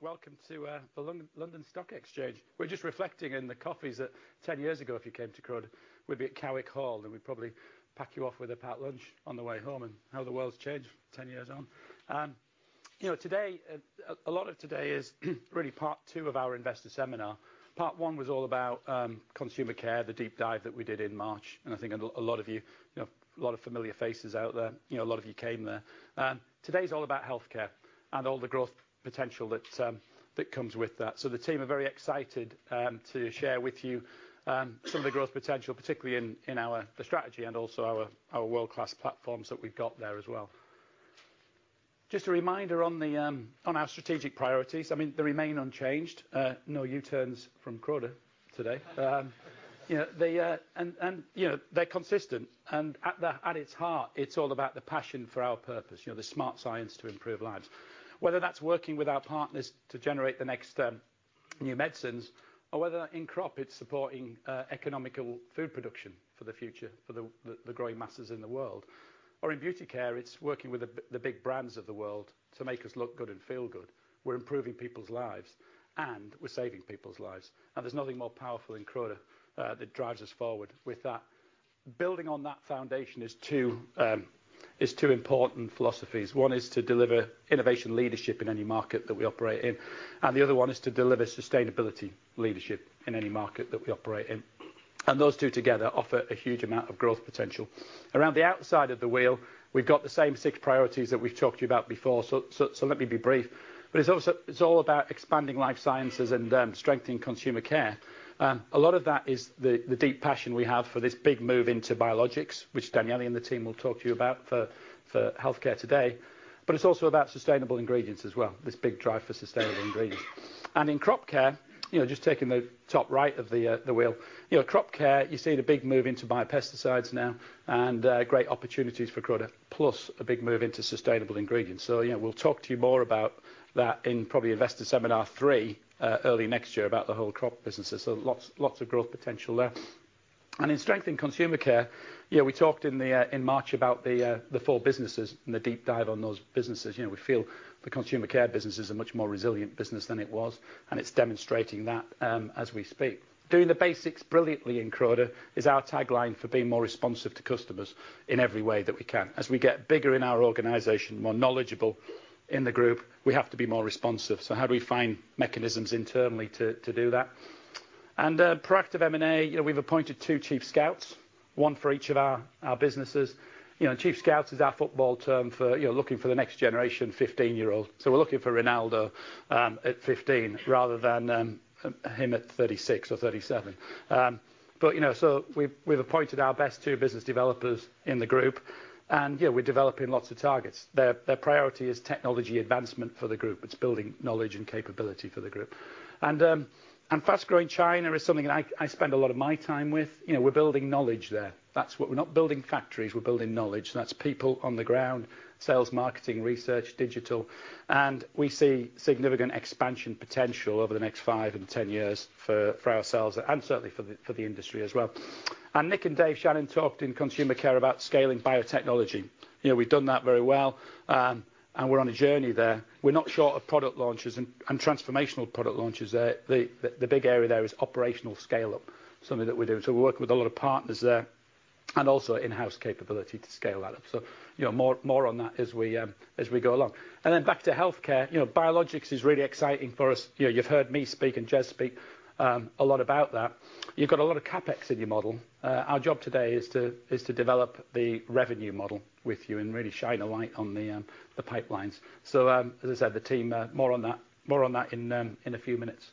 Welcome to the London Stock Exchange. We're just reflecting in the coffees that 10 years ago if you came to Croda, we'd be at Cowick Hall, and we'd probably pack you off with a packed lunch on the way home, and how the world's changed 10 years on. You know, today, a lot of today is really part two of our investor seminar. Part one was all about Consumer Care, the deep dive that we did in March, and I think a lot of you know, a lot of familiar faces out there, you know, a lot of you came there. Today's all about healthcare and all the growth potential that comes with that. The team are very excited to share with you some of the growth potential, particularly in our strategy and also our world-class platforms that we've got there as well. Just a reminder on our strategic priorities. I mean, they remain unchanged. No U-turns from Croda today. You know, they and you know, they're consistent. At its heart, it's all about the passion for our purpose, you know, the smart science to improve lives. Whether that's working with our partners to generate the next new medicines or whether in crop it's supporting economical food production for the future, for the growing masses in the world, or in beauty care it's working with the big brands of the world to make us look good and feel good. We're improving people's lives, and we're saving people's lives. There's nothing more powerful in Croda that drives us forward with that. Building on that foundation are two important philosophies. One is to deliver innovation leadership in any market that we operate in, and the other one is to deliver sustainability leadership in any market that we operate in. Those two together offer a huge amount of growth potential. Around the outside of the wheel, we've got the same six priorities that we've talked to you about before, so let me be brief. It's all about expanding Life Sciences and strengthening Consumer Care. A lot of that is the deep passion we have for this big move into biologics, which Daniele Piergentili and the team will talk to you about for healthcare today. It's also about sustainable ingredients as well, this big drive for sustainable ingredients. In crop care, you know, just taking the top right of the wheel. You know, crop care, you're seeing a big move into biopesticides now and great opportunities for Croda, plus a big move into sustainable ingredients. Yeah, we'll talk to you more about that in probably investor seminar three early next year about the hole crop business. Lots of growth potential there. In strengthening consumer care, you know, we talked in March about the four businesses and the deep dive on those businesses. You know, we feel the consumer care business is a much more resilient business than it was, and it's demonstrating that as we speak. Doing the basics brilliantly in Croda is our tagline for being more responsive to customers in every way that we can. As we get bigger in our organization, more knowledgeable in the group, we have to be more responsive. How do we find mechanisms internally to do that? Proactive M&A, you know, we've appointed two chief scouts, one for each of our businesses. You know, chief scouts is our football term for, you know, looking for the next generation 15 year-old. We're looking for Ronaldo at 15 rather than him at 36 or 37. You know, we've appointed our best two business developers in the group, and yeah, we're developing lots of targets. Their priority is technology advancement for the group. It's building knowledge and capability for the group. Fast-growing China is something that I spend a lot of my time with. You know, we're building knowledge there. We're not building factories, we're building knowledge. That's people on the ground, sales, marketing, research, digital. We see significant expansion potential over the next five and 10 years for ourselves and certainly for the industry as well. Nick and Dave Shannon talked in Consumer Care about scaling biotechnology. You know, we've done that very well, and we're on a journey there. We're not short of product launches and transformational product launches there. The big area there is operational scale-up, something that we're doing. We're working with a lot of partners there and also in-house capability to scale that up. You know, more on that as we go along. Back to healthcare. You know, biologics is really exciting for us. You know, you've heard me speak and Jez speak a lot about that. You've got a lot of CapEx in your model. Our job today is to develop the revenue model with you and really shine a light on the pipelines. As I said, the team, more on that in a few minutes.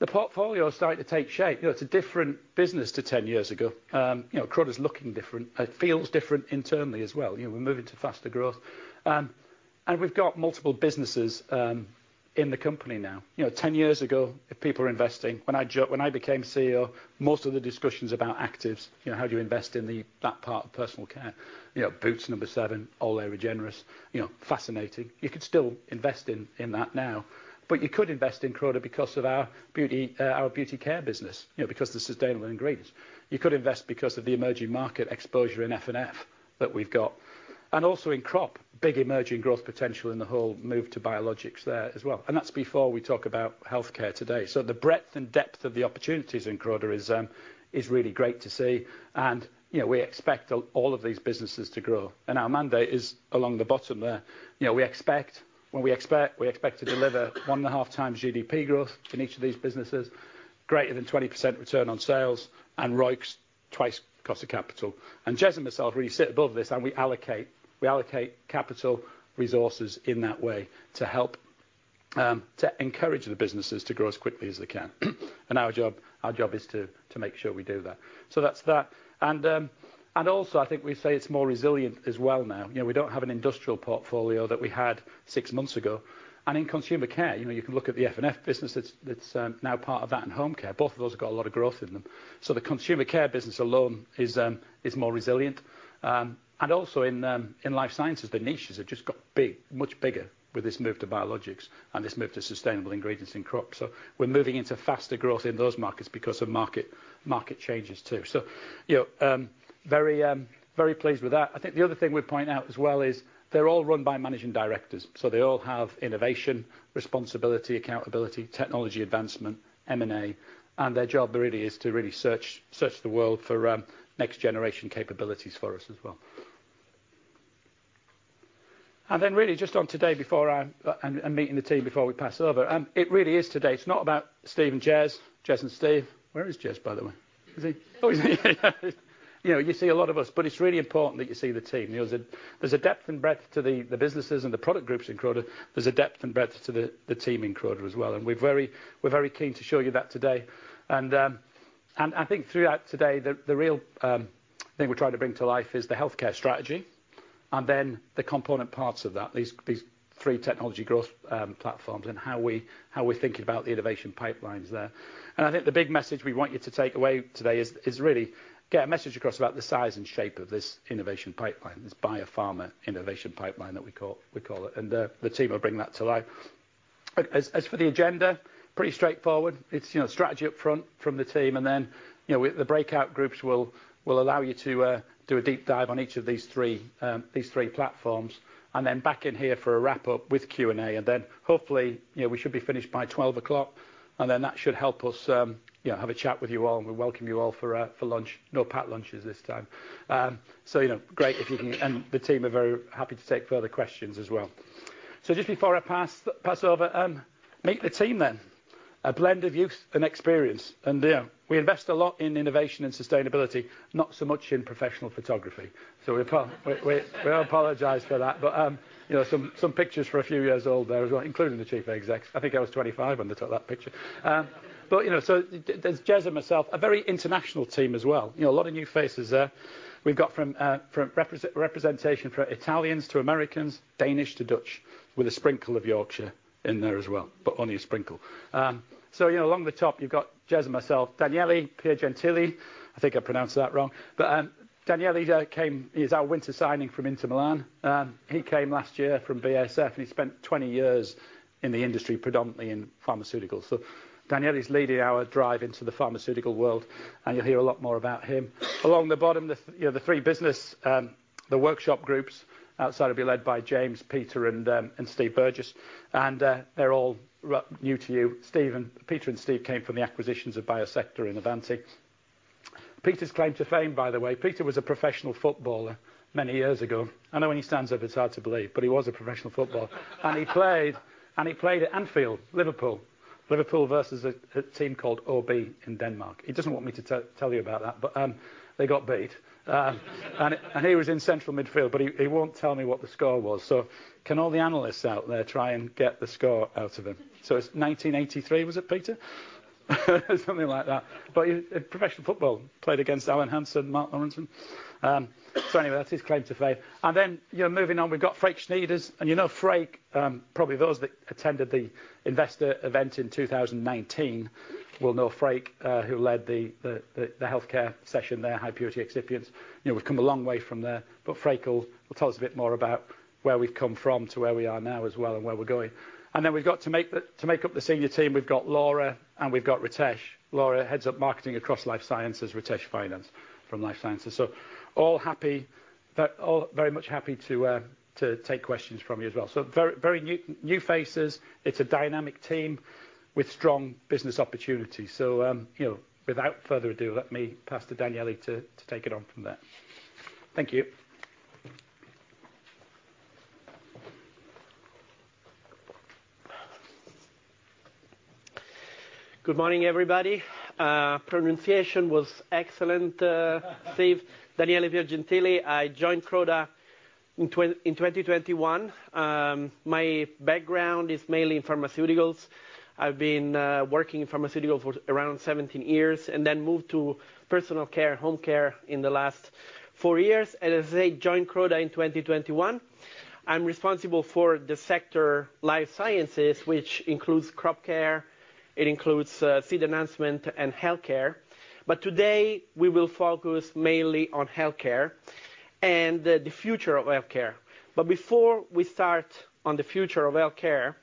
The portfolio's starting to take shape. You know, it's a different business to 10 years ago. You know, Croda's looking different. It feels different internally as well. You know, we're moving to faster growth. And we've got multiple businesses in the company now. You know, 10 years ago, if people were investing, when I became CEO, most of the discussions about actives, you know, how do you invest in that part of personal care? You know, Boots No7, Olay Regenerist, you know, fascinating. You could still invest in that now. You could invest in Croda because of our beauty care business. You know, because the sustainable ingredients. You could invest because of the emerging market exposure in F&F that we've got. Also in crop, big emerging growth potential in the whole move to biologics there as well. That's before we talk about healthcare today. The breadth and depth of the opportunities in Croda is really great to see. You know, we expect all of these businesses to grow. Our mandate is along the bottom there. You know, we expect to deliver 1.5x GDP growth in each of these businesses, greater than 20% return on sales, and ROIC's twice cost of capital. Jez and myself really sit above this, and we allocate capital resources in that way to help to encourage the businesses to grow as quickly as they can. Our job is to make sure we do that. That's that. I think we say it's more resilient as well now. You know, we don't have an industrial portfolio that we had six months ago. In Consumer Care, you know, you can look at the F&F business that's now part of that and home care. Both of those have got a lot of growth in them. The consumer care business alone is more resilient. Also in life sciences, the niches have just got much bigger with this move to biologics and this move to sustainable ingredients in crop. We're moving into faster growth in those markets because of market changes too. You know, very pleased with that. I think the other thing we'd point out as well is they're all run by managing directors. They all have innovation, responsibility, accountability, technology advancement, M&A, and their job really is to search the world for next generation capabilities for us as well. Then really just on today before I'm meeting the team before we pass over, it really is today. It's not about Steve and Jez and Steve. Where is Jez, by the way? Is he? Oh, he's here. You know, you see a lot of us, but it's really important that you see the team. There's a depth and breadth to the businesses and the product groups in Croda. There's a depth and breadth to the team in Croda as well. We're very keen to show you that today. I think throughout today, the real thing we're trying to bring to life is the healthcare strategy, and then the component parts of that. These three technology growth platforms, and how we're thinking about the innovation pipelines there. I think the big message we want you to take away today is really get a message across about the size and shape of this innovation pipeline. This biopharma innovation pipeline that we call it, and the team will bring that to life. For the agenda, pretty straightforward. It's you know strategy up front from the team and then you know the breakout groups will allow you to do a deep dive on each of these three platforms. Back in here for a wrap up with Q&A. Hopefully you know we should be finished by 12:00 P.M., and then that should help us you know have a chat with you all, and we welcome you all for lunch. No packed lunches this time. You know great if you can. The team are very happy to take further questions as well. Just before I pass over, meet the team then. A blend of youth and experience and, you know, we invest a lot in innovation and sustainability, not so much in professional photography. We apologize for that. You know, some pictures are a few years old there as well, including the chief exec. I think I was 25 when they took that picture. You know, there's Jez and myself, a very international team as well. You know, a lot of new faces there. We've got from representation from Italians to Americans, Danish to Dutch, with a sprinkle of Yorkshire in there as well, but only a sprinkle. You know, along the top you've got Jez and myself, Daniele Piergentili. I think I pronounced that wrong. Daniele came. He's our winter signing from Inter Milan. He came last year from BASF, and he spent 20 years in the industry, predominantly in pharmaceuticals. Daniele is leading our drive into the pharmaceutical world, and you'll hear a lot more about him. Along the bottom, the three business workshop groups outside'll be led by James, Peter, and Steve Burgess. They're all new to you. Steve and Peter came from the acquisitions of Biosector and Avanti. Peter's claim to fame, by the way. Peter was a professional footballer many years ago. I know when he stands up it's hard to believe, but he was a professional footballer. He played at Anfield, Liverpool. Liverpool versus a team called OB in Denmark. He doesn't want me to tell you about that, but they got beat. He was in central midfield, but he won't tell me what the score was. Can all the analysts out there try and get the score out of him? It's 1983 was it, Peter? Something like that. In professional football, played against Alan Hansen and Mark Lawrenson. Anyway, that's his claim to fame. Then, you know, moving on, we've got Freek Snieders. You know Freek, probably those that attended the investor event in 2019 will know Freek, who led the healthcare session there, high purity excipients. You know, we've come a long way from there, but Freek will tell us a bit more about where we've come from to where we are now as well, and where we're going. Then we've got to make up the senior team, we've got Laura and we've got Ritesh. Laura heads up marketing across Life Sciences, Ritesh finance from Life Sciences. All happy, but all very much happy to take questions from you as well. Very new faces. It's a dynamic team with strong business opportunities. You know, without further ado, let me pass to Daniele to take it on from there. Thank you. Good morning, everybody. Pronunciation was excellent, Steve. Daniele Piergentili. I joined Croda in 2021. My background is mainly in pharmaceuticals. I've been working in pharmaceutical for around 17 years, and then moved to personal care, home care in the last four years. As I said, joined Croda in 2021. I'm responsible for the sector Life Sciences, which includes crop care, seed enhancement and healthcare. Today, we will focus mainly on healthcare and the future of healthcare. Before we start on the future of healthcare,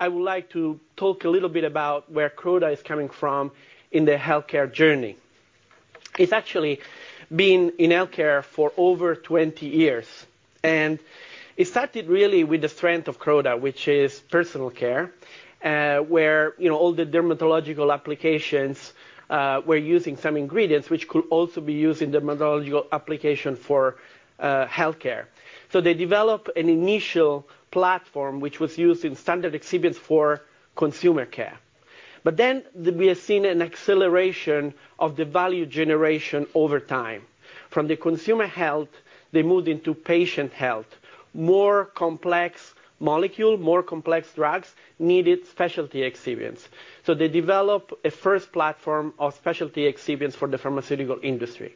I would like to talk a little bit about where Croda is coming from in the healthcare journey. It's actually been in healthcare for over 20 years, and it started really with the strength of Croda, which is personal care, where, you know, all the dermatological applications were using some ingredients which could also be used in dermatological application for healthcare. They developed an initial platform which was used in standard excipients for consumer care. We have seen an acceleration of the value generation over time. From the consumer health, they moved into patient health. More complex molecule, more complex drugs, needed specialty excipients. They developed a first platform of specialty excipients for the pharmaceutical industry.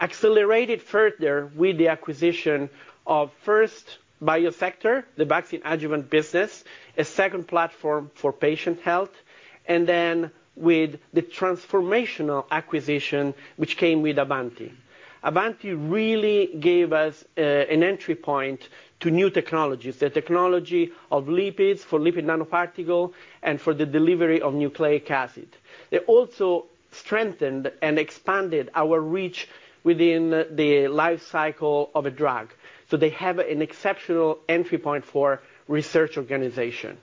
Accelerated further with the acquisition of first Biosector, the vaccine adjuvant business, a second platform for patient health, and then with the transformational acquisition, which came with Avanti. Avanti really gave us an entry point to new technologies. The technology of lipids for lipid nanoparticle and for the delivery of nucleic acid. They also strengthened and expanded our reach within the life cycle of a drug, so they have an exceptional entry point for research organization.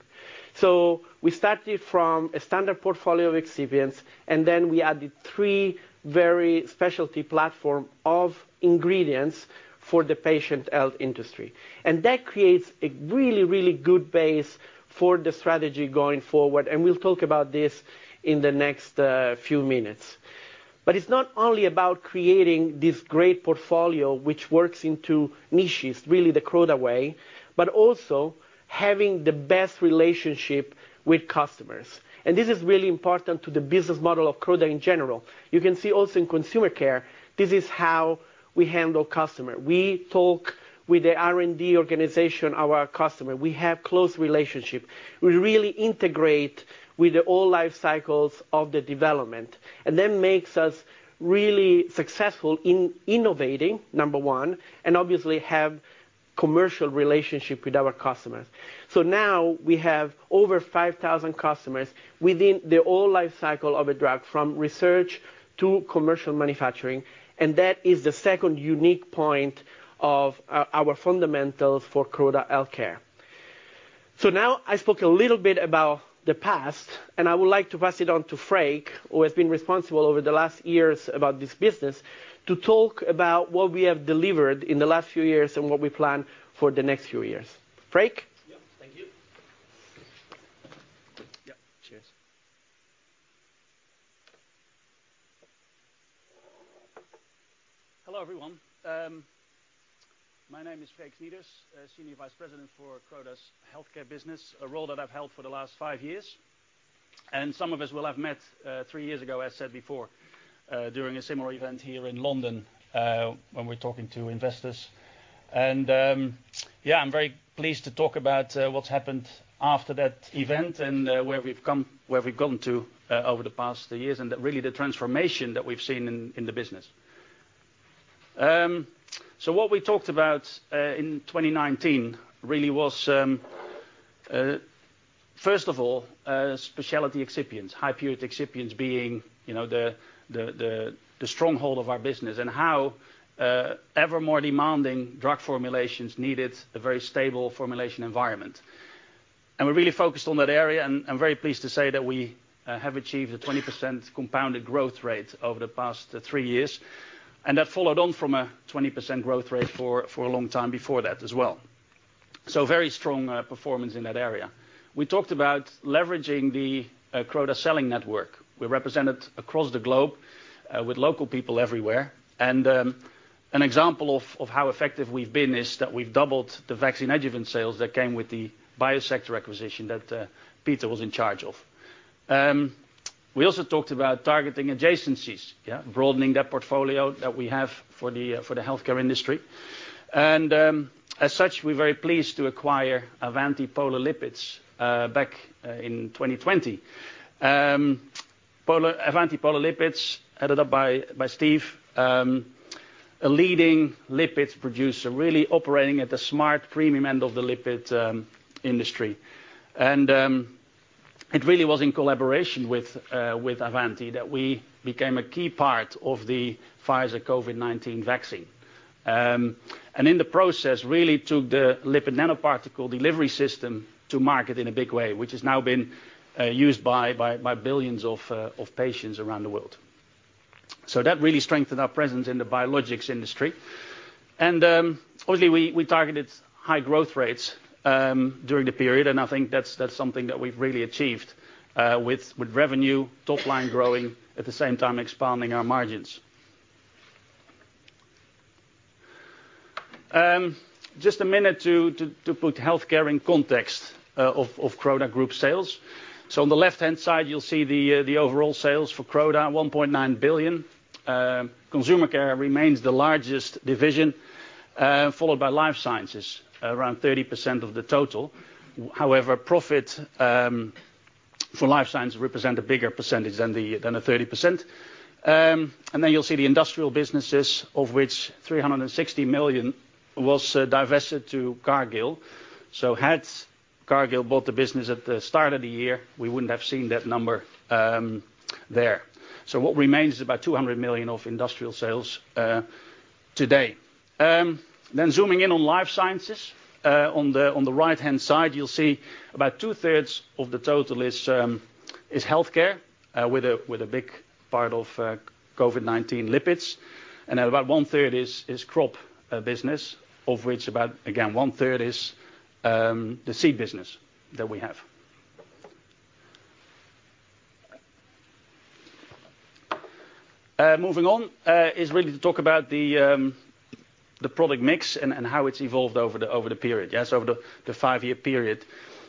We started from a standard portfolio of excipients, and then we added three very specialty platform of ingredients for the patient health industry. That creates a really, really good base for the strategy going forward, and we'll talk about this in the next few minutes. It's not only about creating this great portfolio which works into niches, really the Croda way, but also having the best relationship with customers. This is really important to the business model of Croda in general. You can see also in Consumer Care, this is how we handle customer. We talk with the R&D organization, our customer. We have close relationship. We really integrate with the all life cycles of the development, and that makes us really successful in innovating, number one, and obviously have commercial relationship with our customers. Now we have over 5,000 customers within the all life cycle of a drug, from research to commercial manufacturing, and that is the second unique point of our fundamentals for Croda Healthcare. Now I spoke a little bit about the past, and I would like to pass it on to Freek, who has been responsible over the last years about this business, to talk about what we have delivered in the last few years and what we plan for the next few years. Freek? Yeah, thank you. Yeah. Cheers. Hello, everyone. My name is Freek Snieders, Senior Vice President for Croda's Healthcare business, a role that I've held for the last five years. Some of us will have met three years ago, as said before, during a similar event here in London, when we're talking to investors. I'm very pleased to talk about what's happened after that event and where we've gotten to over the past years and really the transformation that we've seen in the business. What we talked about in 2019 really was first of all, specialty excipients, high-purity excipients being, you know, the stronghold of our business and how ever more demanding drug formulations needed a very stable formulation environment. We're really focused on that area, and I'm very pleased to say that we have achieved a 20% compounded growth rate over the past three years. That followed on from a 20% growth rate for a long time before that as well. Very strong performance in that area. We talked about leveraging the Croda selling network. We're represented across the globe with local people everywhere. An example of how effective we've been is that we've doubled the vaccine adjuvant sales that came with the Biosector acquisition that Peter was in charge of. We also talked about targeting adjacencies, yeah. Broadening that portfolio that we have for the healthcare industry. As such, we're very pleased to acquire Avanti Polar Lipids back in 2020. Avanti Polar Lipids, headed up by Steve, a leading lipids producer, really operating at the smart premium end of the lipid industry. It really was in collaboration with Avanti that we became a key part of the Pfizer COVID-19 vaccine. In the process, really took the lipid nanoparticle delivery system to market in a big way, which has now been used by billions of patients around the world. That really strengthened our presence in the biologics industry. Obviously, we targeted high growth rates during the period, and I think that's something that we've really achieved with revenue top line growing, at the same time expanding our margins. Just a minute to put healthcare in context of Croda Group sales. On the left-hand side, you'll see the overall sales for Croda at 1.9 billion. Consumer Care remains the largest division, followed by Life Sciences, around 30% of the total. However, profit for Life Sciences represent a bigger percentage than the 30%. And then you'll see the industrial businesses, of which 360 million was divested to Cargill. Had Cargill bought the business at the start of the year, we wouldn't have seen that number there. What remains is about 200 million of industrial sales today. Zooming in on Life Sciences. On the right-hand side, you'll see about 2/3 of the total is healthcare, with a big part of COVID-19 lipids, and about 1/3 is crop business, of which about 1/3 is the seed business that we have. Moving on is really to talk about the product mix and how it's evolved over the period. Yes, over the five-year period.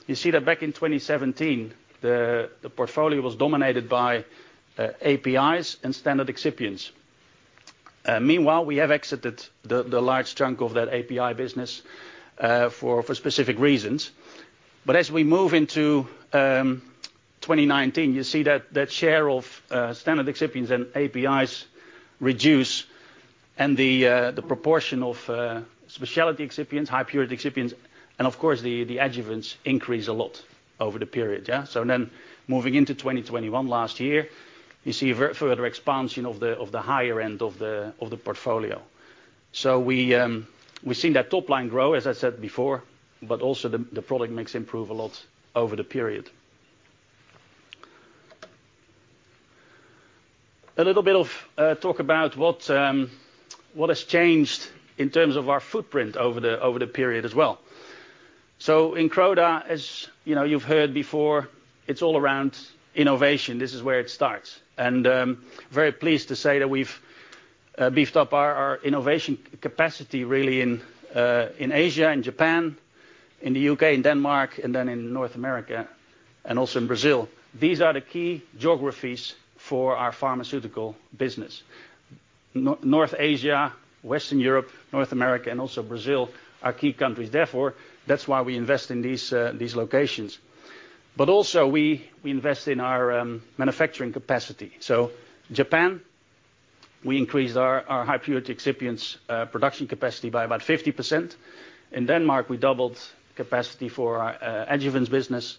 You see that back in 2017, the portfolio was dominated by APIs and standard excipients. Meanwhile, we have exited the large chunk of that API business for specific reasons. As we move into 2019, you see that share of standard excipients and APIs reduce and the proportion of specialty excipients, high-purity excipients, and of course the adjuvants increase a lot over the period. Yeah. Moving into 2021 last year, you see further expansion of the higher end of the portfolio. We have seen that top line grow, as I said before, but also the product mix improve a lot over the period. A little bit of talk about what has changed in terms of our footprint over the period as well. In Croda, as you know, you have heard before, it is all around innovation. This is where it starts. Very pleased to say that we've beefed up our innovation capacity really in Asia and Japan, in the U.K. and Denmark, and then in North America, and also in Brazil. These are the key geographies for our pharmaceutical business. North Asia, Western Europe, North America, and also Brazil are key countries. Therefore, that's why we invest in these locations. Also we invest in our manufacturing capacity. Japan, we increased our high purity excipients production capacity by about 50%. In Denmark, we doubled capacity for our adjuvants business.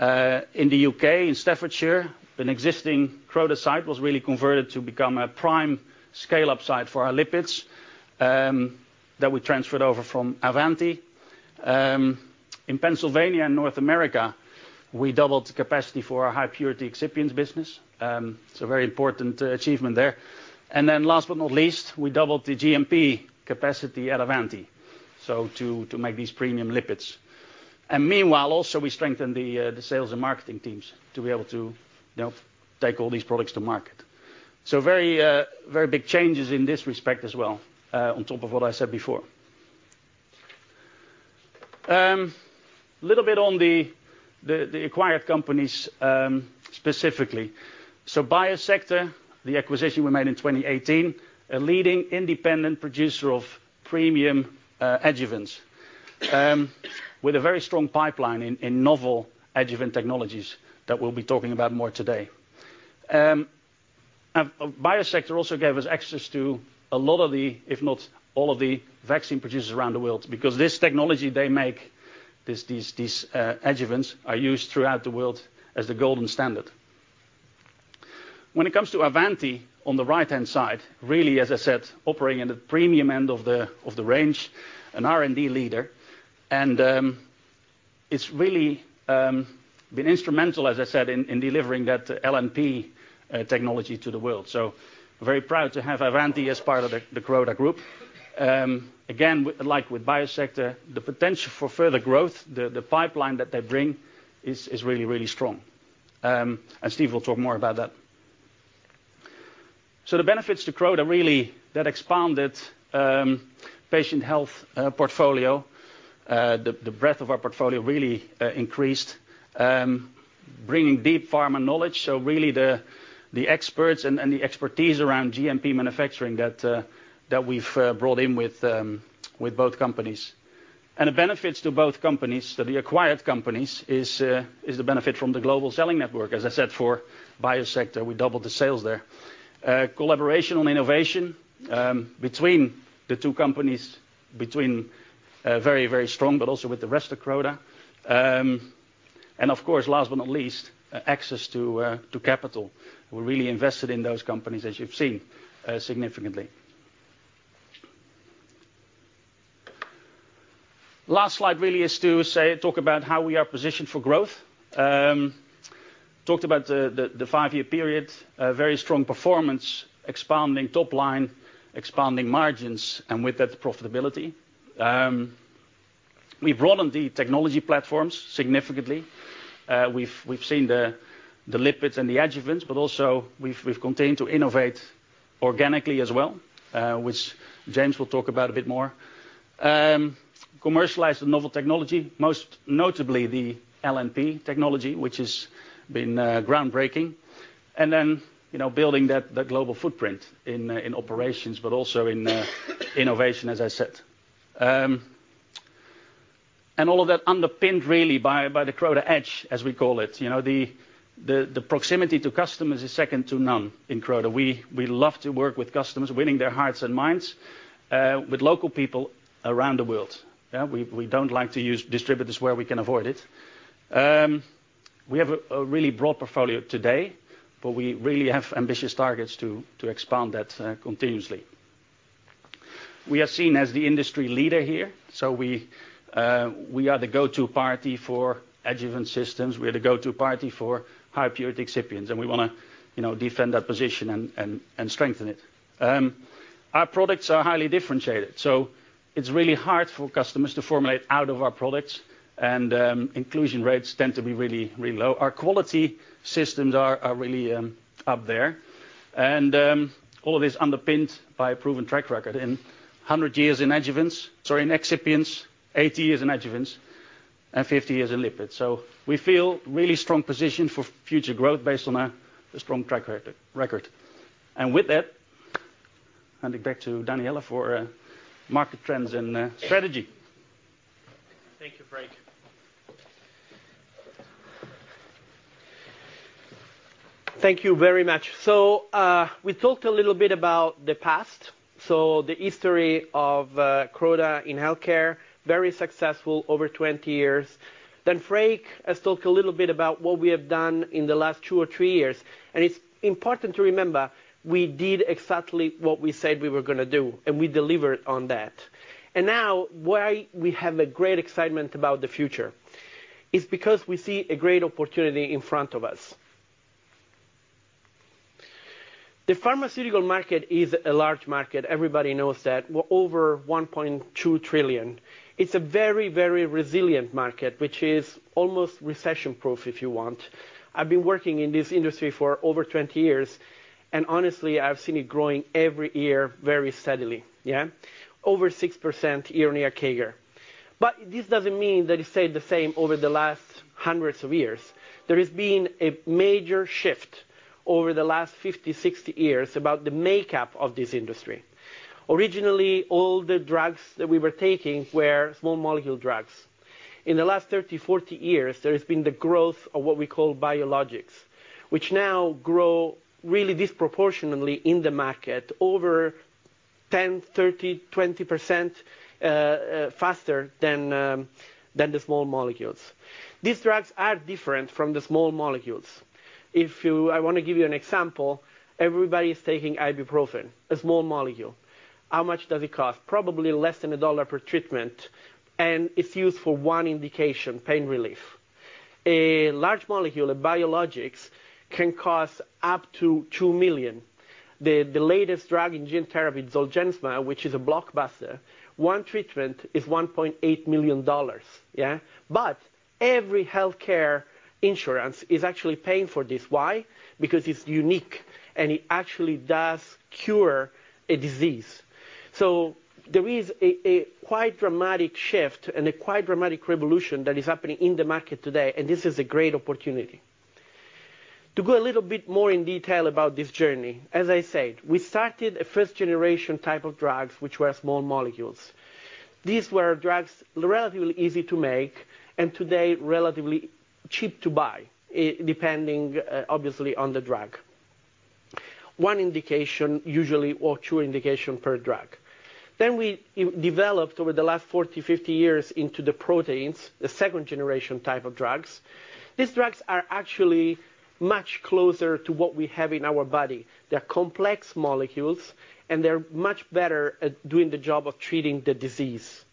In the U.K., in Staffordshire, an existing Croda site was really converted to become a prime scale-up site for our lipids that we transferred over from Avanti. In Pennsylvania and North America, we doubled capacity for our high purity excipients business. It's a very important achievement there. Last but not least, we doubled the GMP capacity at Avanti to make these premium lipids. Meanwhile, also we strengthened the sales and marketing teams to be able to, you know, take all these products to market. Very big changes in this respect as well, on top of what I said before. Little bit on the acquired companies, specifically. Biosector, the acquisition we made in 2018, a leading independent producer of premium adjuvants with a very strong pipeline in novel adjuvant technologies that we'll be talking about more today. Biosector also gave us access to a lot of the, if not all of the vaccine producers around the world because this technology they make, these adjuvants are used throughout the world as the golden standard. When it comes to Avanti on the right-hand side, really, as I said, operating in the premium end of the range, an R&D leader. It's really been instrumental, as I said, in delivering that LNP technology to the world. Very proud to have Avanti as part of the Croda group. Again, like with Biosector, the potential for further growth, the pipeline that they bring is really strong. Steve will talk more about that. The benefits to Croda really that expanded patient health portfolio. The breadth of our portfolio really increased, bringing deep pharma knowledge. Really the experts and the expertise around GMP manufacturing that we've brought in with both companies. The benefits to both companies, so the acquired companies, is the benefit from the global selling network. As I said, for Biosector, we doubled the sales there. Collaboration on innovation between the two companies, very strong, but also with the rest of Croda. Of course, last but not least, access to capital. We're really invested in those companies as you've seen, significantly. Last slide really is to say talk about how we are positioned for growth. Talked about the five-year period, a very strong performance, expanding top line, expanding margins, and with that, profitability. We've broadened the technology platforms significantly. We've seen the lipids and the adjuvants, but also we've continued to innovate organically as well, which James will talk about a bit more. Commercialized the novel technology, most notably the LNP technology, which has been groundbreaking. You know, building that global footprint in operations, but also in innovation, as I said. All of that underpinned really by the Croda Edge, as we call it. You know, the proximity to customers is second to none in Croda. We love to work with customers, winning their hearts and minds, with local people around the world. We don't like to use distributors where we can avoid it. We have a really broad portfolio today, but we really have ambitious targets to expand that continuously. We are seen as the industry leader here, so we are the go-to party for adjuvant systems. We are the go-to party for high purity excipients, and we wanna, you know, defend that position and strengthen it. Our products are highly differentiated, so it's really hard for customers to formulate out of our products and inclusion rates tend to be really low. Our quality systems are really up there. All of this underpinned by a proven track record in 100 years in adjuvants, sorry, in excipients, 80 years in adjuvants, and 50 years in lipids. We feel really strong position for future growth based on a strong track record. With that, handing back to Daniele for market trends and strategy. Thank you, Freek. Thank you very much. We talked a little bit about the past. The history of Croda in healthcare, very successful over 20 years. Freek Snieders has talked a little bit about what we have done in the last two or three years, and it's important to remember we did exactly what we said we were gonna do, and we delivered on that. Now why we have a great excitement about the future is because we see a great opportunity in front of us. The pharmaceutical market is a large market. Everybody knows that. We're over 1.2 trillion. It's a very, very resilient market, which is almost recession-proof, if you want. I've been working in this industry for over 20 years, and honestly, I've seen it growing every year very steadily. Yeah. Over 6% year-on-year CAGR. This doesn't mean that it stayed the same over the last hundreds of years. There has been a major shift over the last 50, 60 years about the makeup of this industry. Originally, all the drugs that we were taking were small molecule drugs. In the last 30, 40 years, there has been the growth of what we call biologics, which now grow really disproportionately in the market over 10, 30, 20% faster than the small molecules. These drugs are different from the small molecules. I wanna give you an example. Everybody is taking ibuprofen, a small molecule. How much does it cost? Probably less than $1 per treatment, and it's used for one indication, pain relief. A large molecule of biologics can cost up to $2 million. The latest drug in gene therapy, Zolgensma, which is a blockbuster, one treatment is $1.8 million. Yeah. But every healthcare insurance is actually paying for this. Why? Because it's unique, and it actually does cure a disease. There is a quite dramatic shift and a quite dramatic revolution that is happening in the market today, and this is a great opportunity. To go a little bit more in detail about this journey, as I said, we started a first generation type of drugs, which were small molecules. These were drugs relatively easy to make, and today relatively cheap to buy, depending, obviously on the drug. One indication usually or two indication per drug. We developed over the last 40, 50 years into the proteins, the second generation type of drugs. These drugs are actually much closer to what we have in our body. They're complex molecules, and they're much better at doing the job of treating the disease.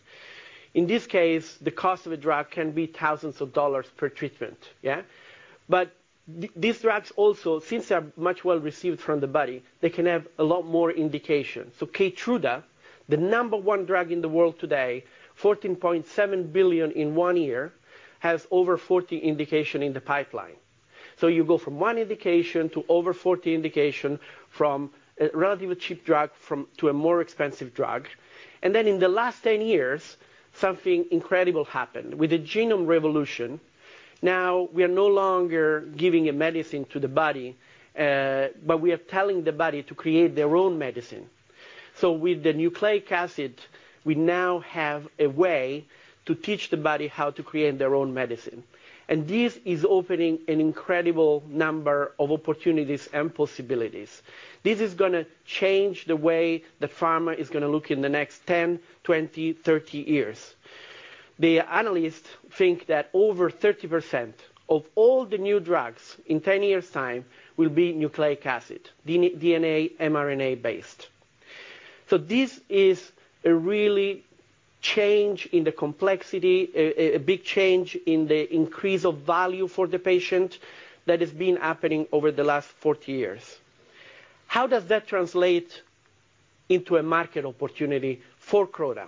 In this case, the cost of a drug can be $1,000s per treatment. These drugs also, since they are much better received by the body, they can have a lot more indications. Keytruda, the number one drug in the world today, 14.7 billion in one year, has over 40 indications in the pipeline. You go from one indication to over 40 indications, from a relatively cheap drug to a more expensive drug. In the last 10 years, something incredible happened. With the genomic revolution, now we are no longer giving a medicine to the body, but we are telling the body to create their own medicine. With the nucleic acid, we now have a way to teach the body how to create their own medicine. This is opening an incredible number of opportunities and possibilities. This is gonna change the way that pharma is gonna look in the next 10, 20, 30 years. The analysts think that over 30% of all the new drugs in 10 years' time will be nucleic acid, DNA, mRNA-based. This is a real change in the complexity, a big change in the increase of value for the patient that has been happening over the last 40 years. How does that translate into a market opportunity for Croda?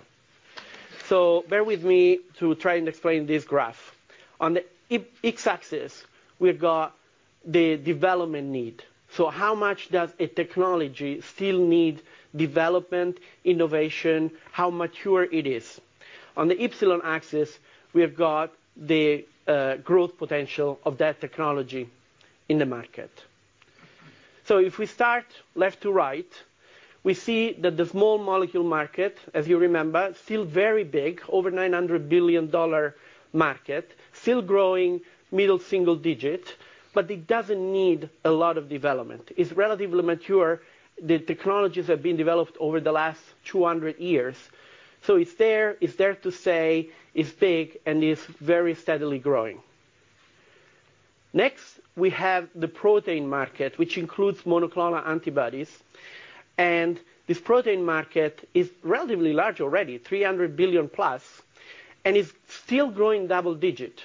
Bear with me to try and explain this graph. On the x-axis, we've got the development need. How much does a technology still need development, innovation, how mature it is? On the epsilon axis, we have got the growth potential of that technology in the market. If we start left to right, we see that the small molecule market, as you remember, still very big, over $900 billion market, still growing middle single digit, but it doesn't need a lot of development. It's relatively mature. The technologies have been developed over the last 200 years. It's there, it's there to stay, it's big, and it's very steadily growing. Next, we have the protein market, which includes monoclonal antibodies. This protein market is relatively large already, $300 billion+, and it's still growing double digit.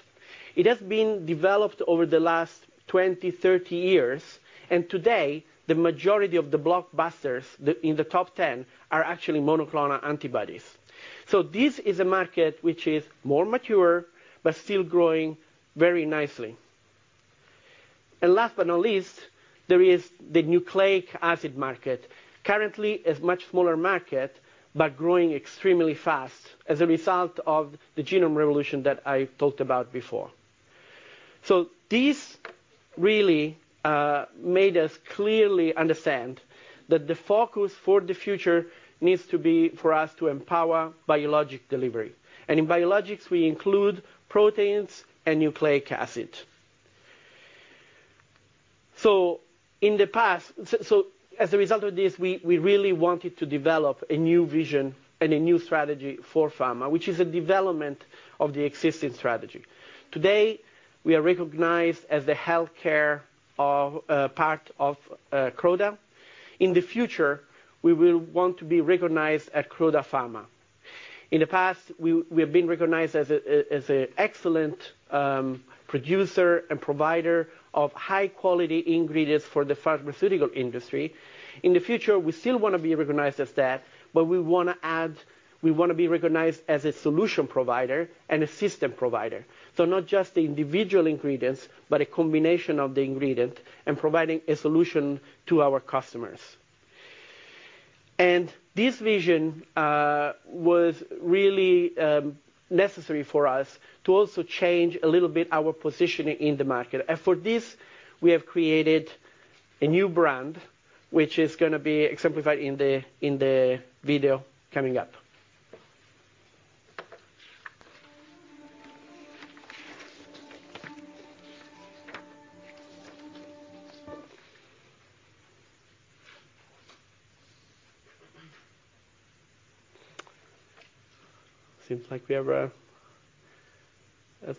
It has been developed over the last twenty, thirty years, and today, the majority of the blockbusters in the top 10 are actually monoclonal antibodies. This is a market which is more mature but still growing very nicely. Last but not least, there is the nucleic acid market. Currently, a much smaller market, but growing extremely fast as a result of the genome revolution that I talked about before. This really made us clearly understand that the focus for the future needs to be for us to empower biologic delivery. In biologics, we include proteins and nucleic acid. As a result of this, we really wanted to develop a new vision and a new strategy for pharma, which is a development of the existing strategy. Today, we are recognized as the healthcare part of Croda. In the future, we will want to be recognized as Croda Pharma. In the past, we have been recognized as an excellent producer and provider of high quality ingredients for the pharmaceutical industry. In the future, we still wanna be recognized as that, but we wanna be recognized as a solution provider and a system provider. So not just the individual ingredients, but a combination of the ingredient and providing a solution to our customers. This vision was really necessary for us to also change a little bit our positioning in the market. For this, we have created a new brand, which is gonna be exemplified in the video coming up. Seems like we have a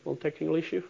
small technical issue.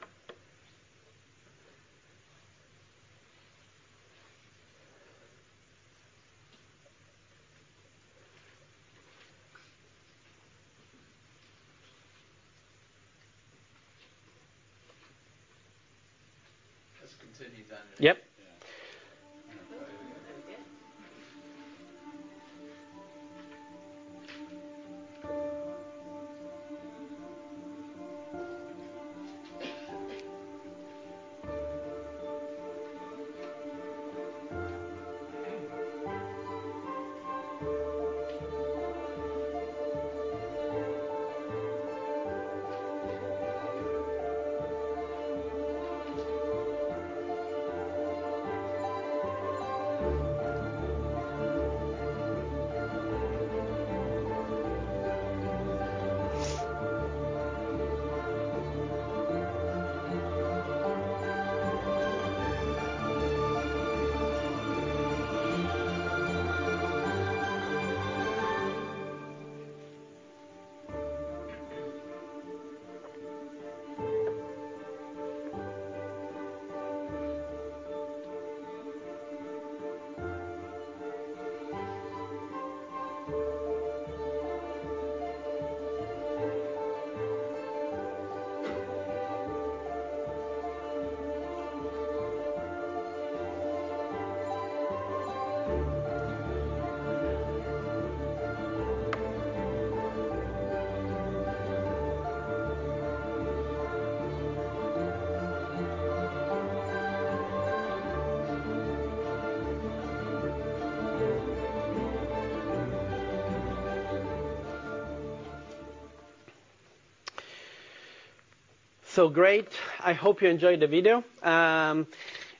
Let's continue. Yep. Yeah. Great. I hope you enjoyed the video.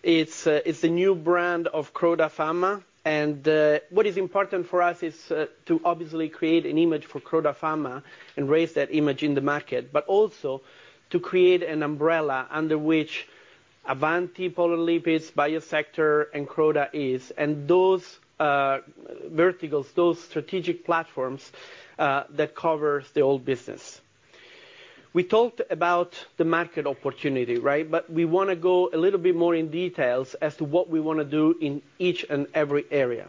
It's a new brand of Croda Pharma, and what is important for us is to obviously create an image for Croda Pharma and raise that image in the market, but also to create an umbrella under which Avanti Polar Lipids, Biosector, and Croda is, and those verticals, those strategic platforms that covers the old business. We talked about the market opportunity, right? We wanna go a little bit more in details as to what we wanna do in each and every area.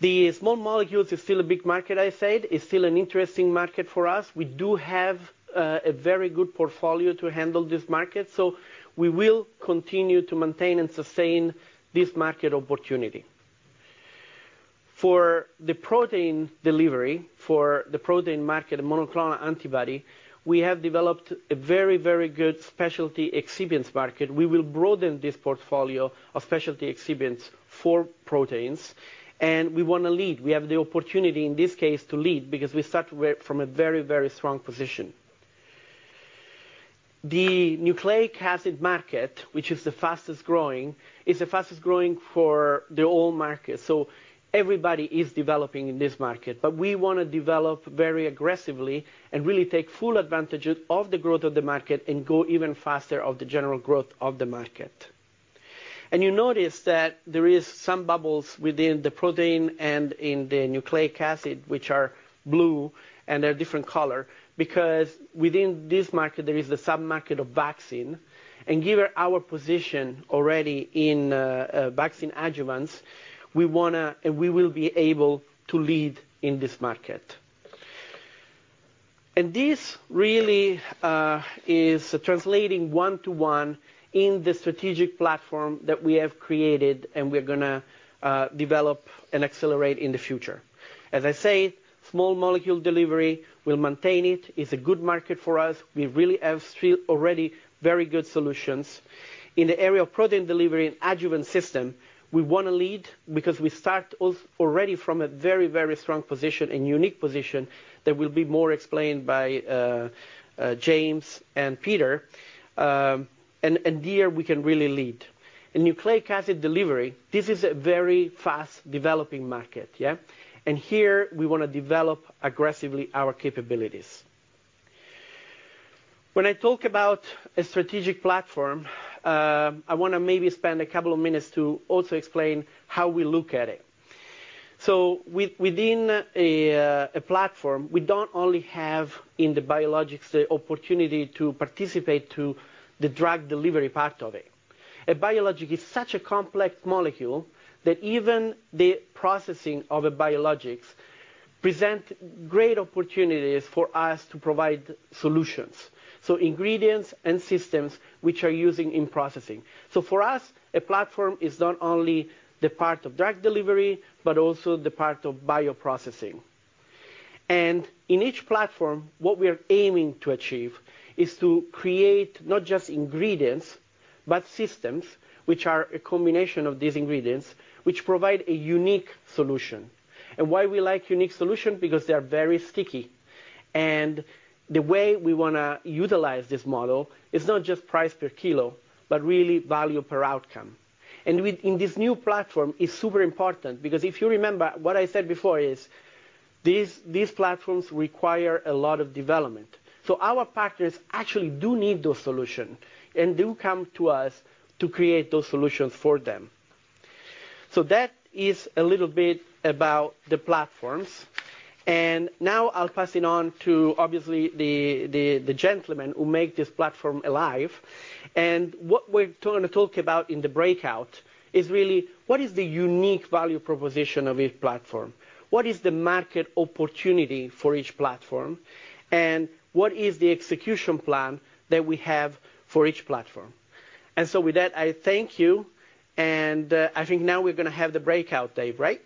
The small molecules is still a big market, I said. It's still an interesting market for us. We do have a very good portfolio to handle this market, so we will continue to maintain and sustain this market opportunity. For the protein delivery, for the protein market and monoclonal antibody, we have developed a very, very good specialty excipients market. We will broaden this portfolio of specialty excipients for proteins, and we wanna lead. We have the opportunity, in this case, to lead because we start from a very, very strong position. The nucleic acid market, which is the fastest growing, is the fastest growing for the whole market, so everybody is developing in this market. We wanna develop very aggressively and really take full advantage of the growth of the market and go even faster of the general growth of the market. You notice that there is some bubbles within the protein and in the nucleic acid, which are blue, and they're different color because within this market there is the sub-market of vaccine, and given our position already in vaccine adjuvants, we wanna, and we will be able to lead in this market. This really is translating one to one in the strategic platform that we have created, and we're gonna develop and accelerate in the future. As I say, small molecule delivery, we'll maintain it. It's a good market for us. We really have still already very good solutions. In the area of protein delivery and adjuvant system, we wanna lead because we start already from a very, very strong position and unique position that will be more explained by James and Peter. There we can really lead. In nucleic acid delivery, this is a very fast developing market, yeah? Here we wanna develop aggressively our capabilities. When I talk about a strategic platform, I wanna maybe spend a couple of minutes to also explain how we look at it. Within a platform, we don't only have, in the biologics, the opportunity to participate to the drug delivery part of it. A biologic is such a complex molecule that even the processing of a biologics present great opportunities for us to provide solutions, so ingredients and systems which are using in processing. For us, a platform is not only the part of drug delivery, but also the part of bioprocessing. In each platform, what we are aiming to achieve is to create not just ingredients, but systems which are a combination of these ingredients, which provide a unique solution. Why we like unique solution, because they are very sticky. The way we wanna utilize this model is not just price per kilo, but really value per outcome. Within this new platform, it's super important because if you remember, what I said before is these platforms require a lot of development. Our partners actually do need those solution and do come to us to create those solutions for them. That is a little bit about the platforms. Now I'll pass it on to obviously the gentleman who make this platform alive. What we're gonna talk about in the breakout is really what is the unique value proposition of each platform? What is the market opportunity for each platform, and what is the execution plan that we have for each platform? With that, I thank you, and I think now we're gonna have the breakout, Dave, right?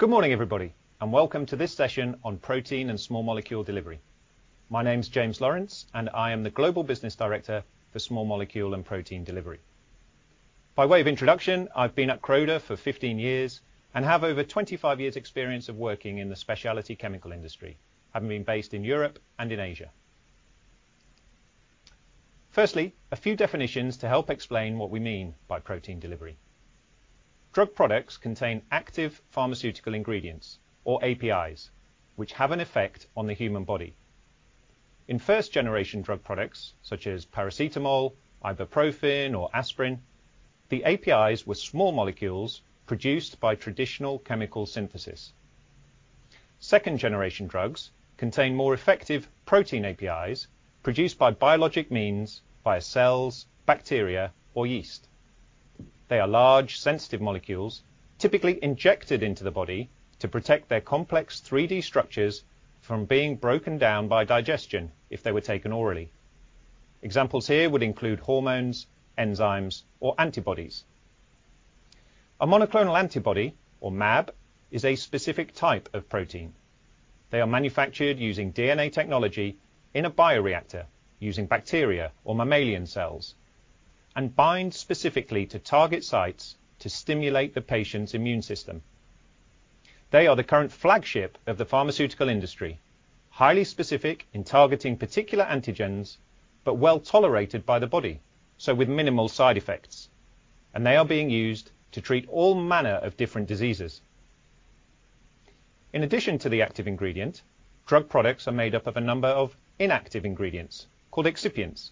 Good morning, everybody, and welcome to this session on protein and small molecule delivery. My name's James Lawrence, and I am the global business director for small molecule and protein delivery. By way of introduction, I've been at Croda for 15 years and have over 25 years' experience of working in the specialty chemical industry, having been based in Europe and in Asia. Firstly, a few definitions to help explain what we mean by protein delivery. Drug products contain active pharmaceutical ingredients, or APIs, which have an effect on the human body. In first generation drug products, such as paracetamol, ibuprofen, or aspirin, the APIs were small molecules produced by traditional chemical synthesis. Second generation drugs contain more effective protein APIs produced by biologic means via cells, bacteria or yeast. They are large, sensitive molecules typically injected into the body to protect their complex 3D structures from being broken down by digestion if they were taken orally. Examples here would include hormones, enzymes, or antibodies. A monoclonal antibody, or mAb, is a specific type of protein. They are manufactured using DNA technology in a bioreactor using bacteria or mammalian cells, and bind specifically to target sites to stimulate the patient's immune system. They are the current flagship of the pharmaceutical industry. Highly specific in targeting particular antigens, but well-tolerated by the body, so with minimal side effects. They are being used to treat all manner of different diseases. In addition to the active ingredient, drug products are made up of a number of inactive ingredients called excipients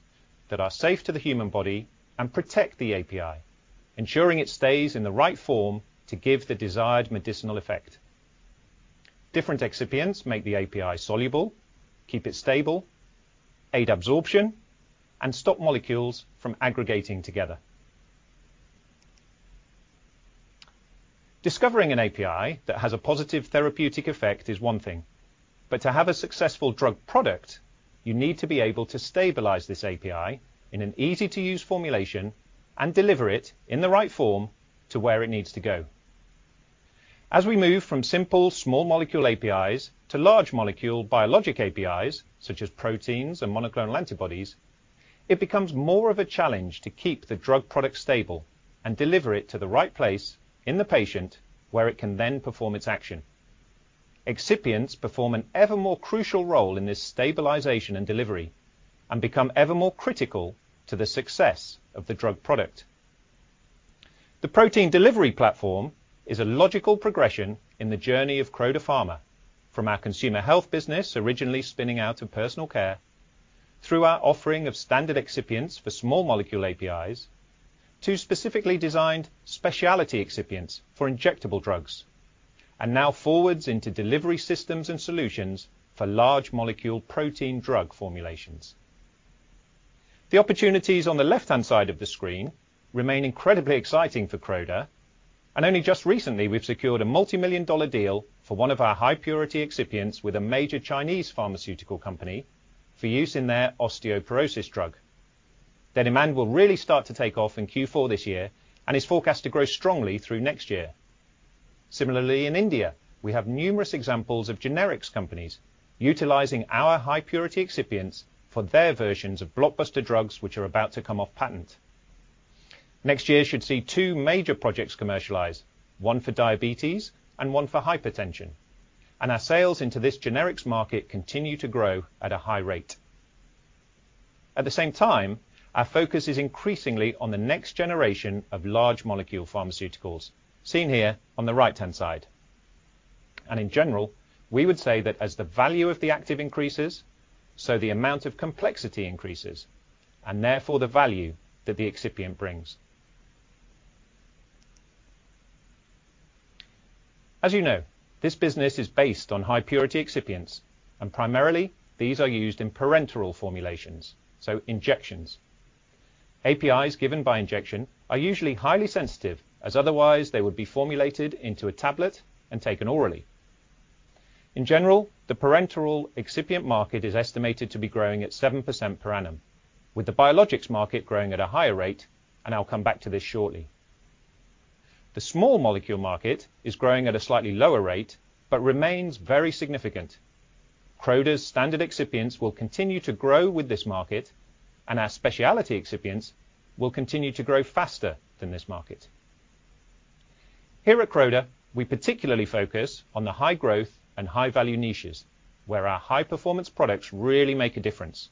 that are safe to the human body and protect the API, ensuring it stays in the right form to give the desired medicinal effect. Different excipients make the API soluble, keep it stable, aid absorption, and stop molecules from aggregating together. Discovering an API that has a positive therapeutic effect is one thing, but to have a successful drug product, you need to be able to stabilize this API in an easy-to-use formulation and deliver it in the right form to where it needs to go. As we move from simple small molecule APIs to large molecule biologic APIs, such as proteins and monoclonal antibodies, it becomes more of a challenge to keep the drug product stable and deliver it to the right place in the patient where it can then perform its action. Excipients perform an ever more crucial role in this stabilization and delivery and become ever more critical to the success of the drug product. The protein delivery platform is a logical progression in the journey of Croda Pharma from our consumer health business, originally spinning out of personal care, through our offering of standard excipients for small molecule APIs, to specifically designed specialty excipients for injectable drugs, and now forwards into delivery systems and solutions for large molecule protein drug formulations. The opportunities on the left-hand side of the screen remain incredibly exciting for Croda, and only just recently we've secured a multi-million dollar deal for one of our high purity excipients with a major Chinese pharmaceutical company for use in their osteoporosis drug. That demand will really start to take off in Q4 this year and is forecast to grow strongly through next year. Similarly, in India, we have numerous examples of generics companies utilizing our high purity excipients for their versions of blockbuster drugs which are about to come off patent. Next year should see two major projects commercialized, one for diabetes and one for hypertension. Our sales into this generics market continue to grow at a high rate. At the same time, our focus is increasingly on the next generation of large molecule pharmaceuticals, seen here on the right-hand side. In general, we would say that as the value of the active increases, so the amount of complexity increases, and therefore the value that the excipient brings. As you know, this business is based on high purity excipients, and primarily these are used in parenteral formulations, so injections. APIs given by injection are usually highly sensitive, as otherwise they would be formulated into a tablet and taken orally. In general, the parenteral excipient market is estimated to be growing at 7% per annum, with the biologics market growing at a higher rate, and I'll come back to this shortly. The small molecule market is growing at a slightly lower rate, but remains very significant. Croda's standard excipients will continue to grow with this market, and our specialty excipients will continue to grow faster than this market. Here at Croda, we particularly focus on the high growth and high value niches, where our high-performance products really make a difference,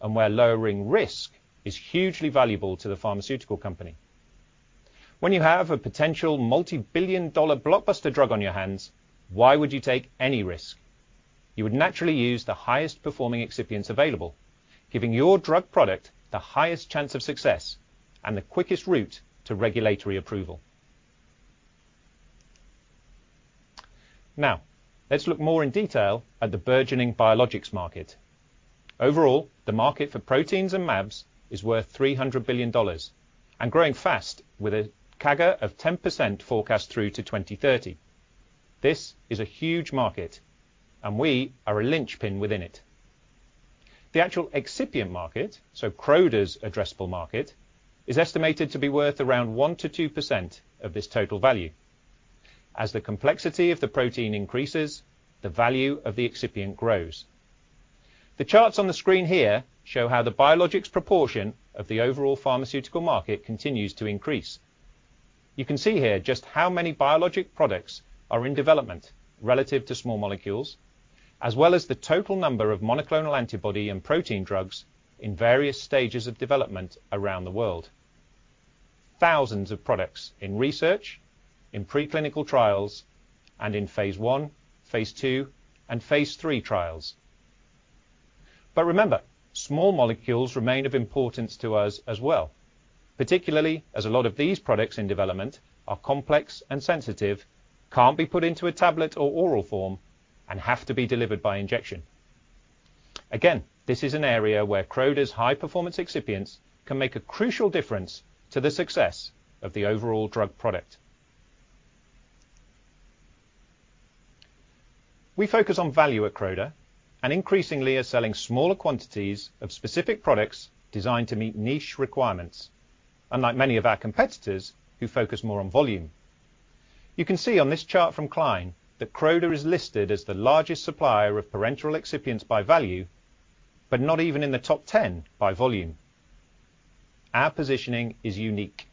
and where lowering risk is hugely valuable to the pharmaceutical company. When you have a potential multi-billion dollar blockbuster drug on your hands, why would you take any risk? You would naturally use the highest performing excipients available, giving your drug product the highest chance of success and the quickest route to regulatory approval. Now, let's look more in detail at the burgeoning biologics market. Overall, the market for proteins and mAbs is worth $300 billion and growing fast with a CAGR of 10% forecast through to 2030. This is a huge market, and we are a linchpin within it. The actual excipient market, so Croda's addressable market, is estimated to be worth around 1%-2% of this total value. As the complexity of the protein increases, the value of the excipient grows. The charts on the screen here show how the biologics proportion of the overall pharmaceutical market continues to increase. You can see here just how many biologic products are in development relative to small molecules, as well as the total number of monoclonal antibody and protein drugs in various stages of development around the world. Thousands of products in research, in preclinical trials, and in phase I, phase II, and phase III trials. Remember, small molecules remain of importance to us as well, particularly as a lot of these products in development are complex and sensitive, can't be put into a tablet or oral form, and have to be delivered by injection. Again, this is an area where Croda's high-performance excipients can make a crucial difference to the success of the overall drug product. We focus on value at Croda and increasingly are selling smaller quantities of specific products designed to meet niche requirements, unlike many of our competitors who focus more on volume. You can see on this chart from Kline that Croda is listed as the largest supplier of parenteral excipients by value, but not even in the top ten by volume. Our positioning is unique.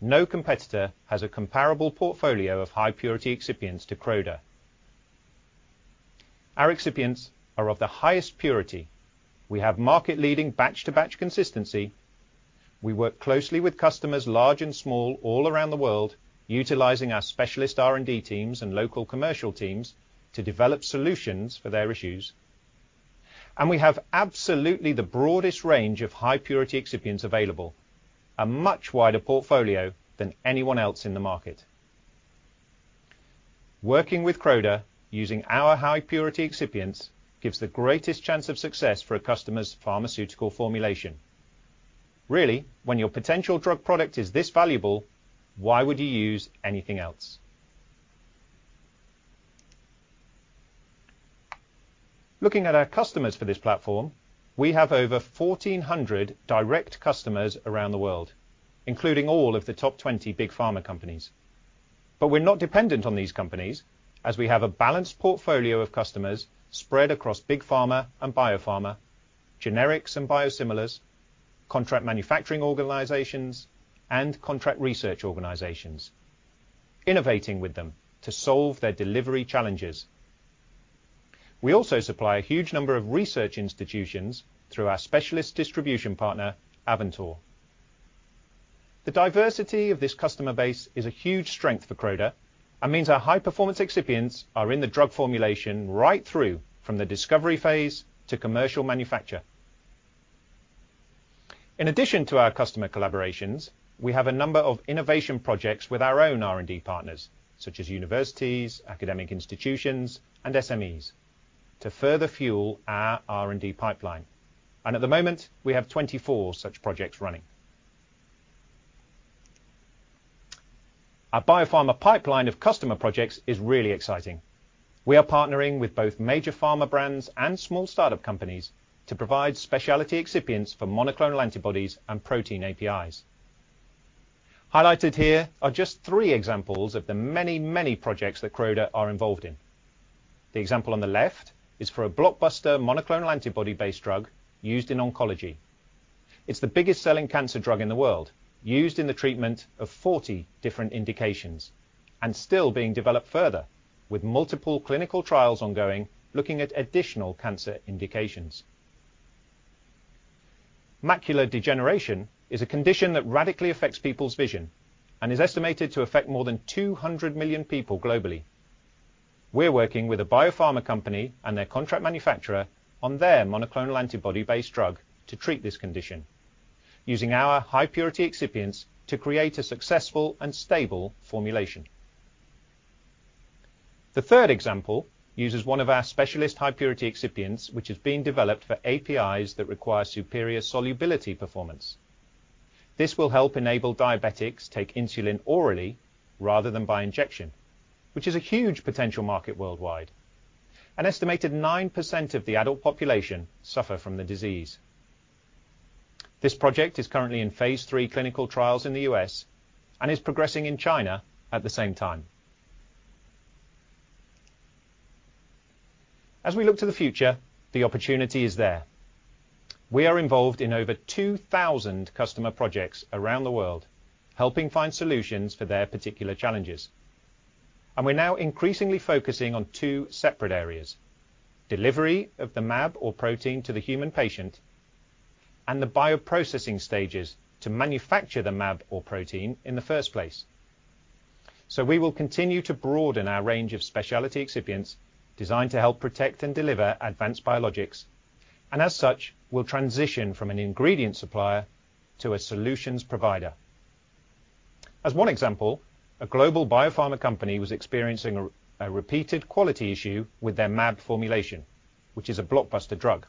No competitor has a comparable portfolio of high purity excipients to Croda. Our excipients are of the highest purity. We have market-leading batch-to-batch consistency. We work closely with customers large and small all around the world, utilizing our specialist R&D teams and local commercial teams to develop solutions for their issues. We have absolutely the broadest range of high purity excipients available, a much wider portfolio than anyone else in the market. Working with Croda using our high purity excipients gives the greatest chance of success for a customer's pharmaceutical formulation. Really, when your potential drug product is this valuable, why would you use anything else? Looking at our customers for this platform, we have over 1,400 direct customers around the world, including all of the top 20 big pharma companies. We're not dependent on these companies, as we have a balanced portfolio of customers spread across big pharma and biopharma, generics and biosimilars, contract manufacturing organizations, and contract research organizations, innovating with them to solve their delivery challenges. We also supply a huge number of research institutions through our specialist distribution partner, Avantor. The diversity of this customer base is a huge strength for Croda and means our high-performance excipients are in the drug formulation right through from the discovery phase to commercial manufacture. In addition to our customer collaborations, we have a number of innovation projects with our own R&D partners, such as universities, academic institutions, and SMEs, to further fuel our R&D pipeline. At the moment, we have 24 such projects running. Our biopharma pipeline of customer projects is really exciting. We are partnering with both major pharma brands and small start-up companies to provide specialty excipients for monoclonal antibodies and protein APIs. Highlighted here are just three examples of the many, many projects that Croda are involved in. The example on the left is for a blockbuster monoclonal antibody-based drug used in oncology. It's the biggest selling cancer drug in the world, used in the treatment of 40 different indications, and still being developed further, with multiple clinical trials ongoing looking at additional cancer indications. Macular degeneration is a condition that radically affects people's vision and is estimated to affect more than 200 million people globally. We're working with a biopharma company and their contract manufacturer on their monoclonal antibody-based drug to treat this condition, using our high-purity excipients to create a successful and stable formulation. The third example uses one of our specialist high-purity excipients, which is being developed for APIs that require superior solubility performance. This will help enable diabetics take insulin orally rather than by injection, which is a huge potential market worldwide. An estimated 9% of the adult population suffer from the disease. This project is currently in phase III clinical trials in the U.S. and is progressing in China at the same time. As we look to the future, the opportunity is there. We are involved in over 2,000 customer projects around the world, helping find solutions for their particular challenges. We're now increasingly focusing on two separate areas, delivery of the mAb or protein to the human patient, and the bioprocessing stages to manufacture the mAb or protein in the first place. We will continue to broaden our range of specialty excipients designed to help protect and deliver advanced biologics, and as such, will transition from an ingredient supplier to a solutions provider. As one example, a global biopharma company was experiencing a repeated quality issue with their mAb formulation, which is a blockbuster drug.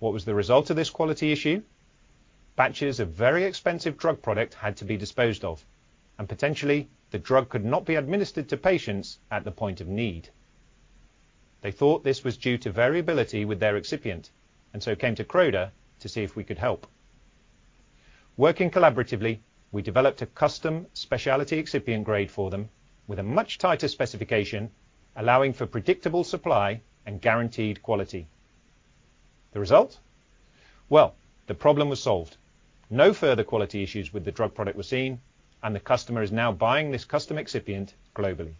What was the result of this quality issue? Batches of very expensive drug product had to be disposed of, and potentially the drug could not be administered to patients at the point of need. They thought this was due to variability with their excipient, and so came to Croda to see if we could help. Working collaboratively, we developed a custom specialty excipient grade for them with a much tighter specification, allowing for predictable supply and guaranteed quality. The result? Well, the problem was solved. No further quality issues with the drug product were seen, and the customer is now buying this custom excipient globally.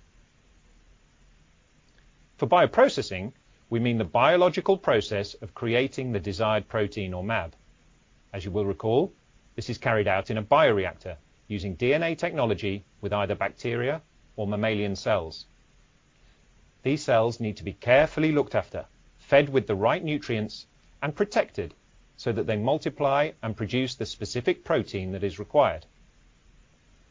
For bioprocessing, we mean the biological process of creating the desired protein or mAb. As you will recall, this is carried out in a bioreactor using DNA technology with either bacteria or mammalian cells. These cells need to be carefully looked after, fed with the right nutrients and protected so that they multiply and produce the specific protein that is required.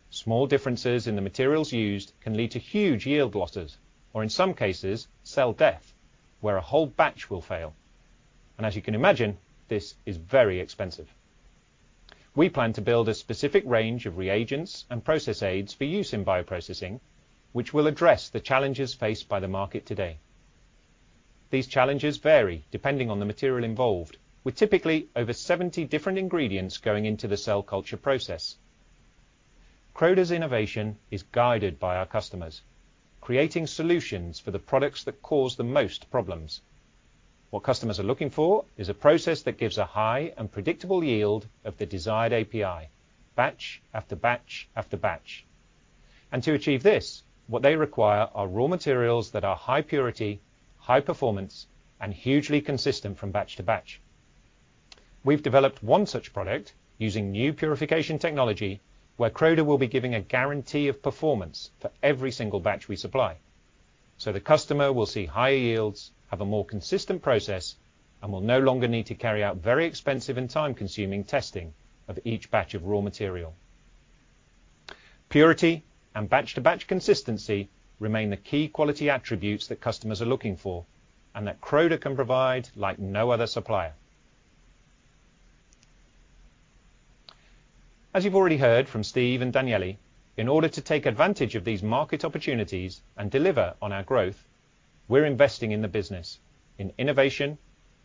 Small differences in the materials used can lead to huge yield losses or, in some cases, cell death, where a whole batch will fail. As you can imagine, this is very expensive. We plan to build a specific range of reagents and process aids for use in bioprocessing, which will address the challenges faced by the market today. These challenges vary depending on the material involved, with typically over 70 different ingredients going into the cell culture process. Croda's innovation is guided by our customers, creating solutions for the products that cause the most problems. What customers are looking for is a process that gives a high and predictable yield of the desired API, batch after batch after batch. To achieve this, what they require are raw materials that are high purity, high performance, and hugely consistent from batch to batch. We've developed one such product using new purification technology where Croda will be giving a guarantee of performance for every single batch we supply. The customer will see higher yields, have a more consistent process, and will no longer need to carry out very expensive and time-consuming testing of each batch of raw material. Purity and batch to batch consistency remain the key quality attributes that customers are looking for, and that Croda can provide like no other supplier. As you've already heard from Steve and Daniele, in order to take advantage of these market opportunities and deliver on our growth, we're investing in the business, in innovation,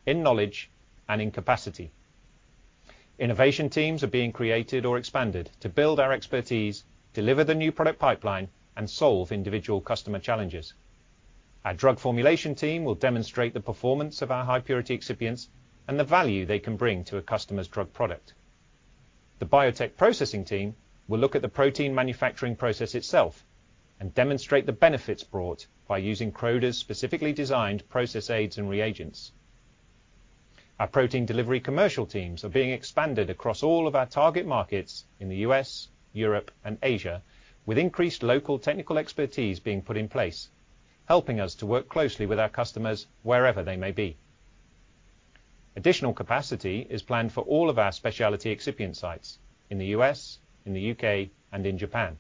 in knowledge, and in capacity. Innovation teams are being created or expanded to build our expertise, deliver the new product pipeline, and solve individual customer challenges. Our drug formulation team will demonstrate the performance of our high purity excipients and the value they can bring to a customer's drug product. The biotech processing team will look at the protein manufacturing process itself and demonstrate the benefits brought by using Croda's specifically designed process aids and reagents. Our protein delivery commercial teams are being expanded across all of our target markets in the U.S., Europe, and Asia, with increased local technical expertise being put in place, helping us to work closely with our customers wherever they may be. Additional capacity is planned for all of our specialty excipient sites in the U.S., in the U.K., and in Japan.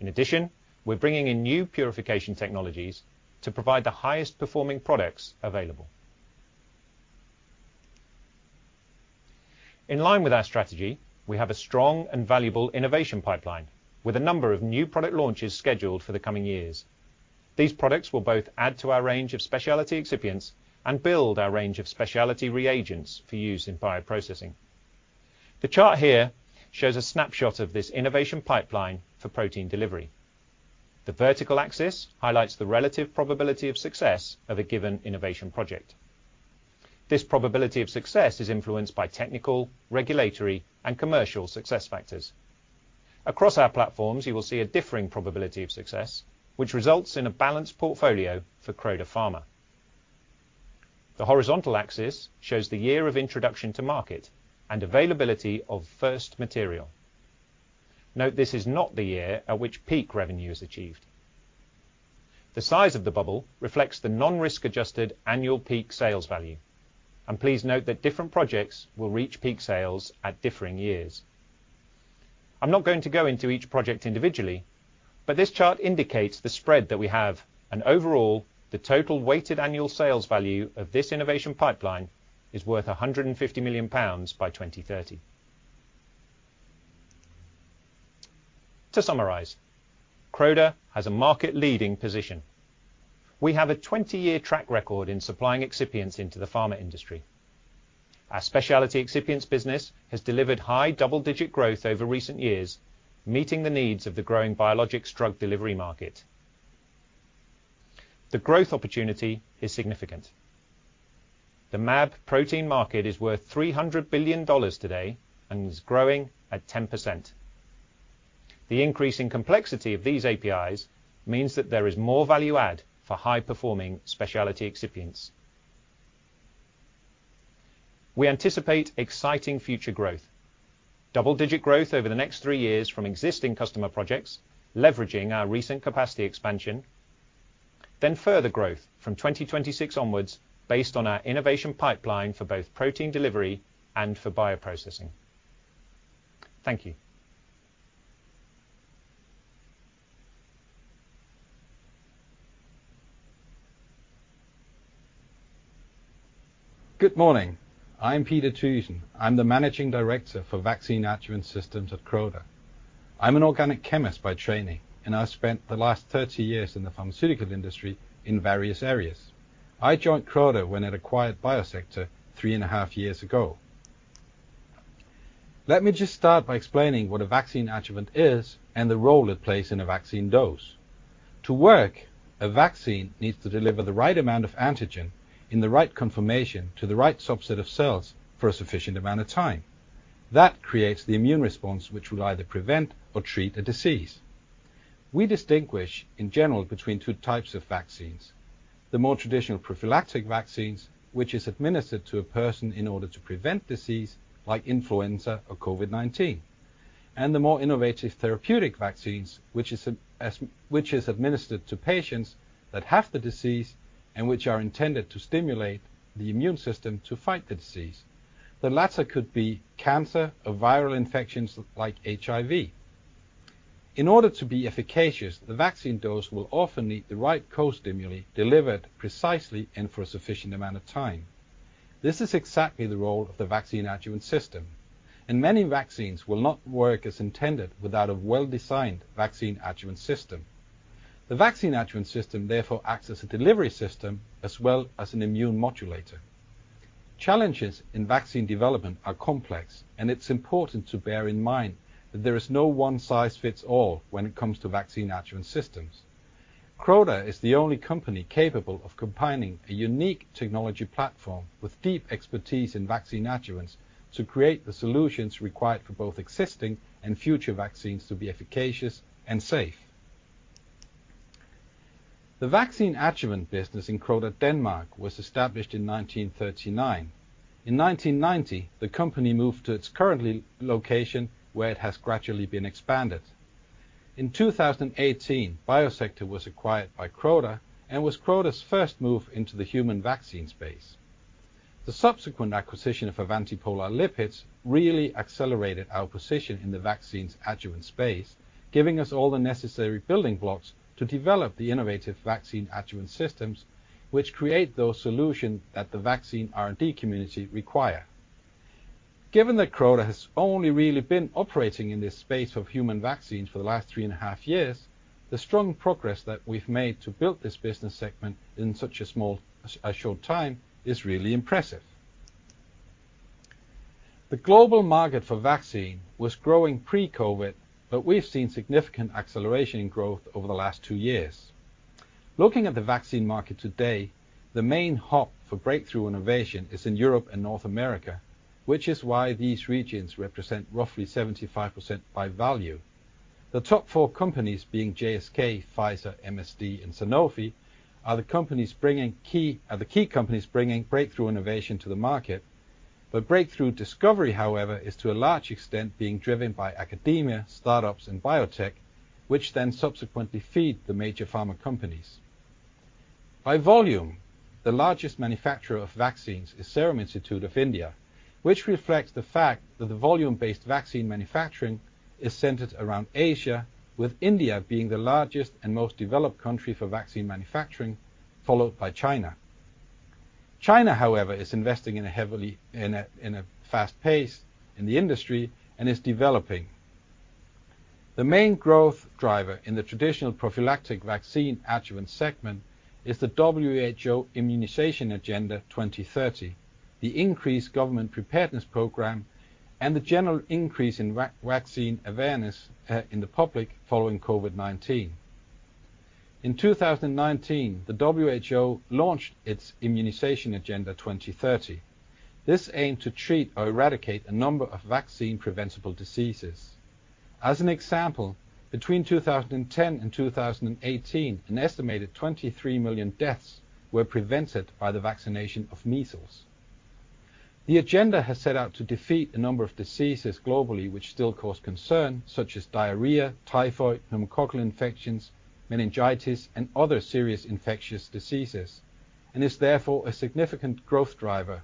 In addition, we're bringing in new purification technologies to provide the highest performing products available. In line with our strategy, we have a strong and valuable innovation pipeline, with a number of new product launches scheduled for the coming years. These products will both add to our range of specialty excipients and build our range of specialty reagents for use in bioprocessing. The chart here shows a snapshot of this innovation pipeline for protein delivery. The vertical axis highlights the relative probability of success of a given innovation project. This probability of success is influenced by technical, regulatory, and commercial success factors. Across our platforms, you will see a differing probability of success, which results in a balanced portfolio for Croda Pharma. The horizontal axis shows the year of introduction to market and availability of first material. Note this is not the year at which peak revenue is achieved. The size of the bubble reflects the non-risk adjusted annual peak sales value, and please note that different projects will reach peak sales at differing years. I'm not going to go into each project individually, but this chart indicates the spread that we have, and overall, the total weighted annual sales value of this innovation pipeline is worth 150 million pounds by 2030. To summarize, Croda has a market-leading position. We have a 20-year track record in supplying excipients into the pharma industry. Our specialty excipients business has delivered high double-digit growth over recent years, meeting the needs of the growing biologics drug delivery market. The growth opportunity is significant. The mAb protein market is worth $300 billion today and is growing at 10%. The increasing complexity of these APIs means that there is more value add for high-performing specialty excipients. We anticipate exciting future growth. Double-digit growth over the next three years from existing customer projects, leveraging our recent capacity expansion, then further growth from 2026 onwards based on our innovation pipeline for both protein delivery and for bioprocessing. Thank you. Good morning. I'm Peter Tygesen. I'm the Managing Director for Vaccine Adjuvant Systems at Croda. I'm an organic chemist by training, and I spent the last 30 years in the pharmaceutical industry in various areas. I joined Croda when it acquired Biosector three and half years ago. Let me just start by explaining what a vaccine adjuvant is and the role it plays in a vaccine dose. To work, a vaccine needs to deliver the right amount of antigen in the right conformation to the right subset of cells for a sufficient amount of time. That creates the immune response which would either prevent or treat a disease. We distinguish, in general, between two types of vaccines. The more traditional prophylactic vaccines, which is administered to a person in order to prevent disease like influenza or COVID-19, and the more innovative therapeutic vaccines, which is administered to patients that have the disease and which are intended to stimulate the immune system to fight the disease. The latter could be cancer or viral infections like HIV. In order to be efficacious, the vaccine dose will often need the right co-stimuli delivered precisely and for a sufficient amount of time. This is exactly the role of the vaccine adjuvant system, and many vaccines will not work as intended without a well-designed vaccine adjuvant system. The vaccine adjuvant system therefore acts as a delivery system as well as an immune modulator. Challenges in vaccine development are complex, and it's important to bear in mind that there is no one size fits all when it comes to vaccine adjuvant systems. Croda is the only company capable of combining a unique technology platform with deep expertise in vaccine adjuvants to create the solutions required for both existing and future vaccines to be efficacious and safe. The vaccine adjuvant business in Croda, Denmark, was established in 1939. In 1990, the company moved to its current location, where it has gradually been expanded. In 2018, Biosector was acquired by Croda, and was Croda's first move into the human vaccine space. The subsequent acquisition of Avanti Polar Lipids really accelerated our position in the vaccines adjuvant space, giving us all the necessary building blocks to develop the innovative vaccine adjuvant systems, which create those solutions that the vaccine R&D community require. Given that Croda has only really been operating in this space of human vaccines for the last three and half years, the strong progress that we've made to build this business segment in a short time is really impressive. The global market for vaccine was growing pre-COVID, but we've seen significant acceleration in growth over the last two years. Looking at the vaccine market today, the main hub for breakthrough innovation is in Europe and North America, which is why these regions represent roughly 75% by value. The top four companies, GSK, Pfizer, MSD, and Sanofi, are the key companies bringing breakthrough innovation to the market. Breakthrough discovery, however, is to a large extent being driven by academia, startups, and biotech, which then subsequently feed the major pharma companies. By volume, the largest manufacturer of vaccines is Serum Institute of India, which reflects the fact that the volume-based vaccine manufacturing is centered around Asia, with India being the largest and most developed country for vaccine manufacturing, followed by China. China, however, is investing at a fast pace in the industry and is developing. The main growth driver in the traditional prophylactic vaccine adjuvant segment is the WHO Immunization Agenda 2030, the increased government preparedness program, and the general increase in vaccine awareness in the public following COVID-19. In 2019, the WHO launched its Immunization Agenda 2030. This aimed to treat or eradicate a number of vaccine-preventable diseases. As an example, between 2010 and 2018, an estimated 23 million deaths were prevented by the vaccination of measles. The agenda has set out to defeat a number of diseases globally which still cause concern, such as diarrhea, typhoid, pneumococcal infections, meningitis, and other serious infectious diseases, and is therefore a significant growth driver.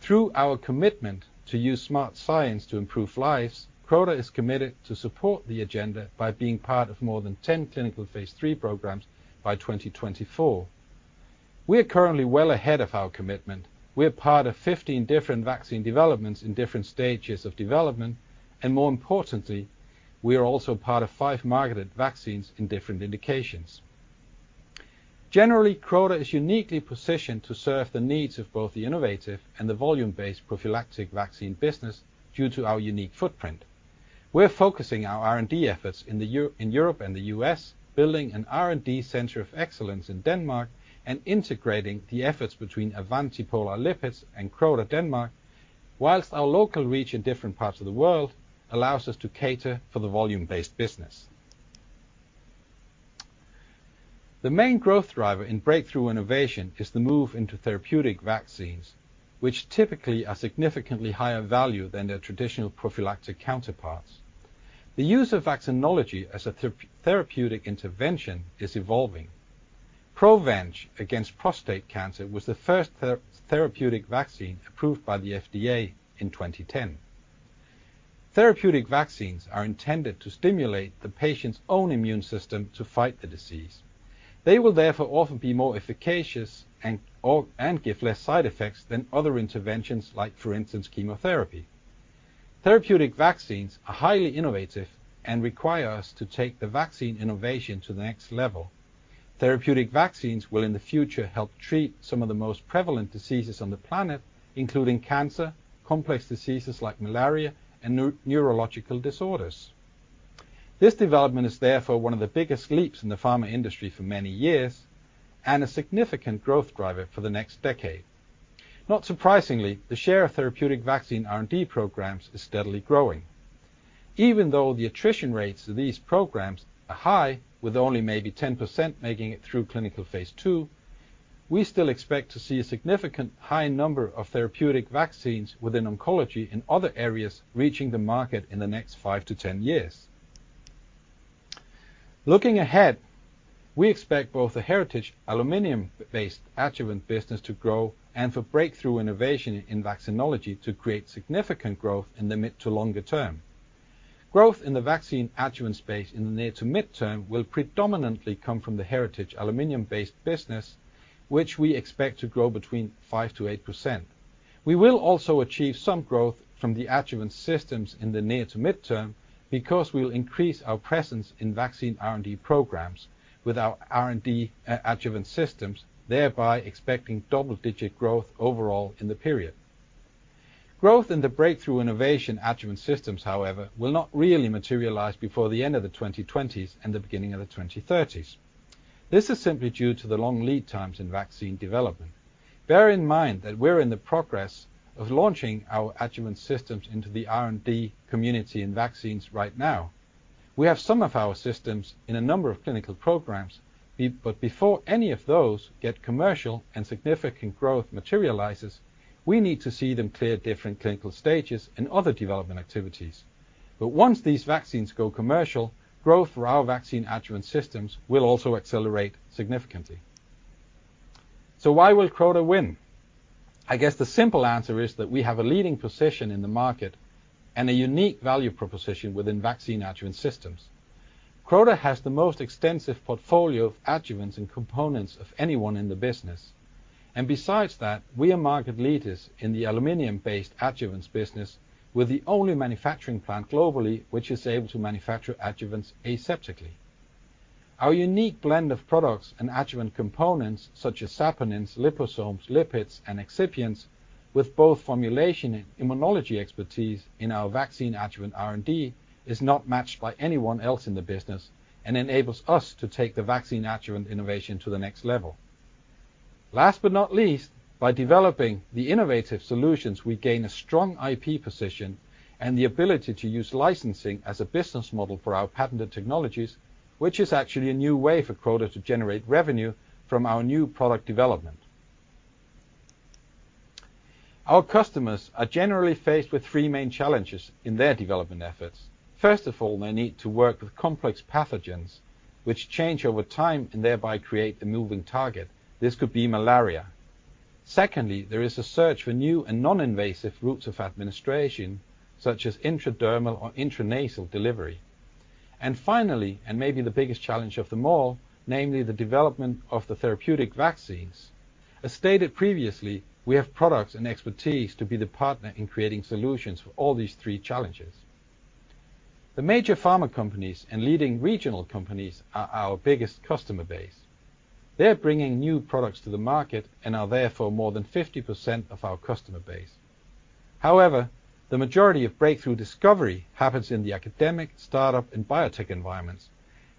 Through our commitment to use smart science to improve lives, Croda is committed to support the agenda by being part of more than 10 clinical phase III programs by 2024. We are currently well ahead of our commitment. We are part of 15 different vaccine developments in different stages of development, and more importantly, we are also part of five marketed vaccines in different indications. Generally, Croda is uniquely positioned to serve the needs of both the innovative and the volume-based prophylactic vaccine business due to our unique footprint. We're focusing our R&D efforts in Europe and the U.S., building an R&D center of excellence in Denmark, and integrating the efforts between Avanti Polar Lipids and Croda Denmark, while our local reach in different parts of the world allows us to cater for the volume-based business. The main growth driver in breakthrough innovation is the move into therapeutic vaccines, which typically are significantly higher value than their traditional prophylactic counterparts. The use of vaccinology as a therapeutic intervention is evolving. PROVENGE against prostate cancer was the first therapeutic vaccine approved by the FDA in 2010. Therapeutic vaccines are intended to stimulate the patient's own immune system to fight the disease. They will therefore often be more efficacious and give less side effects than other interventions, like for instance, chemotherapy. Therapeutic vaccines are highly innovative and require us to take the vaccine innovation to the next level. Therapeutic vaccines will in the future help treat some of the most prevalent diseases on the planet, including cancer, complex diseases like malaria, and neurological disorders. This development is therefore one of the biggest leaps in the pharma industry for many years, and a significant growth driver for the next decade. Not surprisingly, the share of therapeutic vaccine R&D programs is steadily growing. Even though the attrition rates of these programs are high, with only maybe 10% making it through clinical phase II, we still expect to see a significant high number of therapeutic vaccines within oncology in other areas reaching the market in the next five-10 years. Looking ahead, we expect both the heritage aluminum-based adjuvant business to grow and for breakthrough innovation in vaccinology to create significant growth in the mid to longer term. Growth in the vaccine adjuvant space in the near to mid-term will predominantly come from the heritage aluminum-based business, which we expect to grow between 5%-8%. We will also achieve some growth from the adjuvant systems in the near to mid-term, because we will increase our presence in vaccine R&D programs with our R&D adjuvant systems, thereby expecting double-digit growth overall in the period. Growth in the breakthrough innovation adjuvant systems, however, will not really materialize before the end of the 2020s and the beginning of the 2030s. This is simply due to the long lead times in vaccine development. Bear in mind that we're in the progress of launching our adjuvant systems into the R&D community in vaccines right now. We have some of our systems in a number of clinical programs, but before any of those get commercial and significant growth materializes, we need to see them clear different clinical stages and other development activities. Once these vaccines go commercial, growth for our vaccine adjuvant systems will also accelerate significantly. Why will Croda win? I guess the simple answer is that we have a leading position in the market, and a unique value proposition within vaccine adjuvant systems. Croda has the most extensive portfolio of adjuvants and components of anyone in the business. Besides that, we are market leaders in the aluminum-based adjuvants business, with the only manufacturing plant globally which is able to manufacture adjuvants aseptically. Our unique blend of products and adjuvant components, such as saponins, liposomes, lipids, and excipients, with both formulation and immunology expertise in our vaccine adjuvant R&D, is not matched by anyone else in the business and enables us to take the vaccine adjuvant innovation to the next level. Last but not least, by developing the innovative solutions, we gain a strong IP position and the ability to use licensing as a business model for our patented technologies, which is actually a new way for Croda to generate revenue from our new product development. Our customers are generally faced with three main challenges in their development efforts. First of all, they need to work with complex pathogens which change over time and thereby create the moving target. This could be malaria. Secondly, there is a search for new and non-invasive routes of administration, such as intradermal or intranasal delivery. Finally, and maybe the biggest challenge of them all, namely the development of the therapeutic vaccines. As stated previously, we have products and expertise to be the partner in creating solutions for all these three challenges. The major pharma companies and leading regional companies are our biggest customer base. They are bringing new products to the market and are therefore more than 50% of our customer base. However, the majority of breakthrough discovery happens in the academic, startup, and biotech environments,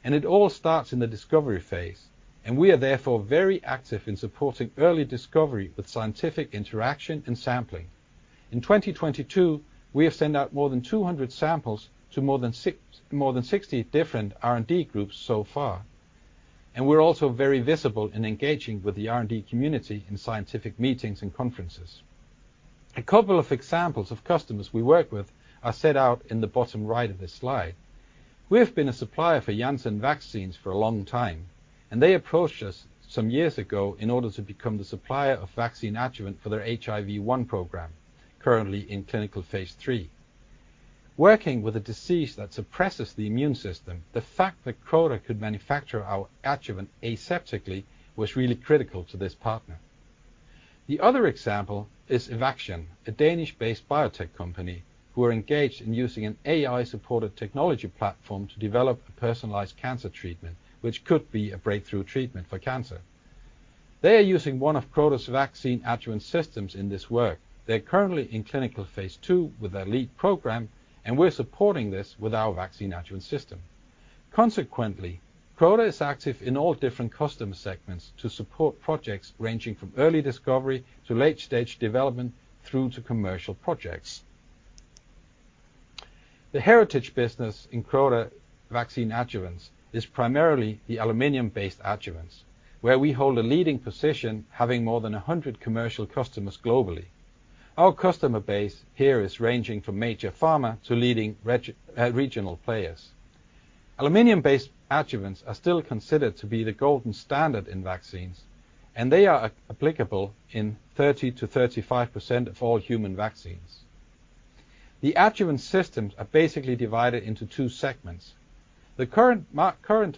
and it all starts in the discovery phase. We are therefore very active in supporting early discovery with scientific interaction and sampling. In 2022, we have sent out more than 200 samples to more than 60 different R&D groups so far, and we're also very visible in engaging with the R&D community in scientific meetings and conferences. A couple of examples of customers we work with are set out in the bottom right of this slide. We have been a supplier for Janssen Vaccines for a long time, and they approached us some years ago in order to become the supplier of vaccine adjuvant for their HIV-1 program, currently in clinical phase III. Working with a disease that suppresses the immune system, the fact that Croda could manufacture our adjuvant aseptically was really critical to this partner. The other example is Evaxion, a Danish-based biotech company who are engaged in using an AI-supported technology platform to develop a personalized cancer treatment, which could be a breakthrough treatment for cancer. They are using one of Croda's vaccine adjuvant systems in this work. They are currently in clinical phase II with their lead program, and we're supporting this with our vaccine adjuvant system. Consequently, Croda is active in all different customer segments to support projects ranging from early discovery to late-stage development through to commercial projects. The heritage business in Croda vaccine adjuvants is primarily the aluminum-based adjuvants, where we hold a leading position having more than 100 commercial customers globally. Our customer base here is ranging from major pharma to leading regional players. Aluminum-based adjuvants are still considered to be the golden standard in vaccines, and they are applicable in 30%-35% of all human vaccines. The adjuvant systems are basically divided into two segments. Current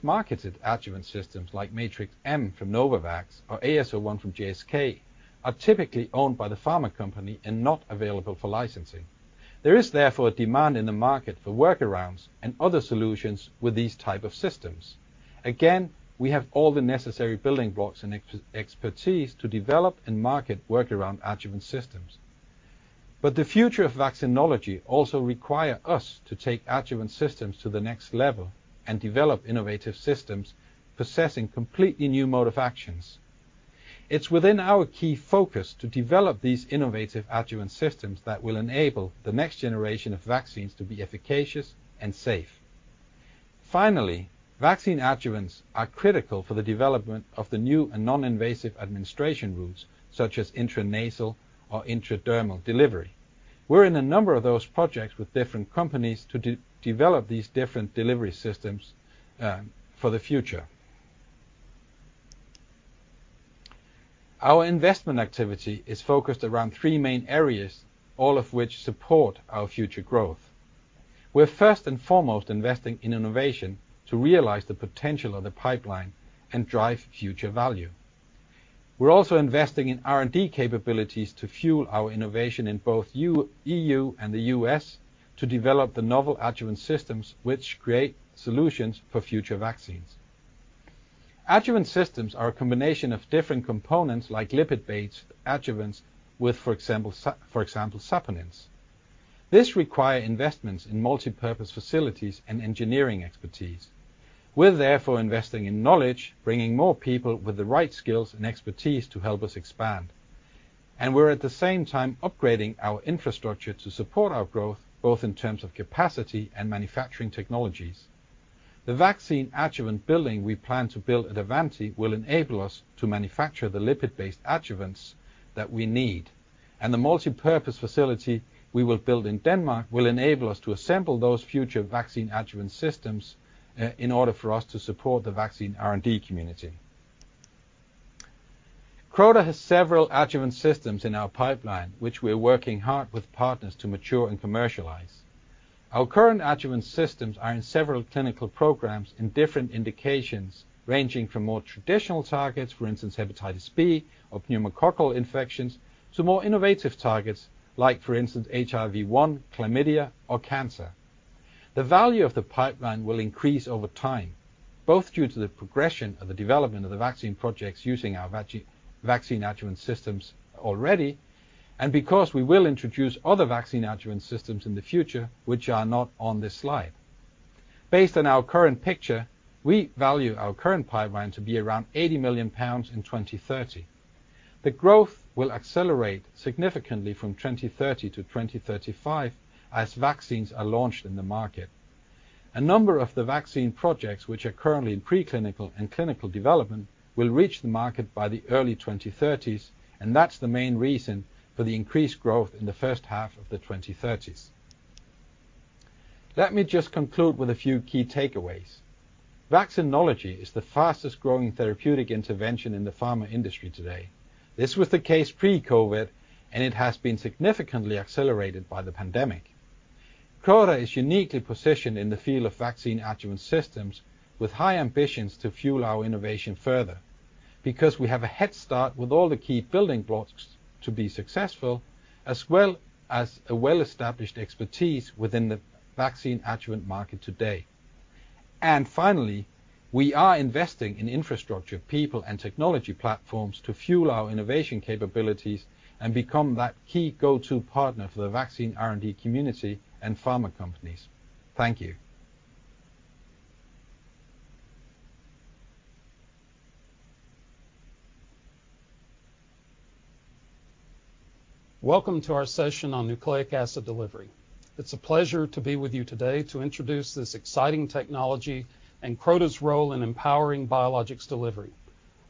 marketed adjuvant systems, like Matrix-M from Novavax or AS01 from GSK, are typically owned by the pharma company and not available for licensing. There is therefore a demand in the market for workarounds and other solutions with these type of systems. Again, we have all the necessary building blocks and expertise to develop and market our adjuvant systems. The future of vaccinology also require us to take adjuvant systems to the next level and develop innovative systems possessing completely new mode of actions. It's within our key focus to develop these innovative adjuvant systems that will enable the next generation of vaccines to be efficacious and safe. Finally, vaccine adjuvants are critical for the development of the new and non-invasive administration routes, such as intranasal or intradermal delivery. We're in a number of those projects with different companies to develop these different delivery systems for the future. Our investment activity is focused around three main areas, all of which support our future growth. We're first and foremost investing in innovation to realize the potential of the pipeline and drive future value. We're also investing in R&D capabilities to fuel our innovation in both EU and the U.S. to develop the novel adjuvant systems which create solutions for future vaccines. Adjuvant systems are a combination of different components like lipid-based adjuvants with, for example, saponins. This require investments in multipurpose facilities and engineering expertise. We're therefore investing in knowledge, bringing more people with the right skills and expertise to help us expand. We're at the same time upgrading our infrastructure to support our growth, both in terms of capacity and manufacturing technologies. The vaccine adjuvant building we plan to build at Avanti will enable us to manufacture the lipid-based adjuvants that we need. The multipurpose facility we will build in Denmark will enable us to assemble those future vaccine adjuvant systems, in order for us to support the vaccine R&D community. Croda has several adjuvant systems in our pipeline, which we're working hard with partners to mature and commercialize. Our current adjuvant systems are in several clinical programs in different indications, ranging from more traditional targets, for instance, hepatitis B or pneumococcal infections, to more innovative targets like for instance, HIV-1, chlamydia or cancer. The value of the pipeline will increase over time, both due to the progression of the development of the vaccine projects using our vaccine adjuvant systems already, and because we will introduce other vaccine adjuvant systems in the future which are not on this slide. Based on our current picture, we value our current pipeline to be around 80 million pounds in 2030. The growth will accelerate significantly from 2030 to 2035 as vaccines are launched in the market. A number of the vaccine projects which are currently in preclinical and clinical development will reach the market by the early 2030s, and that's the main reason for the increased growth in the H1 of the 2030s. Let me just conclude with a few key takeaways. Vaccinology is the fastest growing therapeutic intervention in the pharma industry today. This was the case pre-COVID, and it has been significantly accelerated by the pandemic. Croda is uniquely positioned in the field of vaccine adjuvant systems with high ambitions to fuel our innovation further, because we have a head start with all the key building blocks to be successful, as well as a well-established expertise within the vaccine adjuvant market today. Finally, we are investing in infrastructure, people, and technology platforms to fuel our innovation capabilities and become that key go-to partner for the vaccine R&D community and pharma companies. Thank you. Welcome to our session on nucleic acid delivery. It's a pleasure to be with you today to introduce this exciting technology and Croda's role in empowering biologics delivery.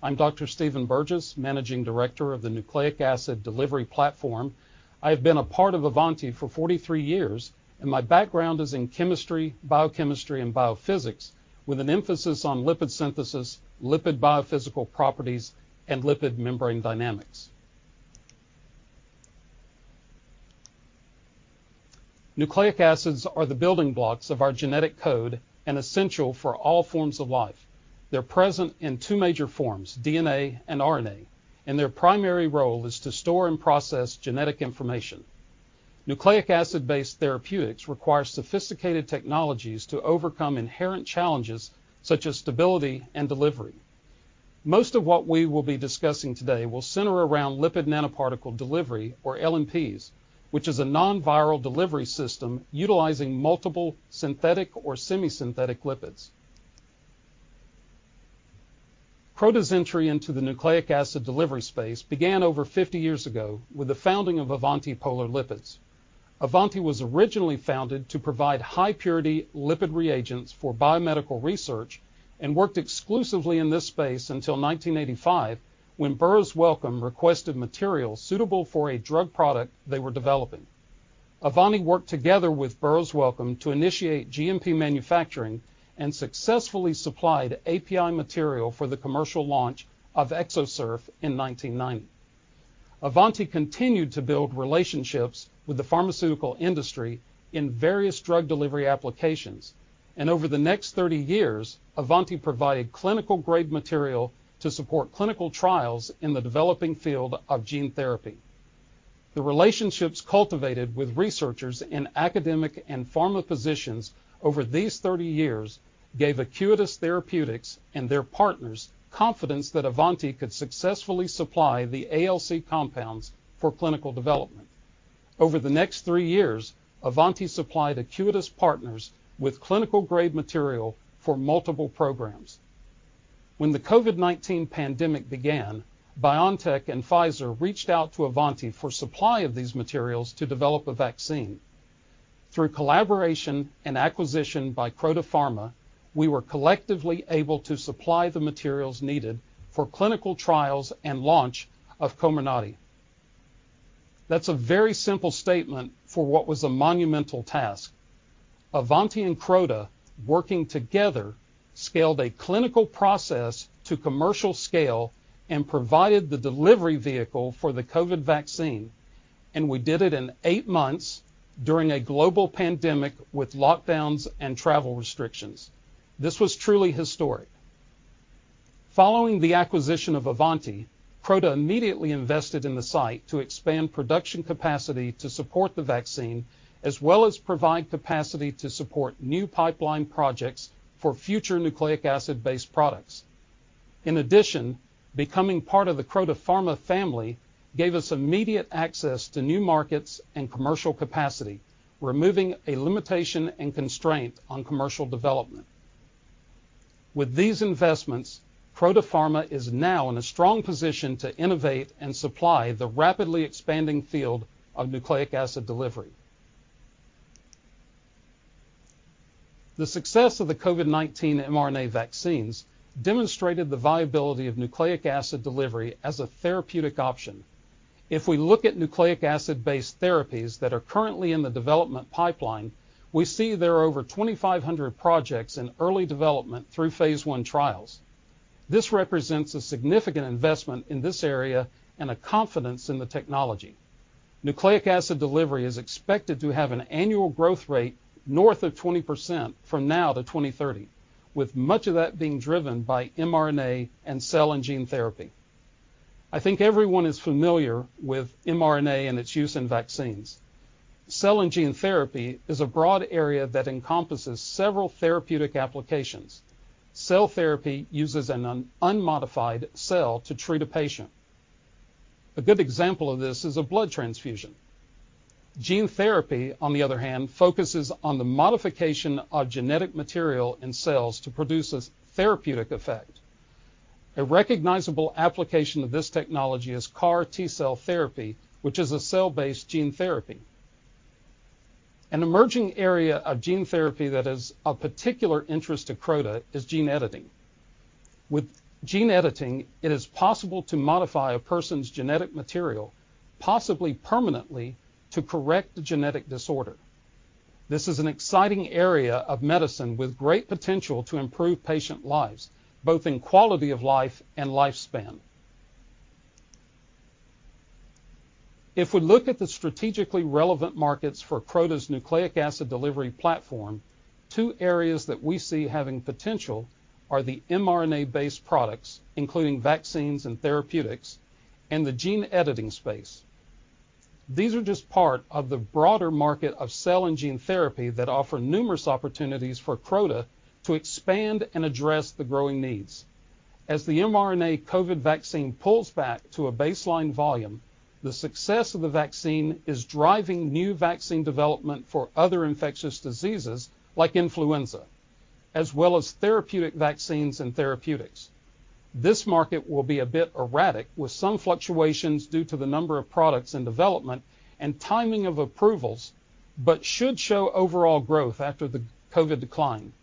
I'm Dr. Stephen Burgess, Managing Director of the Nucleic Acid Delivery Platform. I have been a part of Avanti for 43 years, and my background is in chemistry, biochemistry, and biophysics, with an emphasis on lipid synthesis, lipid biophysical properties, and lipid membrane dynamics. Nucleic acids are the building blocks of our genetic code and essential for all forms of life. They're present in two major forms, DNA and RNA, and their primary role is to store and process genetic information. Nucleic acid-based therapeutics require sophisticated technologies to overcome inherent challenges such as stability and delivery. Most of what we will be discussing today will center around lipid nanoparticle delivery or LNPs, which is a non-viral delivery system utilizing multiple synthetic or semi-synthetic lipids. Croda's entry into the nucleic acid delivery space began over 50 years ago with the founding of Avanti Polar Lipids. Avanti was originally founded to provide high purity lipid reagents for biomedical research and worked exclusively in this space until 1985, when Burroughs Wellcome requested materials suitable for a drug product they were developing. Avanti worked together with Burroughs Wellcome to initiate GMP manufacturing and successfully supplied API material for the commercial launch of Exosurf in 1990. Avanti continued to build relationships with the pharmaceutical industry in various drug delivery applications. Over the next 30 years, Avanti provided clinical-grade material to support clinical trials in the developing field of gene therapy. The relationships cultivated with researchers in academic and pharma positions over these 30 years gave Acuitas Therapeutics and their partners confidence that Avanti could successfully supply the ALC compounds for clinical development. Over the next three years, Avanti supplied Acuitas partners with clinical-grade material for multiple programs. When the COVID-19 pandemic began, BioNTech and Pfizer reached out to Avanti for supply of these materials to develop a vaccine. Through collaboration and acquisition by Croda Pharma, we were collectively able to supply the materials needed for clinical trials and launch of Comirnaty. That's a very simple statement for what was a monumental task. Avanti and Croda, working together, scaled a clinical process to commercial scale and provided the delivery vehicle for the COVID vaccine, and we did it in eight months during a global pandemic with lockdowns and travel restrictions. This was truly historic. Following the acquisition of Avanti, Croda immediately invested in the site to expand production capacity to support the vaccine, as well as provide capacity to support new pipeline projects for future nucleic acid-based products. In addition, becoming part of the Croda Pharma family gave us immediate access to new markets and commercial capacity, removing a limitation and constraint on commercial development. With these investments, Croda Pharma is now in a strong position to innovate and supply the rapidly expanding field of nucleic acid delivery. The success of the COVID-19 mRNA vaccines demonstrated the viability of nucleic acid delivery as a therapeutic option. If we look at nucleic acid-based therapies that are currently in the development pipeline, we see there are over 2,500 projects in early development through phase I trials. This represents a significant investment in this area and a confidence in the technology. Nucleic acid delivery is expected to have an annual growth rate north of 20% from now to 2030, with much of that being driven by mRNA and cell and gene therapy. I think everyone is familiar with mRNA and its use in vaccines. Cell and gene therapy is a broad area that encompasses several therapeutic applications. Cell therapy uses an unmodified cell to treat a patient. A good example of this is a blood transfusion. Gene therapy, on the other hand, focuses on the modification of genetic material in cells to produce a therapeutic effect. A recognizable application of this technology is CAR T-cell therapy, which is a cell-based gene therapy. An emerging area of gene therapy that is of particular interest to Croda is gene editing. With gene editing, it is possible to modify a person's genetic material, possibly permanently, to correct the genetic disorder. This is an exciting area of medicine with great potential to improve patient lives, both in quality of life and lifespan. If we look at the strategically relevant markets for Croda's nucleic acid delivery platform, two areas that we see having potential are the mRNA-based products, including vaccines and therapeutics, and the gene editing space. These are just part of the broader market of cell and gene therapy that offer numerous opportunities for Croda to expand and address the growing needs. As the mRNA COVID vaccine pulls back to a baseline volume, the success of the vaccine is driving new vaccine development for other infectious diseases like influenza, as well as therapeutic vaccines and therapeutics. This market will be a bit erratic, with some fluctuations due to the number of products in development and timing of approvals, but should show overall growth after the COVID decline.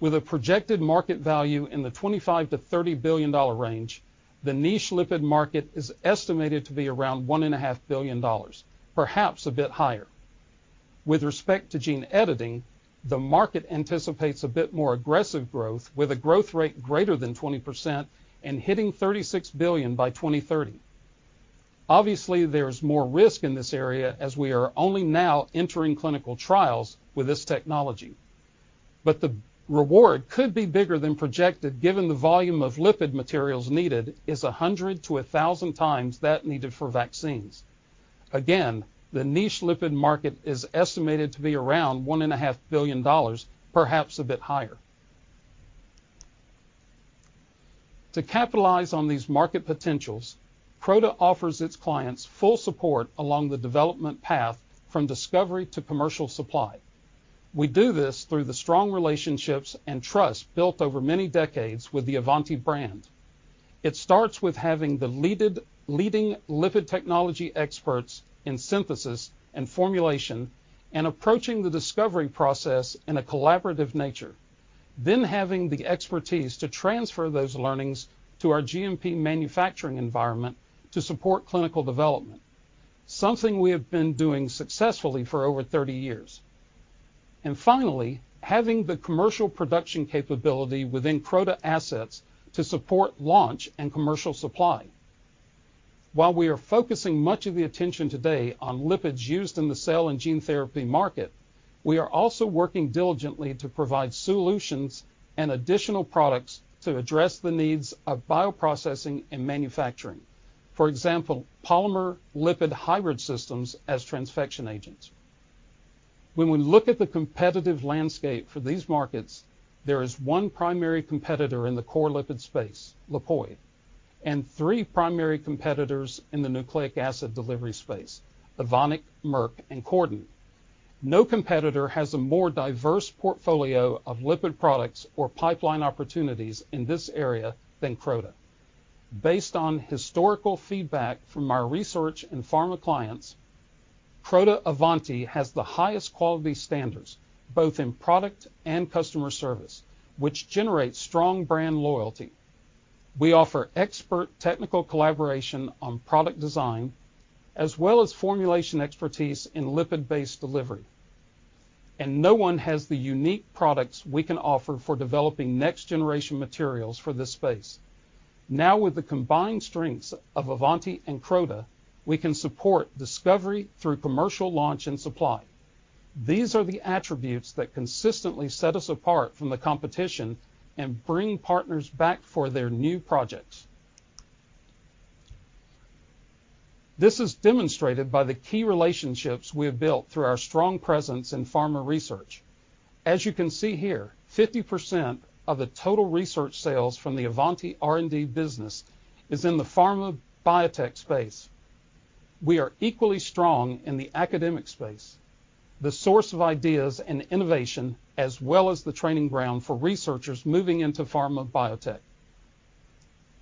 With a projected market value in the $25-$30 billion range, the niche lipid market is estimated to be around $1.5 billion, perhaps a bit higher. With respect to gene editing, the market anticipates a bit more aggressive growth with a growth rate greater than 20% and hitting $36 billion by 2030. Obviously, there's more risk in this area as we are only now entering clinical trials with this technology. The reward could be bigger than projected, given the volume of lipid materials needed is 100-1,000 times that needed for vaccines. Again, the niche lipid market is estimated to be around $1.5 billion, perhaps a bit higher. To capitalize on these market potentials, Croda offers its clients full support along the development path from discovery to commercial supply. We do this through the strong relationships and trust built over many decades with the Avanti brand. It starts with having the leading lipid technology experts in synthesis and formulation and approaching the discovery process in a collaborative nature, then having the expertise to transfer those learnings to our GMP manufacturing environment to support clinical development, something we have been doing successfully for over 30 years, and finally, having the commercial production capability within Croda assets to support launch and commercial supply. While we are focusing much of the attention today on lipids used in the cell and gene therapy market, we are also working diligently to provide solutions and additional products to address the needs of bioprocessing and manufacturing. For example, polymer lipid hybrid systems as transfection agents. When we look at the competitive landscape for these markets, there is one primary competitor in the core lipid space, Lipoid, and three primary competitors in the nucleic acid delivery space, Evonik, Merck, and CordenPharma. No competitor has a more diverse portfolio of lipid products or pipeline opportunities in this area than Croda. Based on historical feedback from our research and pharma clients, Croda Avanti has the highest quality standards, both in product and customer service, which generates strong brand loyalty. We offer expert technical collaboration on product design, as well as formulation expertise in lipid-based delivery. No one has the unique products we can offer for developing next generation materials for this space. Now, with the combined strengths of Avanti and Croda, we can support discovery through commercial launch and supply. These are the attributes that consistently set us apart from the competition and bring partners back for their new projects. This is demonstrated by the key relationships we have built through our strong presence in pharma research. As you can see here, 50% of the total research sales from the Avanti R&D business is in the pharma biotech space. We are equally strong in the academic space, the source of ideas and innovation, as well as the training ground for researchers moving into pharma biotech.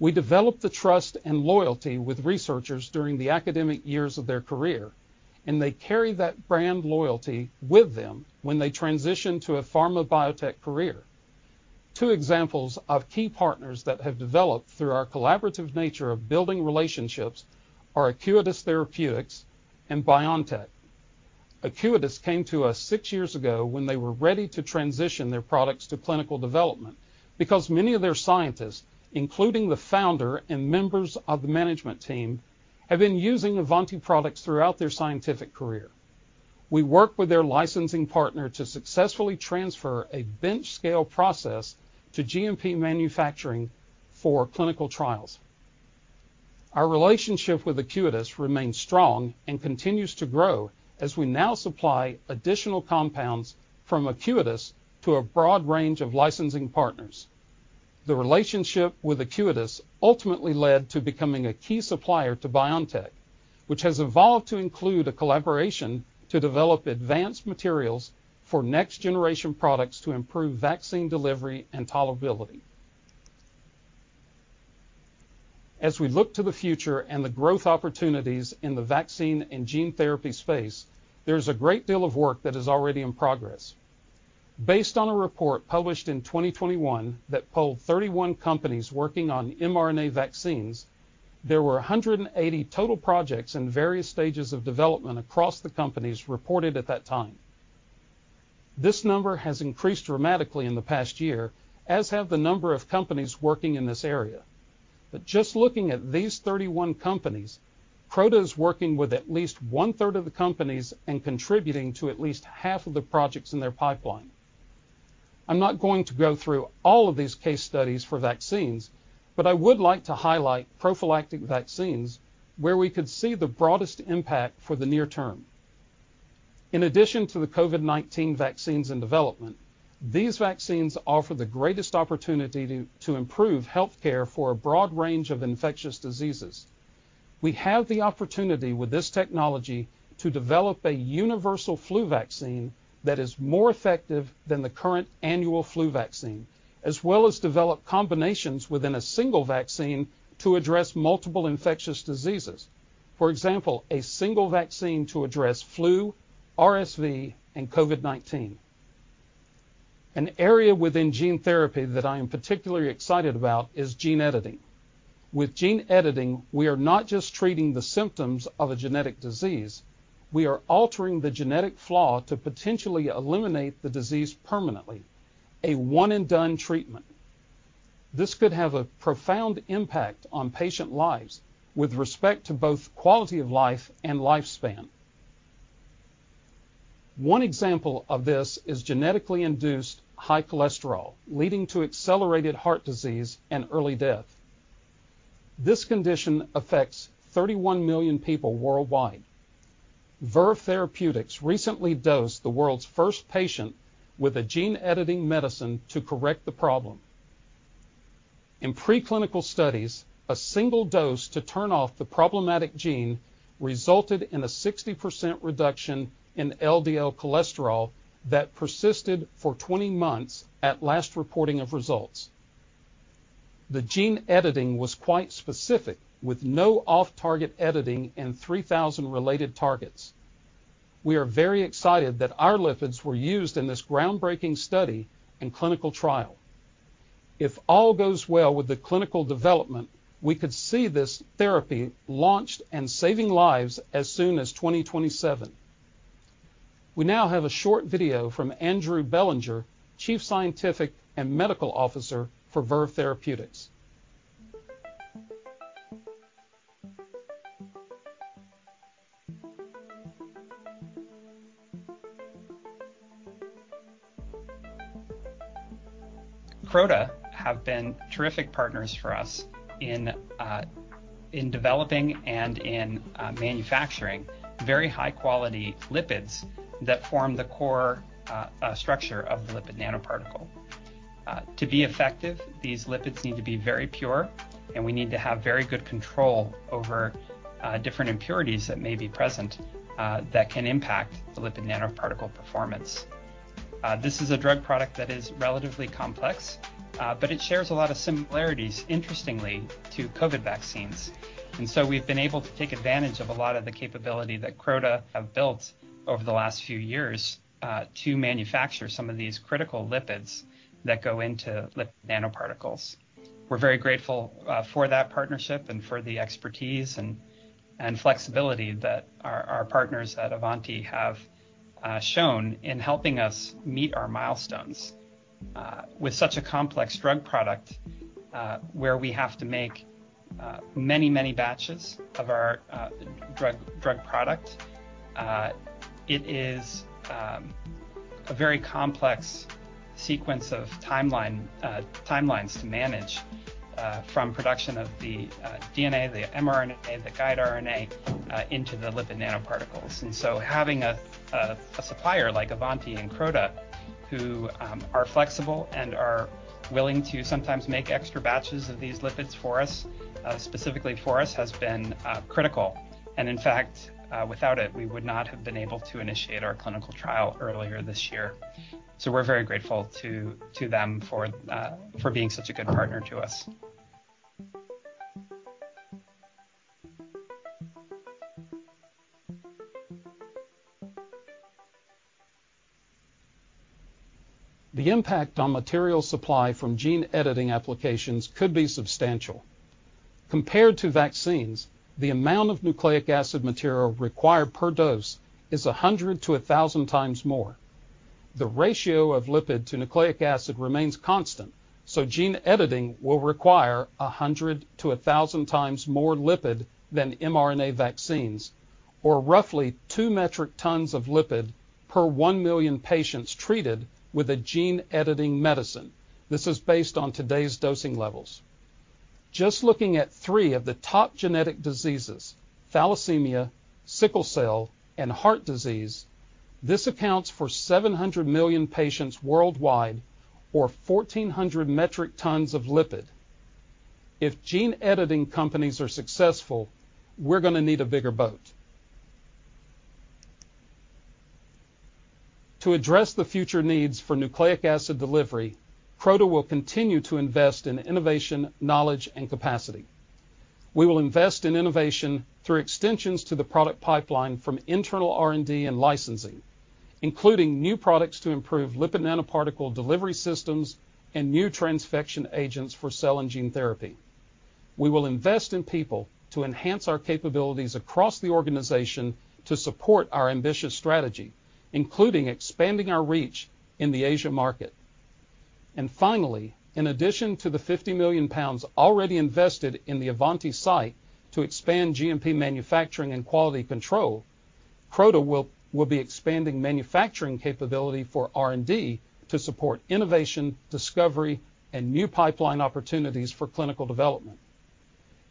We develop the trust and loyalty with researchers during the academic years of their career, and they carry that brand loyalty with them when they transition to a pharma biotech career. Two examples of key partners that have developed through our collaborative nature of building relationships are Acuitas Therapeutics and BioNTech. Acuitas came to us six years ago when they were ready to transition their products to clinical development because many of their scientists, including the founder and members of the management team, have been using Avanti products throughout their scientific career. We worked with their licensing partner to successfully transfer a bench scale process to GMP manufacturing for clinical trials. Our relationship with Acuitas remains strong and continues to grow as we now supply additional compounds from Acuitas to a broad range of licensing partners. The relationship with Acuitas ultimately led to becoming a key supplier to BioNTech, which has evolved to include a collaboration to develop advanced materials for next generation products to improve vaccine delivery and tolerability. As we look to the future and the growth opportunities in the vaccine and gene therapy space, there's a great deal of work that is already in progress. Based on a report published in 2021 that polled 31 companies working on mRNA vaccines, there were 180 total projects in various stages of development across the companies reported at that time. This number has increased dramatically in the past year, as have the number of companies working in this area. Just looking at these 31 companies, Croda is working with at least 1/3 of the companies and contributing to at least 1/2 of the projects in their pipeline. I'm not going to go through all of these case studies for vaccines, but I would like to highlight prophylactic vaccines where we could see the broadest impact for the near term. In addition to the COVID-19 vaccines in development, these vaccines offer the greatest opportunity to improve healthcare for a broad range of infectious diseases. We have the opportunity with this technology to develop a universal flu vaccine that is more effective than the current annual flu vaccine, as well as develop combinations within a single vaccine to address multiple infectious diseases, for example, a single vaccine to address flu, RSV, and COVID-19. An area within gene therapy that I am particularly excited about is gene editing. With gene editing, we are not just treating the symptoms of a genetic disease, we are altering the genetic flaw to potentially eliminate the disease permanently, a one and done treatment. This could have a profound impact on patient lives with respect to both quality of life and lifespan. One example of this is genetically induced high cholesterol, leading to accelerated heart disease and early death. This condition affects 31 million people worldwide. Verve Therapeutics recently dosed the world's first patient with a gene editing medicine to correct the problem. In preclinical studies, a single dose to turn off the problematic gene resulted in a 60% reduction in LDL cholesterol that persisted for 20 months at last reporting of results. The gene editing was quite specific, with no off-target editing in 3,000 related targets. We are very excited that our lipids were used in this groundbreaking study and clinical trial. If all goes well with the clinical development, we could see this therapy launched and saving lives as soon as 2027. We now have a short video from Andrew Bellinger, Chief Scientific and Medical Officer for Verve Therapeutics. Croda have been terrific partners for us in developing and manufacturing very high quality lipids that form the core structure of the lipid nanoparticle. To be effective, these lipids need to be very pure, and we need to have very good control over different impurities that may be present that can impact the lipid nanoparticle performance. This is a drug product that is relatively complex, but it shares a lot of similarities, interestingly, to COVID vaccines, and so we've been able to take advantage of a lot of the capability that Croda have built over the last few years to manufacture some of these critical lipids that go into lipid nanoparticles. We're very grateful for that partnership and for the expertise and flexibility that our partners at Avanti have shown in helping us meet our milestones. With such a complex drug product, where we have to make many batches of our drug product, it is a very complex sequence of timelines to manage, from production of the DNA, the mRNA, the guide RNA into the lipid nanoparticles. Having a supplier like Avanti and Croda who are flexible and are willing to sometimes make extra batches of these lipids for us, specifically for us, has been critical. In fact, without it, we would not have been able to initiate our clinical trial earlier this year. We're very grateful to them for being such a good partner to us. The impact on material supply from gene editing applications could be substantial. Compared to vaccines, the amount of nucleic acid material required per dose is 100x-1,000x more. The ratio of lipid to nucleic acid remains constant, so gene editing will require 100x-1,000x more lipid than mRNA vaccines, or roughly 2 metric tons of lipid per 1 million patients treated with a gene editing medicine. This is based on today's dosing levels. Just looking at three of the top genetic diseases, thalassemia, sickle cell, and heart disease, this accounts for 700 million patients worldwide or 1,400 metric tons of lipid. If gene editing companies are successful, we're gonna need a bigger boat. To address the future needs for nucleic acid delivery, Croda will continue to invest in innovation, knowledge, and capacity. We will invest in innovation through extensions to the product pipeline from internal R&D and licensing, including new products to improve lipid nanoparticle delivery systems and new transfection agents for cell and gene therapy. We will invest in people to enhance our capabilities across the organization to support our ambitious strategy, including expanding our reach in the Asia market. Finally, in addition to the 50 million pounds already invested in the Avanti site to expand GMP manufacturing and quality control, Croda will be expanding manufacturing capability for R&D to support innovation, discovery, and new pipeline opportunities for clinical development.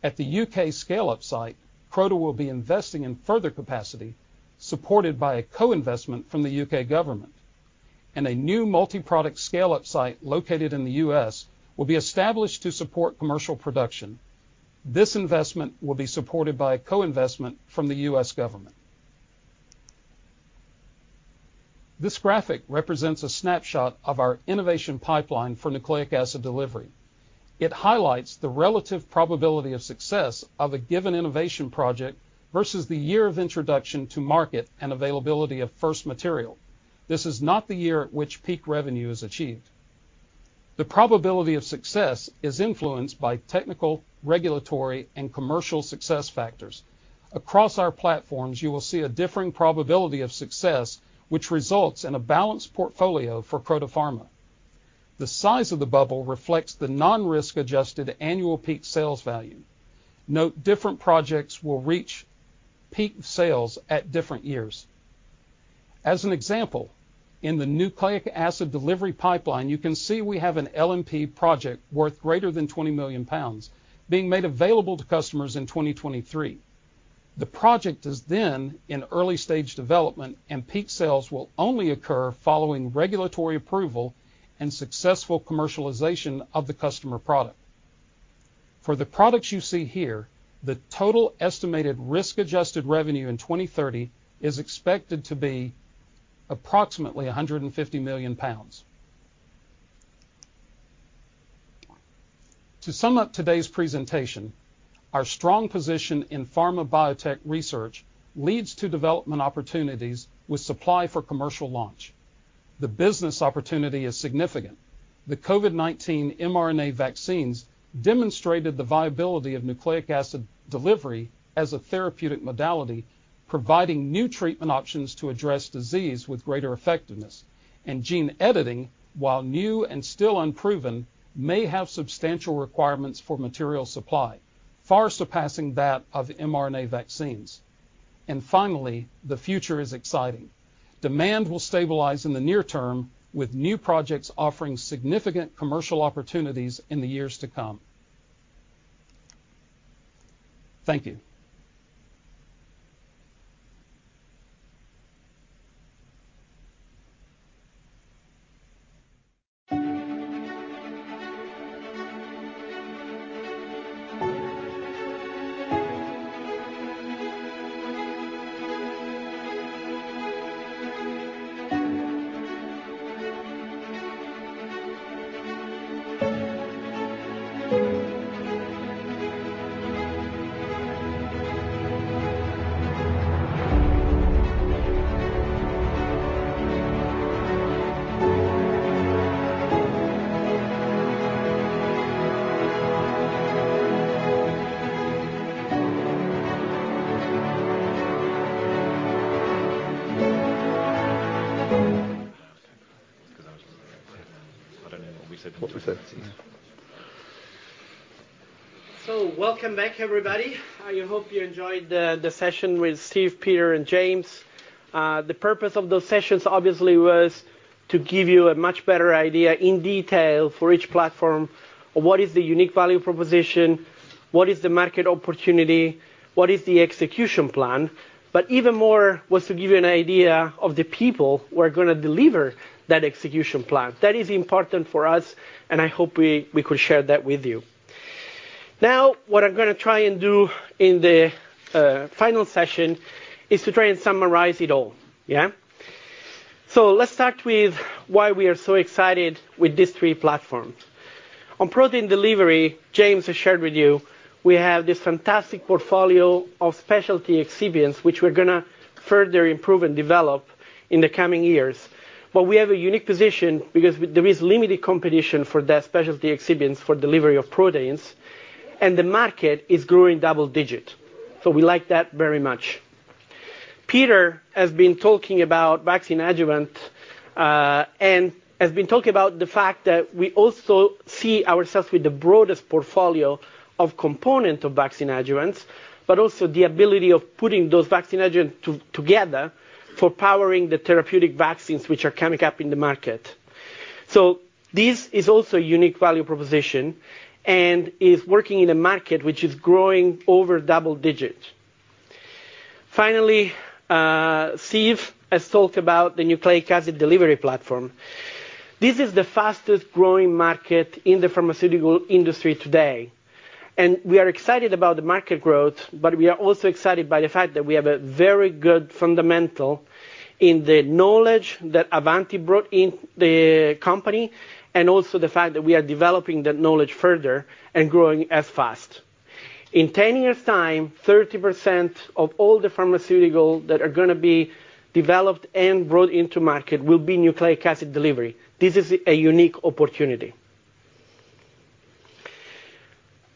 At the U.K. scale-up site, Croda will be investing in further capacity supported by a co-investment from the U.K. government, and a new multi-product scale-up site located in the U.S. will be established to support commercial production. This investment will be supported by a co-investment from the U.S. government. This graphic represents a snapshot of our innovation pipeline for nucleic acid delivery. It highlights the relative probability of success of a given innovation project versus the year of introduction to market and availability of first material. This is not the year at which peak revenue is achieved. The probability of success is influenced by technical, regulatory, and commercial success factors. Across our platforms, you will see a differing probability of success, which results in a balanced portfolio for Croda Pharma. The size of the bubble reflects the non-risk adjusted annual peak sales value. Note, different projects will reach peak sales at different years. As an example, in the nucleic acid delivery pipeline, you can see we have an LNP project worth greater than 20 million pounds being made available to customers in 2023. The project is then in early stage development, and peak sales will only occur following regulatory approval and successful commercialization of the customer product. For the products you see here, the total estimated risk-adjusted revenue in 2030 is expected to be approximately GBP 150 million. To sum up today's presentation, our strong position in pharma biotech research leads to development opportunities with supply for commercial launch. The business opportunity is significant. The COVID-19 mRNA vaccines demonstrated the viability of nucleic acid delivery as a therapeutic modality, providing new treatment options to address disease with greater effectveness. Gene editing, while new and still unproven, may have substantial requirements for material supply, far surpassing that of mRNA vaccines. Finally, the future is exciting. Demand will stabilize in the near term with new projects offering significant commercial opportunities in the years to come. Thank you. Welcome back, everybody. I hope you enjoyed the session with Steve, Peter, and James. The purpose of those sessions obviously was to give you a much better idea in detail for each platform of what is the unique value proposition. What is the market opportunity? What is the execution plan? But even more was to give you an idea of the people who are gonna deliver that execution plan. That is important for us, and I hope we could share that with you. Now, what I'm gonna try and do in the final session is to try and summarize it all. Yeah? Let's start with why we are so excited with these three platforms. On protein delivery, James has shared with you, we have this fantastic portfolio of specialty excipients which we're gonna further improve and develop in the coming years. We have a unique position because there is limited competition for the specialty excipient for delivery of proteins, and the market is growing double digit. We like that very much. Peter has been talking about vaccine adjuvant, and has been talking about the fact that we also see ourselves with the broadest portfolio of component of vaccine adjuvants, but also the ability of putting those vaccine adjuvant together for powering the therapeutic vaccines which are coming up in the market. This is also a unique value proposition and is working in a market which is growing over double digit. Finally, Steve has talked about the nucleic acid delivery platform. This is the fastest growing market in the pharmaceutical industry today, and we are excited about the market growth, but we are also excited by the fact that we have a very good fundamental in the knowledge that Avanti brought in the company, and also the fact that we are developing that knowledge further and growing as fast. In 10 years time, 30% of all the pharmaceutical that are gonna be developed and brought into market will be nucleic acid delivery. This is a unique opportunity.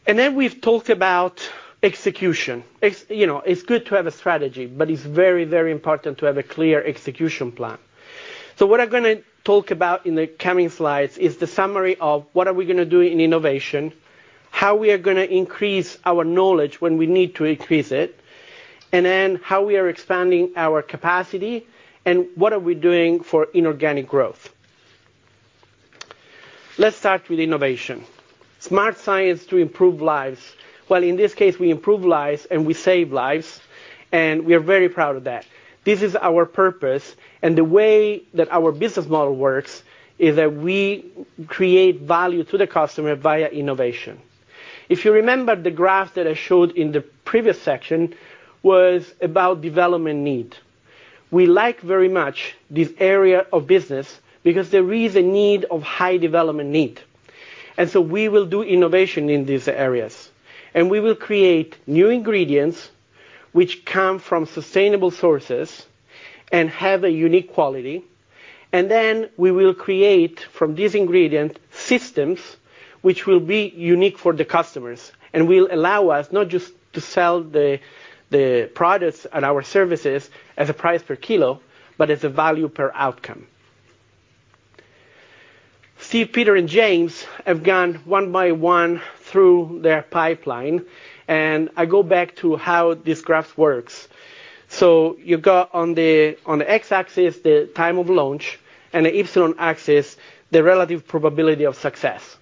Then we've talked about execution. It's, you know, it's good to have a strategy, but it's very, very important to have a clear execution plan. What I'm gonna talk about in the coming slides is the summary of what are we gonna do in innovation, how we are gonna increase our knowledge when we need to increase it, and then how we are expanding our capacity, and what are we doing for inorganic growth. Let's start with innovation. Smart science to improve lives. Well, in this case, we improve lives and we save lives, and we are very proud of that. This is our purpose, and the way that our business model works is that we create value to the customer via innovation. If you remember the graph that I showed in the previous section was about development need. We like very much this area of business because there is a need of high development need. We will do innovation in these areas. We will create new ingredients which come from sustainable sources and have a unique quality, and then we will create, from this ingredient, systems which will be unique for the customers and will allow us not just to sell the products and our services at a price per kilo, but as a value per outcome. Steve, Peter, and James have gone one by one through their pipeline, and I go back to how this graph works. You've got on the x-axis, the time of launch, and the y-axis, the relative probability of success.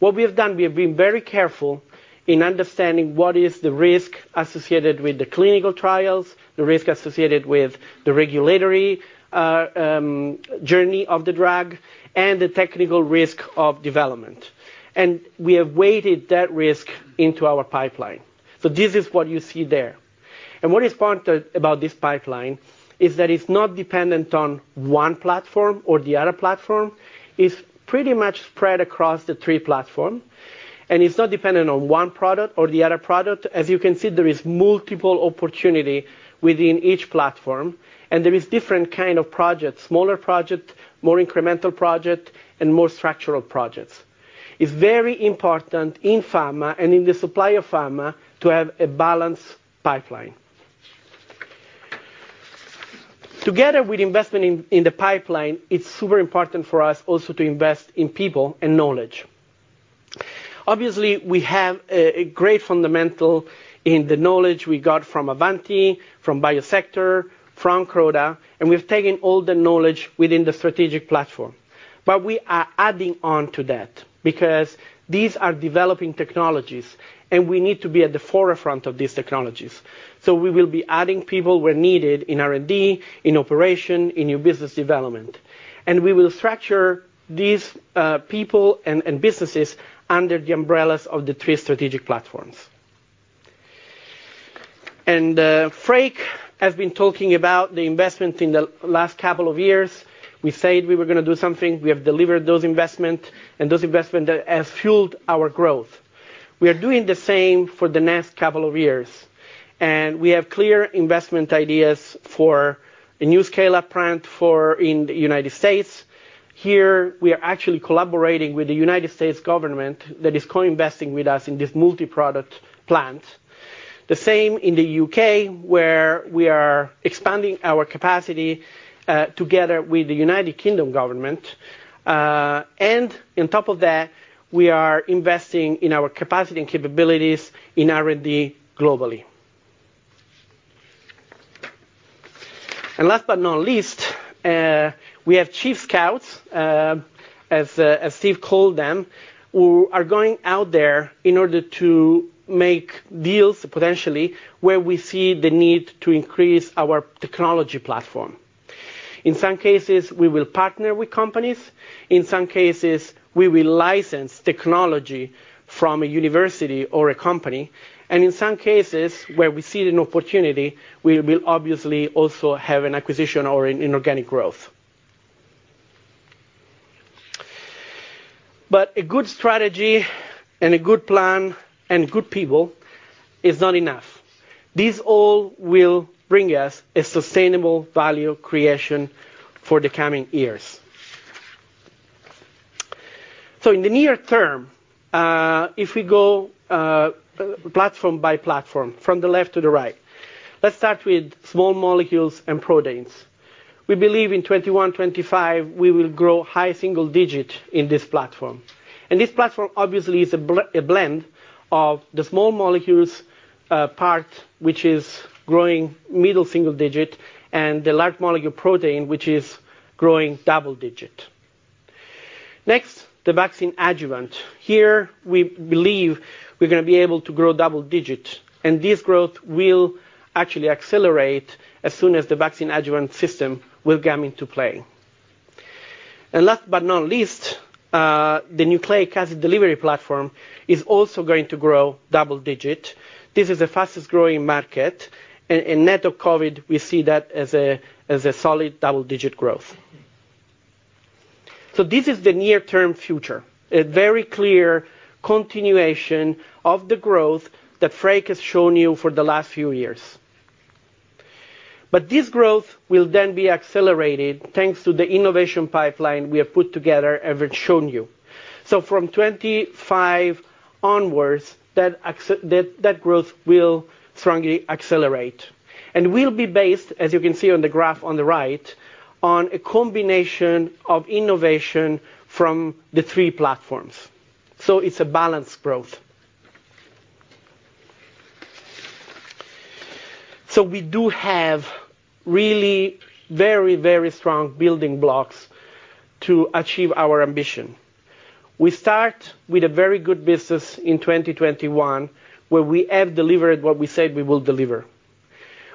What we have done, we have been very careful in understanding what is the risk associated with the clinical trials, the risk associated with the regulatory journey of the drug, and the technical risk of development. We have weighted that risk into our pipeline. This is what you see there. What is important about this pipeline is that it's not dependent on one platform or the other platform. It's pretty much spread across the three platform, and it's not dependent on one product or the other product. As you can see, there is multiple opportunity within each platform, and there is different kind of projects, smaller project, more incremental project, and more structural projects. It's very important in pharma and in the supply of pharma to have a balanced pipeline. Together with investment in the pipeline, it's super important for us also to invest in people and knowledge. Obviously, we have a great fundamental in the knowledge we got from Avanti, from Biosector, from Croda, and we've taken all the knowledge within the strategic platform. We are adding on to that because these are developing technologies, and we need to be at the forefront of these technologies. We will be adding people where needed in R&D, in operation, in new business development. We will structure these people and businesses under the umbrellas of the three strategic platforms. Freek has been talking about the investment in the last couple of years. We said we were gonna do something, we have delivered those investment, and those investment has fueled our growth. We are doing the same for the next couple of years, and we have clear investment ideas for a new scale-up plant for one in the United States. Here, we are actually collaborating with the United States government that is co-investing with us in this multi-product plant. The same in the U.K., where we are expanding our capacity, together with the United Kingdom government. On top of that, we are investing in our capacity and capabilities in R&D globally. Last but not least, we have chief scouts, as Steve called them, who are going out there in order to make deals potentially where we see the need to increase our technology platform. In some cases, we will partner with companies. In some cases, we will license technology from a university or a company, and in some cases, where we see an opportunity, we will obviously also have an acquisition or an inorganic growth. A good strategy and a good plan and good people is not enough. These all will bring us a sustainable value creation for the coming years. In the near term, if we go platform by platform, from the left to the right. Let's start with small molecules and proteins. We believe in 2021-2025, we will grow high single-digit in this platform. This platform obviously is a blend of the small molecules part, which is growing middle single-digit, and the large molecule protein, which is growing double-digit. Next, the vaccine adjuvant. Here we believe we're gonna be able to grow double-digit, and this growth will actually accelerate as soon as the vaccine adjuvant system will come into play. Last but not least, the nucleic acid delivery platform is also going to grow double-digit. This is the fastest-growing market. In net of COVID, we see that as a solid double-digit growth. This is the near term future, a very clear continuation of the growth that Freek has shown you for the last few years. This growth will then be accelerated, thanks to the innovation pipeline we have put together and we've shown you. From 25 onwards, that growth will strongly accelerate and will be based, as you can see on the graph on the right, on a combination of innovation from the three platforms. It's a balanced growth. We do have really very, very strong building blocks to achieve our ambition. We start with a very good business in 2021, where we have delivered what we said we will deliver.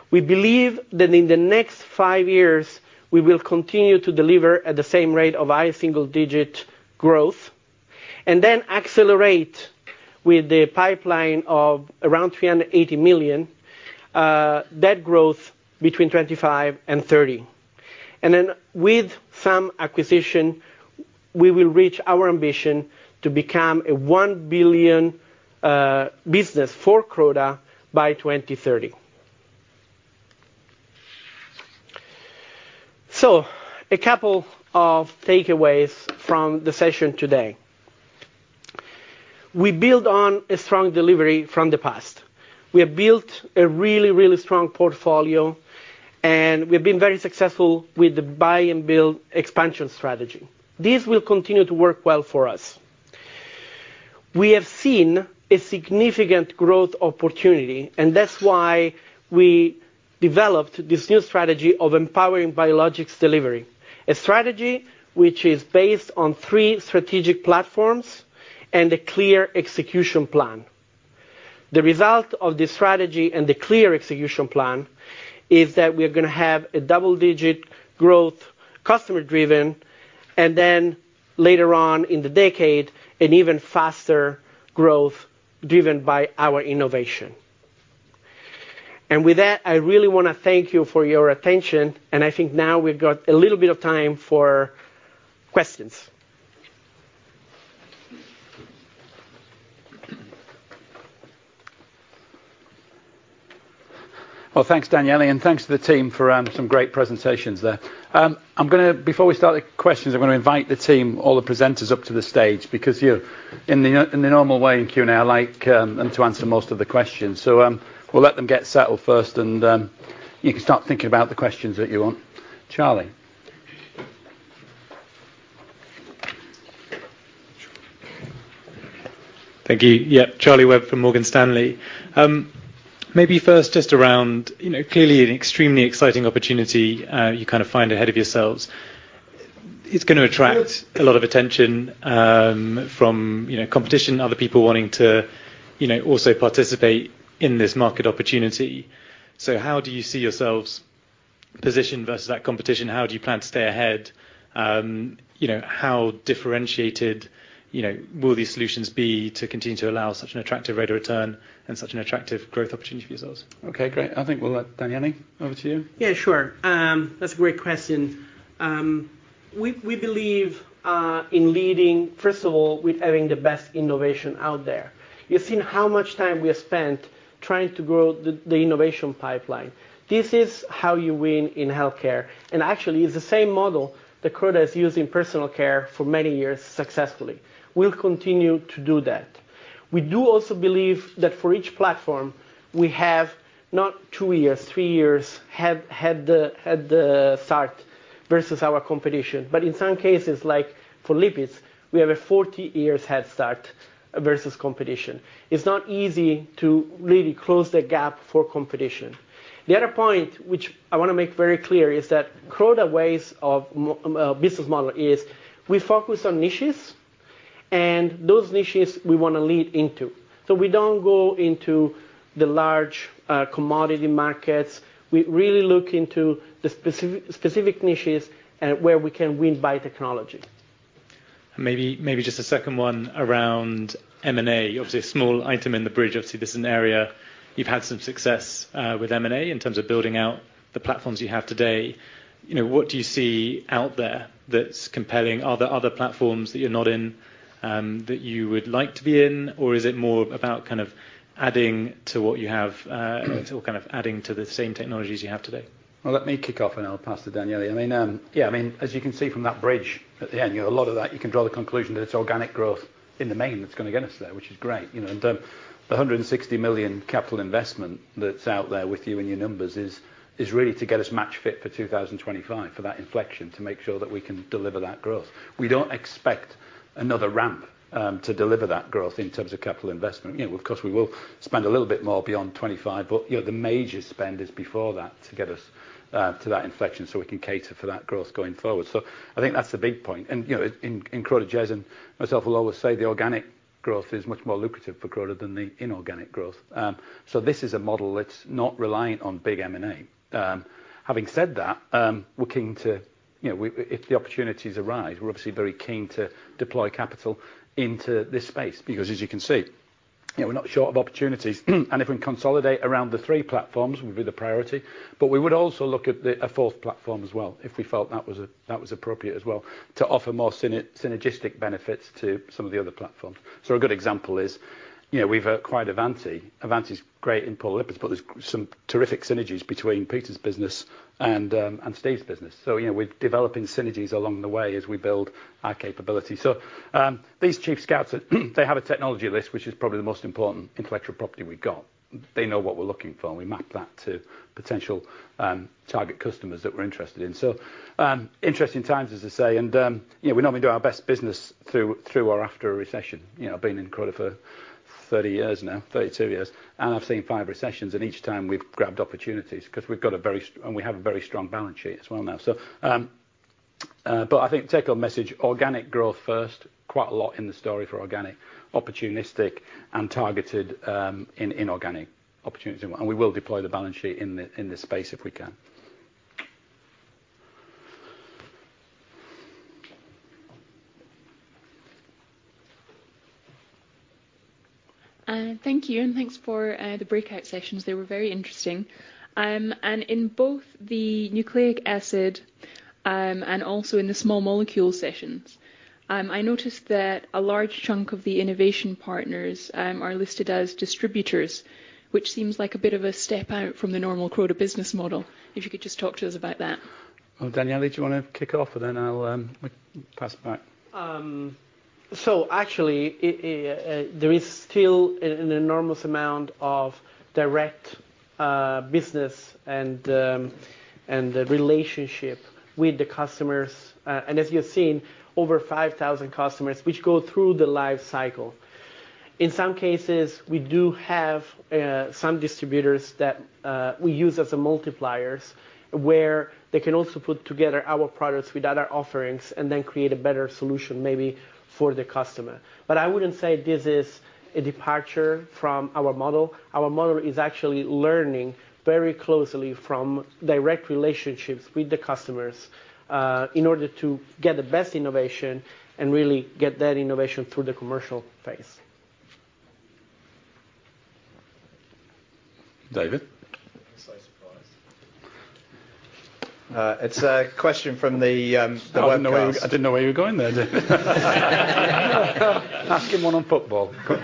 We believe that in the next five years we will continue to deliver at the same rate of high single-digit growth and then accelerate with the pipeline of around 380 million, that growth between 25% and 30%. With some acquisition, we will reach our ambition to become a 1 billion business for Croda by 2030. A couple of takeaways from the session today. We build on a strong delivery from the past. We have built a really strong portfolio, and we've been very successful with the buy and build expansion strategy. This will continue to work well for us. We have seen a significant growth opportunity, and that's why we developed this new strategy of empowering biologics delivery. A strategy which is based on three strategic platforms and a clear execution plan. The result of this strategy and the clear execution plan is that we're gonna have a double-digit growth, customer driven, and then later on in the decade, an even faster growth driven by our innovation. With that, I really wanna thank you for your attention, and I think now we've got a little bit of time for questions. Well, thanks, Daniele, and thanks to the team for some great presentations there. I'm gonna. Before we start the questions, I'm gonna invite the team, all the presenters, up to the stage because in the normal way in Q&A, I like them to answer most of the questions. We'll let them get settled first, and you can start thinking about the questions that you want. Charlie? Thank you. Yeah. Charlie Webb from Morgan Stanley. Maybe first, just around, you know, clearly an extremely exciting opportunity, you kinda find ahead of yourselves. It's gonna attract a lot of attention, from, you know, competition, other people wanting to, you know, also participate in this market opportunity. How do you see yourselves positioned versus that competition? How do you plan to stay ahead? You know, how differentiated, you know, will these solutions be to continue to allow such an attractive rate of return and such an attractive growth opportunity for yourselves? Okay, great. I think we'll let Daniele over to you. Yeah, sure. That's a great question. We believe in leading, first of all, with having the best innovation out there. You've seen how much time we have spent trying to grow the innovation pipeline. This is how you win in healthcare, and actually it's the same model that Croda has used in personal care for many years successfully. We'll continue to do that. We do also believe that for each platform we have not two years, three years, had the start versus our competition. In some cases, like for lipids, we have a 40 years head start versus competition. It's not easy to really close the gap for competition. The other point which I wanna make very clear is that Croda's way of business model is we focus on niches, and those niches we wanna lead into. We don't go into the large commodity markets. We really look into the specific niches where we can win by technology. Maybe just a second one around M&A. Obviously, a small item in the bridge. Obviously, this is an area you've had some success with M&A in terms of building out the platforms you have today. You know, what do you see out there that's compelling? Are there other platforms that you're not in that you would like to be in, or is it more about kind of adding to what you have or kind of adding to the same technologies you have today? Well, let me kick off, and I'll pass to Daniele. I mean, yeah, I mean, as you can see from that bridge at the end, you know, a lot of that, you can draw the conclusion that it's organic growth in the main that's gonna get us there, which is great, you know? The 160 million capital investment that's out there with you in your numbers is really to get us match fit for 2025 for that inflection to make sure that we can deliver that growth. We don't expect another ramp to deliver that growth in terms of capital investment. You know, of course, we will spend a little bit more beyond 25, but, you know, the major spend is before that to get us to that inflection so we can cater for that growth going forward. I think that's the big point. You know, in Croda, Jez and myself will always say the organic growth is much more lucrative for Croda than the inorganic growth. This is a model that's not reliant on big M&A. Having said that, we're keen to, you know, if the opportunities arise, we're obviously very keen to deploy capital into this space because as you can see, you know, we're not short of opportunities. If we consolidate around the three platforms would be the priority, but we would also look at a fourth platform as well if we felt that was appropriate as well to offer more synergistic benefits to some of the other platforms. A good example is, you know, we've acquired Avanti. Avanti is great in polar lipids, but there's some terrific synergies between Peter's business and Steve's business. You know, we're developing synergies along the way as we build our capability. These chief scouts, they have a technology list, which is probably the most important intellectual property we've got. They know what we're looking for, and we map that to potential target customers that we're interested in. Interesting times, as I say, and you know, we normally do our best business through or after a recession. You know, I've been in Croda for 30 years now, 32 years, and I've seen five recessions, and each time we've grabbed opportunities 'cause we have a very strong balance sheet as well now. I think take-home message, organic growth first, quite a lot in the story for organic, opportunistic and targeted, in inorganic opportunity. We will deploy the balance sheet in this space if we can. Thank you, and thanks for the breakout sessions. They were very interesting. In both the nucleic acid and also in the small molecule sessions, I noticed that a large chunk of the innovation partners are listed as distributors, which seems like a bit of a step out from the normal Croda business model. If you could just talk to us about that? Well, Daniele, do you wanna kick off, and then I'll pass it back. So actually, there is still an enormous amount of direct business and relationship with the customers. As you have seen, over 5,000 customers which go through the life cycle. In some cases, we do have some distributors that we use as multipliers, where they can also put together our products with other offerings and then create a better solution maybe for the customer. I wouldn't say this is a departure from our model. Our model is actually learning very closely from direct relationships with the customers in order to get the best innovation and really get that innovation through the commercial phase. David? Surprised. It's a question from the webcast. I didn't know where you were going there, [Dave]. Ask him one on football. Go on.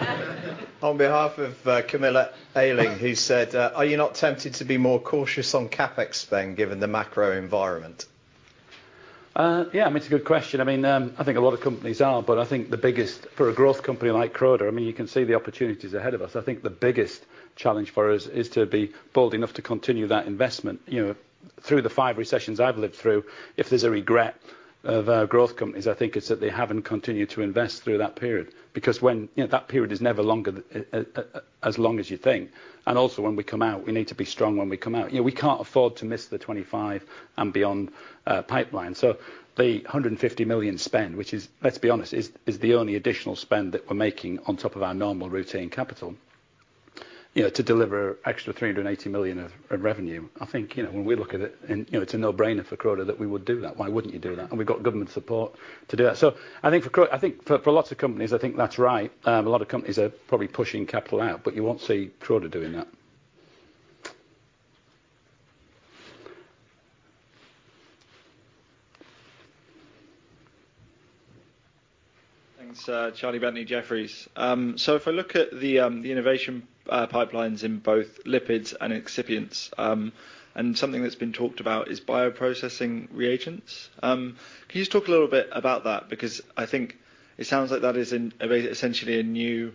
On behalf of Camilla Ayling, who said, "Are you not tempted to be more cautious on CapEx spend given the macro environment? Yeah, I mean, it's a good question. I mean, I think a lot of companies are, but I think the biggest for a growth company like Croda, I mean, you can see the opportunities ahead of us. I think the biggest challenge for us is to be bold enough to continue that investment. You know, through the five recessions I've lived through, if there's a regret of growth companies, I think it's that they haven't continued to invest through that period. Because you know, that period is never longer as long as you think. Also, when we come out, we need to be strong when we come out. You know, we can't afford to miss the 25 and beyond pipeline. The 150 million spend, which is, let's be honest, the only additional spend that we're making on top of our normal routine capital, you know, to deliver extra 380 million of revenue. I think, you know, when we look at it and, you know, it's a no-brainer for Croda that we would do that. Why wouldn't you do that? We've got government support to do that. I think for Croda, I think for lots of companies, I think that's right. A lot of companies are probably pushing capital out, but you won't see Croda doing that. Thanks. Charlie Bentley, Jefferies. If I look at the innovation pipelines in both lipids and excipients, and something that's been talked about is bioprocessing reagents. Can you just talk a little bit about that? Because I think it sounds like that is a very essentially a new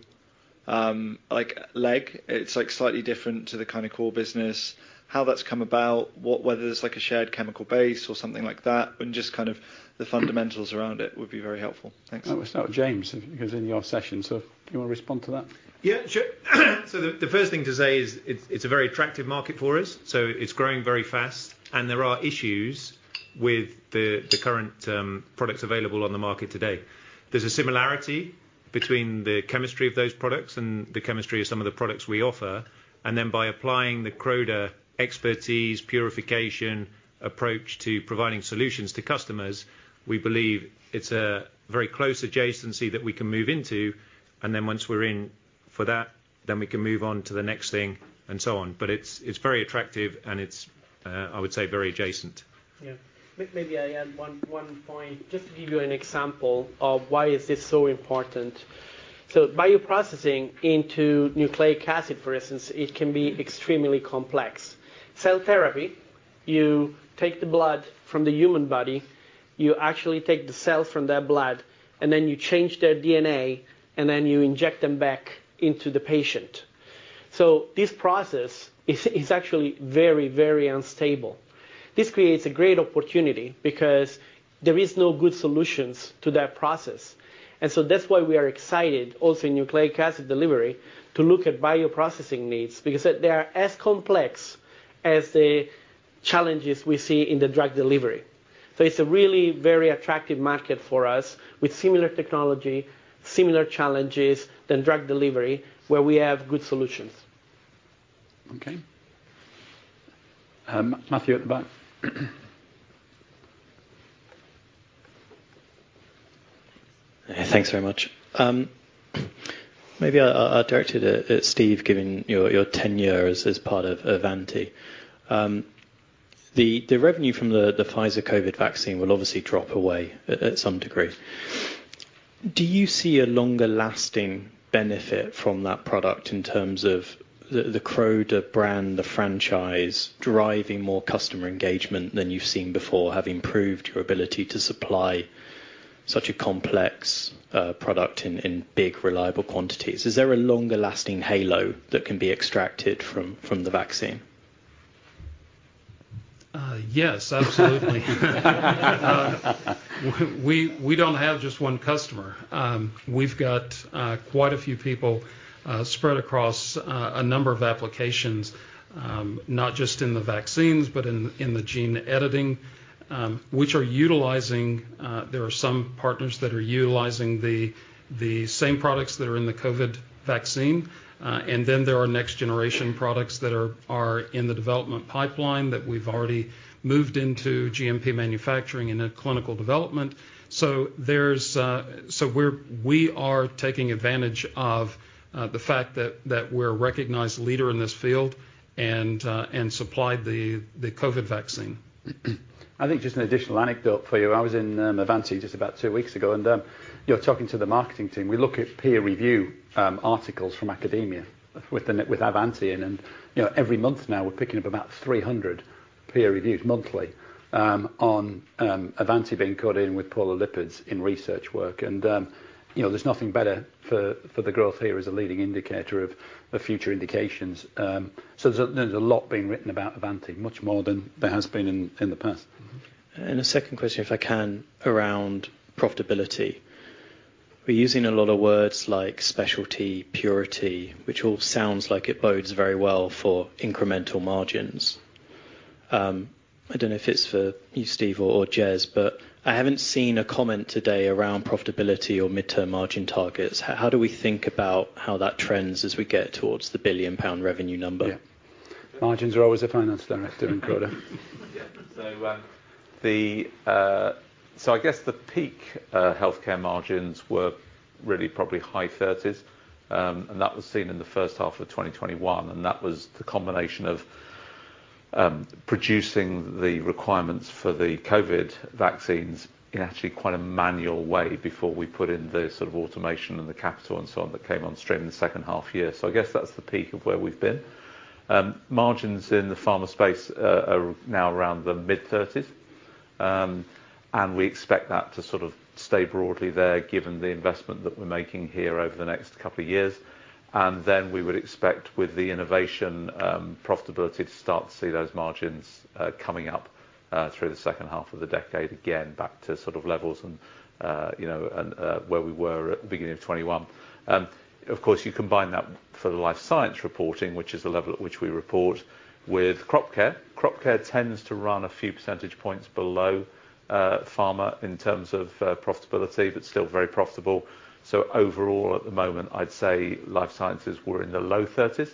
It's like slightly different to the kind of core business. How that's come about, whether it's like a shared chemical base or something like that, and just kind of the fundamentals around it would be very helpful. Thanks. I always start with James because in your session. Do you wanna respond to that? Yeah, sure. The first thing to say is it's a very attractive market for us, so it's growing very fast, and there are issues with the current products available on the market today. There's a similarity between the chemistry of those products and the chemistry of some of the products we offer, and then by applying the Croda expertise purification approach to providing solutions to customers, we believe it's a very close adjacency that we can move into, and then once we're in for that, then we can move on to the next thing and so on. It's very attractive and it's, I would say, very adjacent. Yeah. Maybe I add one point. Just to give you an example of why is this so important. Bioprocessing into nucleic acid, for instance, it can be extremely complex. Cell therapy, you take the blood from the human body, you actually take the cells from that blood, and then you change their DNA, and then you inject them back into the patient. This process is actually very unstable. This creates a great opportunity because there is no good solutions to that process. That's why we are excited also in nucleic acid delivery to look at bioprocessing needs because they are as complex as the challenges we see in the drug delivery. It's a really very attractive market for us with similar technology, similar challenges than drug delivery where we have good solutions. Okay. Matthew at the back. Thanks very much. Maybe I'll direct it at Steve, given your tenure as part of Avanti. The revenue from the Pfizer COVID vaccine will obviously drop away to some degree. Do you see a longer-lasting benefit from that product in terms of the Croda brand, the franchise, driving more customer engagement than you've seen before, having improved your ability to supply such a complex product in big, reliable quantities? Is there a longer-lasting halo that can be extracted from the vaccine? Yes, absolutely. We don't have just one customer. We've got quite a few people spread across a number of applications, not just in the vaccines, but in the gene editing. There are some partners that are utilizing the same products that are in the COVID vaccine. And then there are next generation products that are in the development pipeline that we've already moved into GMP manufacturing and then clinical development. We're taking advantage of the fact that we're a recognized leader in this field and supplied the COVID vaccine. I think just an additional anecdote for you. I was in Avanti just about two weeks ago and, you know, talking to the marketing team. We look at peer review articles from academia with Avanti. You know, every month now we're picking up about 300 peer reviews monthly on Avanti being called in with polar lipids in research work. You know, there's nothing better for the growth here as a leading indicator of the future indications. There's a lot being written about Avanti, much more than there has been in the past. A second question, if I can, around profitability. We're using a lot of words like specialty, purity, which all sounds like it bodes very well for incremental margins. I don't know if it's for you, Steve or Jez, but I haven't seen a comment today around profitability or midterm margin targets. How do we think about how that trends as we get towards the 1 billion pound revenue number? Yeah. Margins are always the finance director in Croda. Yeah. I guess the peak healthcare margins were really probably high 30s%, and that was seen in the H1 of 2021, and that was the combination of producing the requirements for the COVID vaccines in actually quite a manual way before we put in the sort of automation and the capital and so on that came on stream in the H2 year. I guess that's the peak of where we've been. Margins in the pharma space are now around the mid-30s%, and we expect that to sort of stay broadly there given the investment that we're making here over the next couple of years. Then we would expect with the innovation, profitability to start to see those margins coming up through the H2 of the decade, again, back to sort of levels, you know, where we were at the beginning of 2021. Of course, you combine that for the Life Sciences reporting, which is the level at which we report with crop care. Crop care tends to run a few percentage points below pharma in terms of profitability, but still very profitable. Overall, at the moment, I'd say Life Sciences we're in the low 30s%,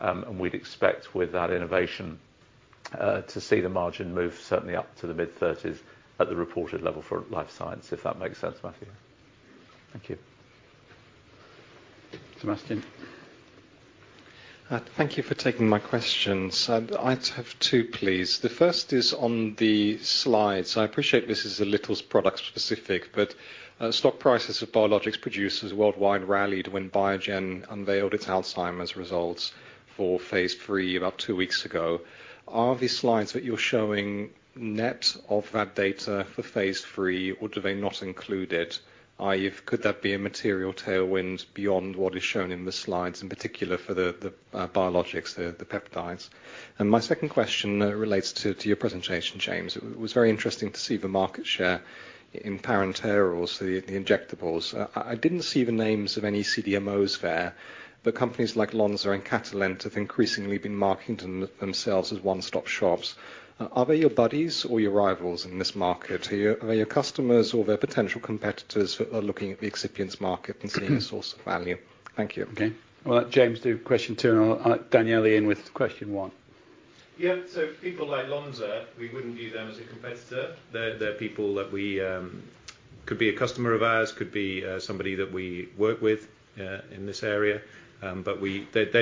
and we'd expect with that innovation to see the margin move certainly up to the mid-30s% at the reported level for Life Sciences, if that makes sense, Matthew. Thank you. Sebastian. Thank you for taking my questions. I'd have two, please. The first is on the slides. I appreciate this is a little product specific, but stock prices of biologics producers worldwide rallied when Biogen unveiled its Alzheimer's results for phase III about two weeks ago. Are the slides that you're showing net of that data for phase III, or do they not include it? I.e., could that be a material tailwind beyond what is shown in the slides, in particular for the biologics, the peptides? My second question relates to your presentation, James. It was very interesting to see the market share in parenterals, the injectables. I didn't see the names of any CDMOs there, but companies like Lonza and Catalent have increasingly been marketing themselves as one-stop shops. Are they your buddies or your rivals in this market? Are your customers or their potential competitors are looking at the excipients market and seeing a source of value? Thank you. Okay. I'll let James do question two, and I'll bring Daniele in with question one. Yeah. People like Lonza, we wouldn't view them as a competitor. They're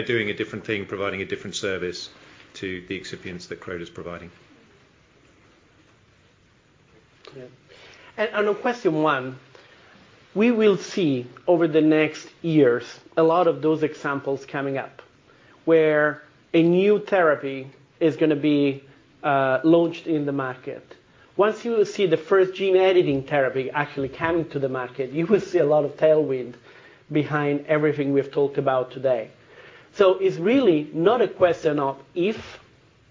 doing a different thing, providing a different service to the excipients that Croda's providing. Yeah. On question one, we will see over the next years a lot of those examples coming up, where a new therapy is gonna be launched in the market. Once you see the first gene editing therapy actually coming to the market, you will see a lot of tailwind behind everything we've talked about today. It's really not a question of if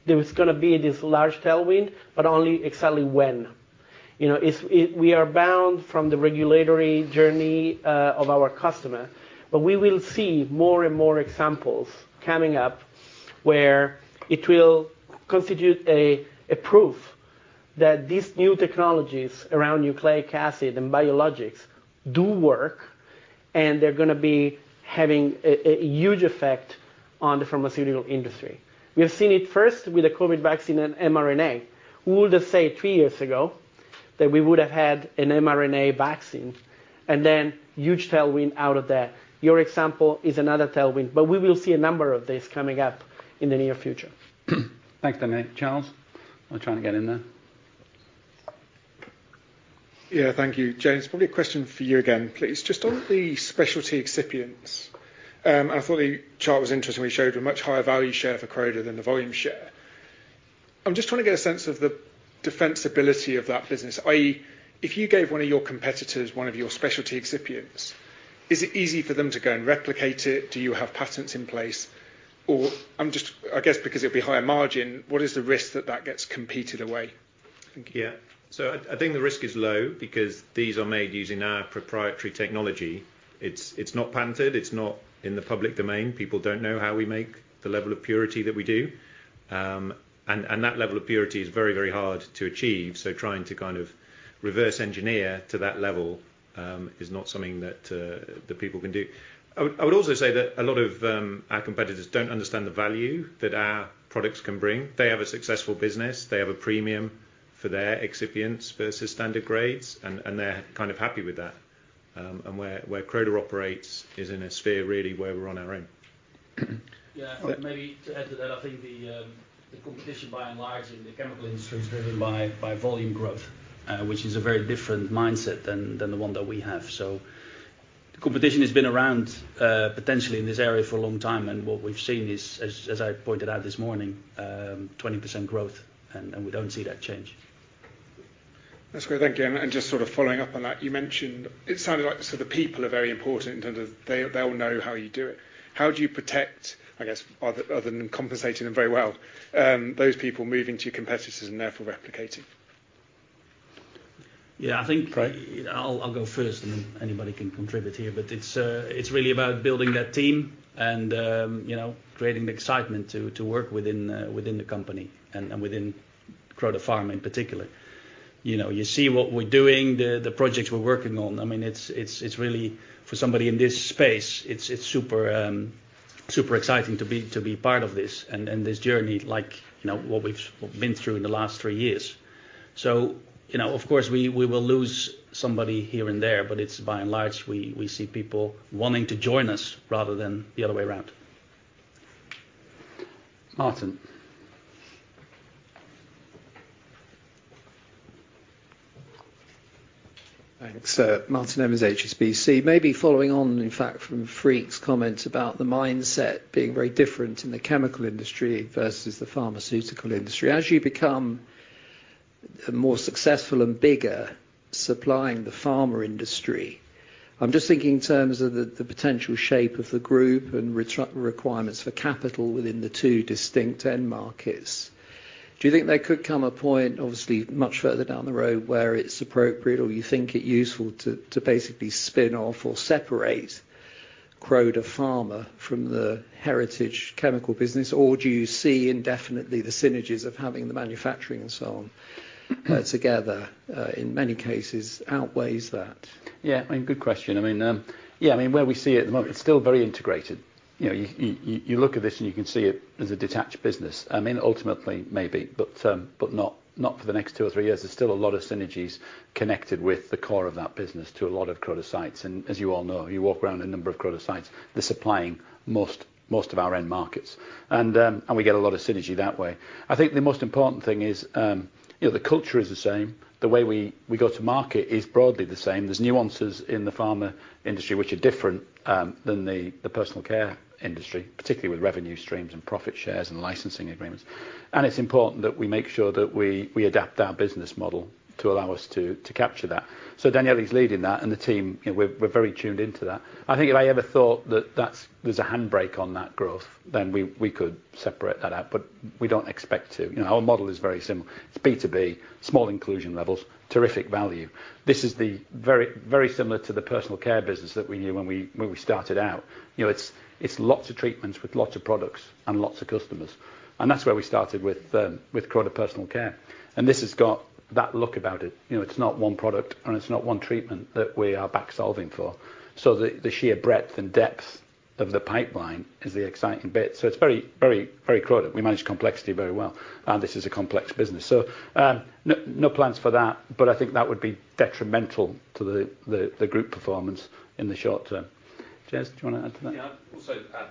there is gonna be this large tailwind, but only exactly when. We are bound by the regulatory journey of our customer. We will see more and more examples coming up where it will constitute a proof that these new technologies around nucleic acid and biologics do work, and they're gonna be having a huge effect on the pharmaceutical industry. We have seen it first with the COVID vaccine and mRNA. Who would've said three years ago that we would've had an mRNA vaccine and then huge tailwind out of that? Your example is another tailwind, but we will see a number of these coming up in the near future. Thanks, Daniele. Charles, I'll try and get in there. Yeah. Thank you. James, probably a question for you again, please. Just on the specialty excipients, I thought the chart was interesting when you showed a much higher value share for Croda than the volume share. I'm just trying to get a sense of the defensibility of that business. i.e., if you gave one of your competitors one of your specialty excipients, is it easy for them to go and replicate it? Do you have patents in place? Or, I guess, because it'd be higher margin, what is the risk that that gets competed away? Thank you. Yeah. I think the risk is low because these are made using our proprietary technology. It's not patented. It's not in the public domain. People don't know how we make the level of purity that we do. And that level of purity is very, very hard to achieve, so trying to kind of reverse engineer to that level is not something that the people can do. I would also say that a lot of our competitors don't understand the value that our products can bring. They have a successful business. They have a premium for their excipients versus standard grades, and they're kind of happy with that. And where Croda operates is in a sphere really where we're on our own. Yeah. Maybe to add to that, I think the competition by and large in the chemical industry is driven by volume growth, which is a very different mindset than the one that we have. The competition has been around potentially in this area for a long time, and what we've seen is, as I pointed out this morning, 20% growth, and we don't see that change. That's great. Thank you. Just sort of following up on that, you mentioned it sounded like so the people are very important in terms of they all know how you do it. How do you protect, I guess, other than compensating them very well, those people moving to your competitors and therefore replicating? Yeah. I think. Freek. I'll go first and then anybody can contribute here. It's really about building that team and, you know, creating the excitement to work within the company and within Croda Pharma in particular. You know, you see what we're doing, the projects we're working on. I mean, it's really, for somebody in this space, it's super exciting to be part of this and this journey like, you know, what we've been through in the last three years. You know, of course we will lose somebody here and there, but by and large we see people wanting to join us rather than the other way around. Martin. Thanks. Martin Evans, HSBC. Maybe following on in fact from Freek's comment about the mindset being very different in the chemical industry versus the pharmaceutical industry. As you become more successful and bigger supplying the pharma industry, I'm just thinking in terms of the potential shape of the group and requirements for capital within the two distinct end markets. Do you think there could come a point, obviously much further down the road, where it's appropriate or you think it useful to basically spin off or separate. Croda Pharma from the heritage chemical business or do you see indefinitely the synergies of having the manufacturing and so on together, in many cases outweighs that? Yeah. I mean, good question. I mean, yeah, I mean, where we see it at the moment, it's still very integrated. You know, you look at this and you can see it as a detached business. I mean, ultimately, maybe, but not for the next two or three years. There's still a lot of synergies connected with the core of that business to a lot of Croda sites. And as you all know, you walk around a number of Croda sites, they're supplying most of our end markets. And we get a lot of synergy that way. I think the most important thing is, you know, the culture is the same. The way we go to market is broadly the same. There's nuances in the pharma industry which are different than the personal care industry, particularly with revenue streams and profit shares and licensing agreements. It's important that we make sure that we adapt our business model to allow us to capture that. Daniele's leading that, and the team, you know, we're very tuned into that. I think if I ever thought that there's a handbrake on that growth, then we could separate that out. We don't expect to. You know, our model is very similar. It's B2B, small inclusion levels, terrific value. This is the very similar to the personal care business that we knew when we started out. You know, it's lots of treatments with lots of products and lots of customers. That's where we started with Croda Personal Care. This has got that look about it. You know, it's not one product and it's not one treatment that we are back solving for. The sheer breadth and depth of the pipeline is the exciting bit. It's very Croda. We manage complexity very well, and this is a complex business. No plans for that, but I think that would be detrimental to the group performance in the short term. Jez, do you wanna add to that? Yeah.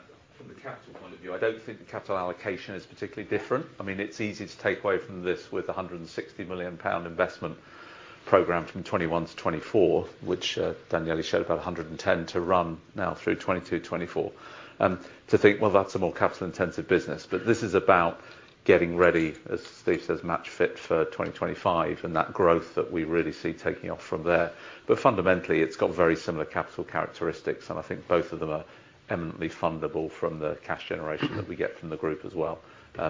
Also, from the capital point of view, I don't think the capital allocation is particularly different. I mean, it's easy to take away from this with 160 million pound investment program from 2021 to 2024, which, Daniele showed about 110 to run now through 2022, 2024. To think, well, that's a more capital intensive business. This is about getting ready, as Steve says, match fit for 2025, and that growth that we really see taking off from there. Fundamentally, it's got very similar capital characteristics, and I think both of them are eminently fundable from the cash generation that we get from the group as well.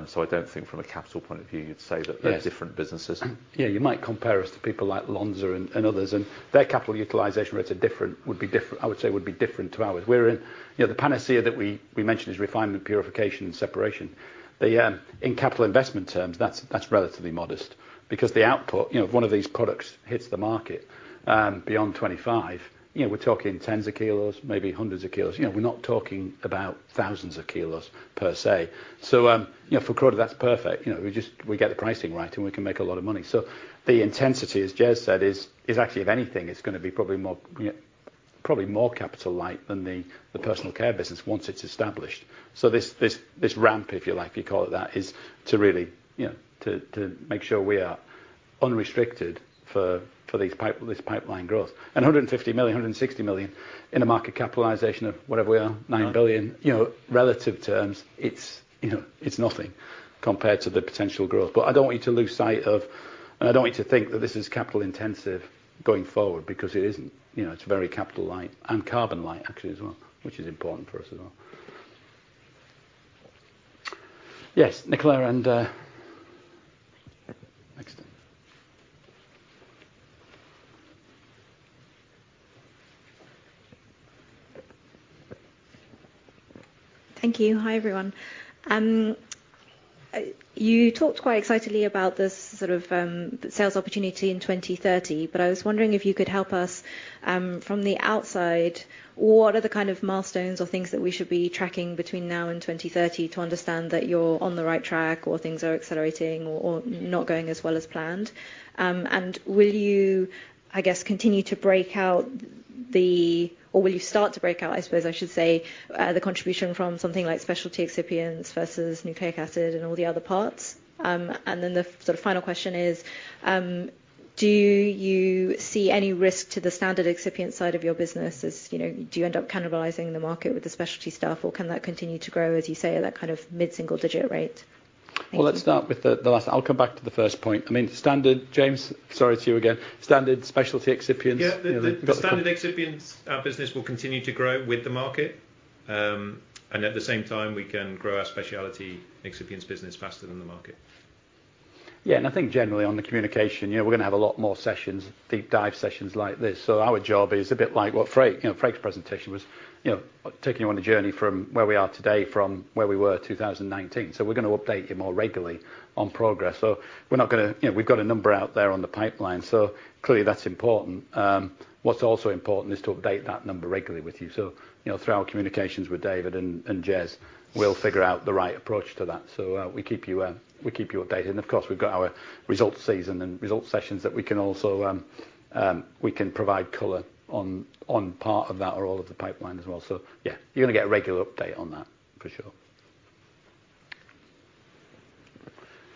So I don't think from a capital point of view you'd say that- Yes They're different businesses. Yeah. You might compare us to people like Lonza and others, and their capital utilization rates are different, would be different, I would say, to ours. We're in, you know, the panacea that we mentioned is refinement, purification and separation. In capital investment terms, that's relatively modest because the output, you know, if one of these products hits the market, beyond 2025, you know, we're talking tens of kilos, maybe hundreds of kilos. You know, we're not talking about thousands of kilos per se. You know, for Croda, that's perfect. You know, we just get the pricing right and we can make a lot of money. The intensity, as Jez said, is actually, if anything, it's gonna be probably more capital light than the personal care business once it's established. This ramp, if you like, if you call it that, is to really, you know, to make sure we are unrestricted for this pipeline growth. 150 million, 160 million in a market capitalization of whatever we are, 9 billion. You know, relative terms, it's, you know, it's nothing compared to the potential growth. But I don't want you to lose sight of. I don't want you to think that this is capital intensive going forward because it isn't. You know, it's very capital light and carbon light actually as well, which is important for us as well. Yes. Nicola, next. Thank you. Hi, everyone. You talked quite excitedly about this sort of sales opportunity in 2030, but I was wondering if you could help us from the outside, what are the kind of milestones or things that we should be tracking between now and 2030 to understand that you're on the right track or things are accelerating or not going as well as planned? And will you, I guess, continue to break out or will you start to break out, I suppose I should say, the contribution from something like specialty excipients versus nucleic acid and all the other parts? And then the sort of final question is, do you see any risk to the standard excipient side of your business? As you know, do you end up cannibalizing the market with the specialty stuff, or can that continue to grow, as you say, at that kind of mid-single digit rate? Well, let's start with the last. I'll come back to the first point. I mean, standard, James, sorry to you again. Standard specialty excipient- Yeah. The standard excipient business will continue to grow with the market. At the same time, we can grow our specialty excipient business faster than the market. Yeah. I think generally on the communication, you know, we're gonna have a lot more sessions, deep dive sessions like this. Our job is a bit like what Freek, you know, Freek's presentation was, you know, taking you on a journey from where we are today from where we were 2019. We're gonna update you more regularly on progress. You know, we've got a number out there on the pipeline, so clearly that's important. What's also important is to update that number regularly with you. You know, through our communications with David and Jez, we'll figure out the right approach to that. We keep you updated. Of course, we've got our results season and results sessions that we can also provide color on part of that or all of the pipeline as well. Yeah, you're gonna get a regular update on that for sure.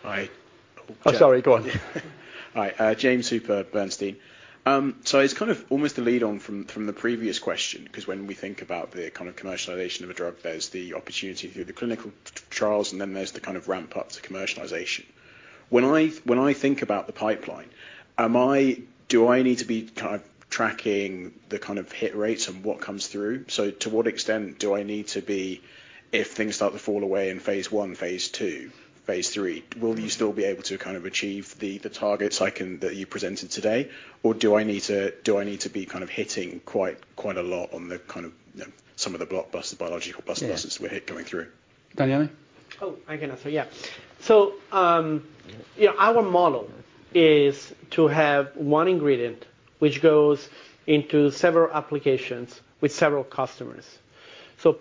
All right. Oh, sorry, go on. All right, [James Super], Bernstein. It's kind of almost a follow-on from the previous question, 'cause when we think about the kind of commercialization of a drug, there's the opportunity through the clinical trials, and then there's the kind of ramp up to commercialization. When I think about the pipeline, am I do I need to be kind of tracking the kind of hit rates and what comes through? To what extent do I need to be, if things start to fall away in phase I, phase II, phase III, will you still be able to kind of achieve the targets that you presented today? Or do I need to be kind of hitting quite a lot on the kind of, you know, some of the blockbusters, biological blockbusters. Yeah We had going through? Daniele? Oh, I can answer. Yeah. You know, our model is to have one ingredient which goes into several applications with several customers.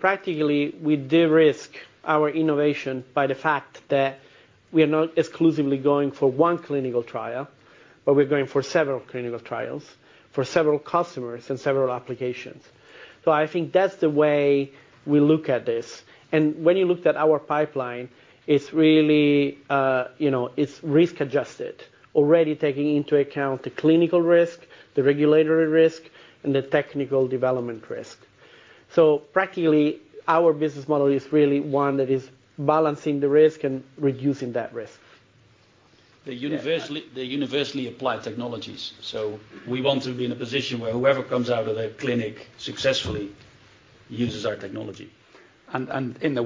Practically, we de-risk our innovation by the fact that we are not exclusively going for one clinical trial, but we're going for several clinical trials, for several customers and several applications. I think that's the way we look at this. When you looked at our pipeline, it's really, you know, it's risk-adjusted, already taking into account the clinical risk, the regulatory risk, and the technical development risk. Practically, our business model is really one that is balancing the risk and reducing that risk. They're universally applied technologies, so we want to be in a position where whoever comes out of the clinic successfully uses our technology. in the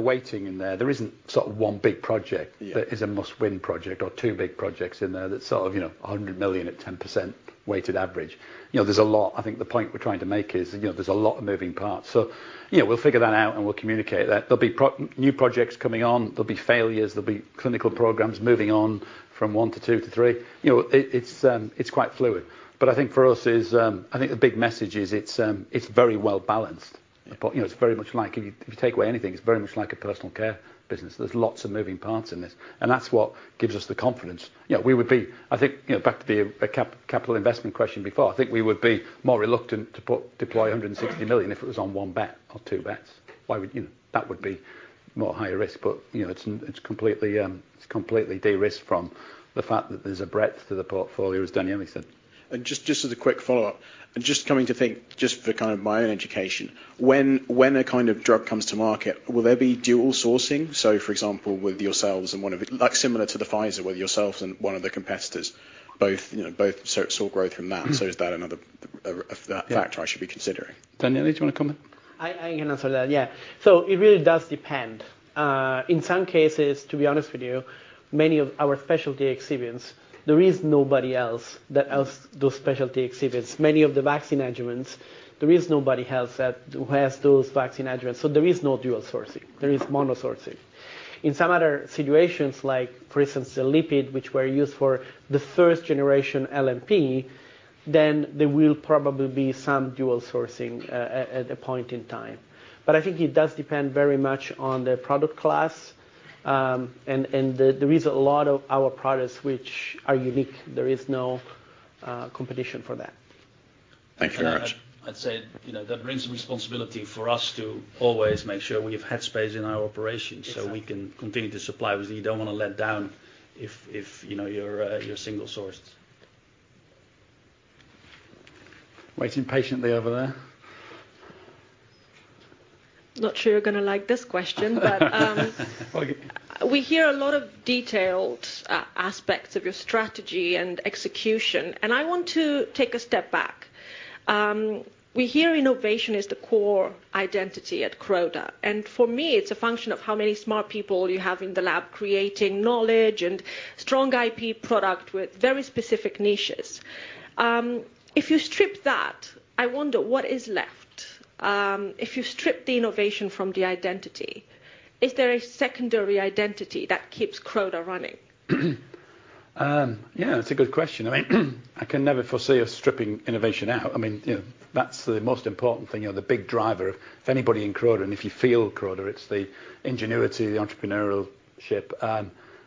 weighting in there isn't sort of one big project. Yeah That is a must-win project or two big projects in there that's sort of, you know, 100 million at 10% weighted average. You know, there's a lot. I think the point we're trying to make is, you know, there's a lot of moving parts. We'll figure that out, and we'll communicate that. There'll be new projects coming on. There'll be failures. There'll be clinical programs moving on from one to two to three. You know, it's quite fluid. I think for us is, I think the big message is it's very well-balanced. Yeah. You know, it's very much like if you take away anything, it's very much like a personal care business. There's lots of moving parts in this, and that's what gives us the confidence. You know, we would be, I think, you know, back to the CapEx question before. I think we would be more reluctant to deploy 160 million if it was on one bet or two bets. You know, that would be more higher risk, but you know, it's completely de-risked from the fact that there's a breadth to the portfolio, as Daniele said. Just as a quick follow-up, and just coming to think, just for kind of my own education, when a kind of drug comes to market, will there be dual sourcing? For example, with yourselves and one of it—like similar to Pfizer, with yourselves and one of the competitors, both, you know, both saw growth from that. Mm-hmm. Is that another factor? Yeah I should be considering? Daniele, do you want to comment? I can answer that, yeah. It really does depend. In some cases, to be honest with you, many of our specialty excipients, there is nobody else that sells those specialty excipients. Many of the vaccine adjuvants, there is nobody else who has those vaccine adjuvants, so there is no dual sourcing. There is mono sourcing. In some other situations, like for instance the lipid which were used for the first generation LNP, then there will probably be some dual sourcing, at a point in time. I think it does depend very much on the product class, and there is a lot of our products which are unique. There is no competition for that. Thank you very much. I'd say, you know, that brings responsibility for us to always make sure we have head space in our operations. Exactly We can continue to supply because you don't wanna let down if you know you're single sourced. Waiting patiently over there. Not sure you're gonna like this question, but. Well, you- We hear a lot of detailed aspects of your strategy and execution, and I want to take a step back. We hear innovation is the core identity at Croda, and for me, it's a function of how many smart people you have in the lab creating knowledge and strong IP product with very specific niches. If you strip that, I wonder what is left. If you strip the innovation from the identity, is there a secondary identity that keeps Croda running? Yeah, that's a good question. I mean, I can never foresee us stripping innovation out. I mean, you know, that's the most important thing or the big driver of if anybody in Croda and if you feel Croda, it's the ingenuity, the entrepreneurship,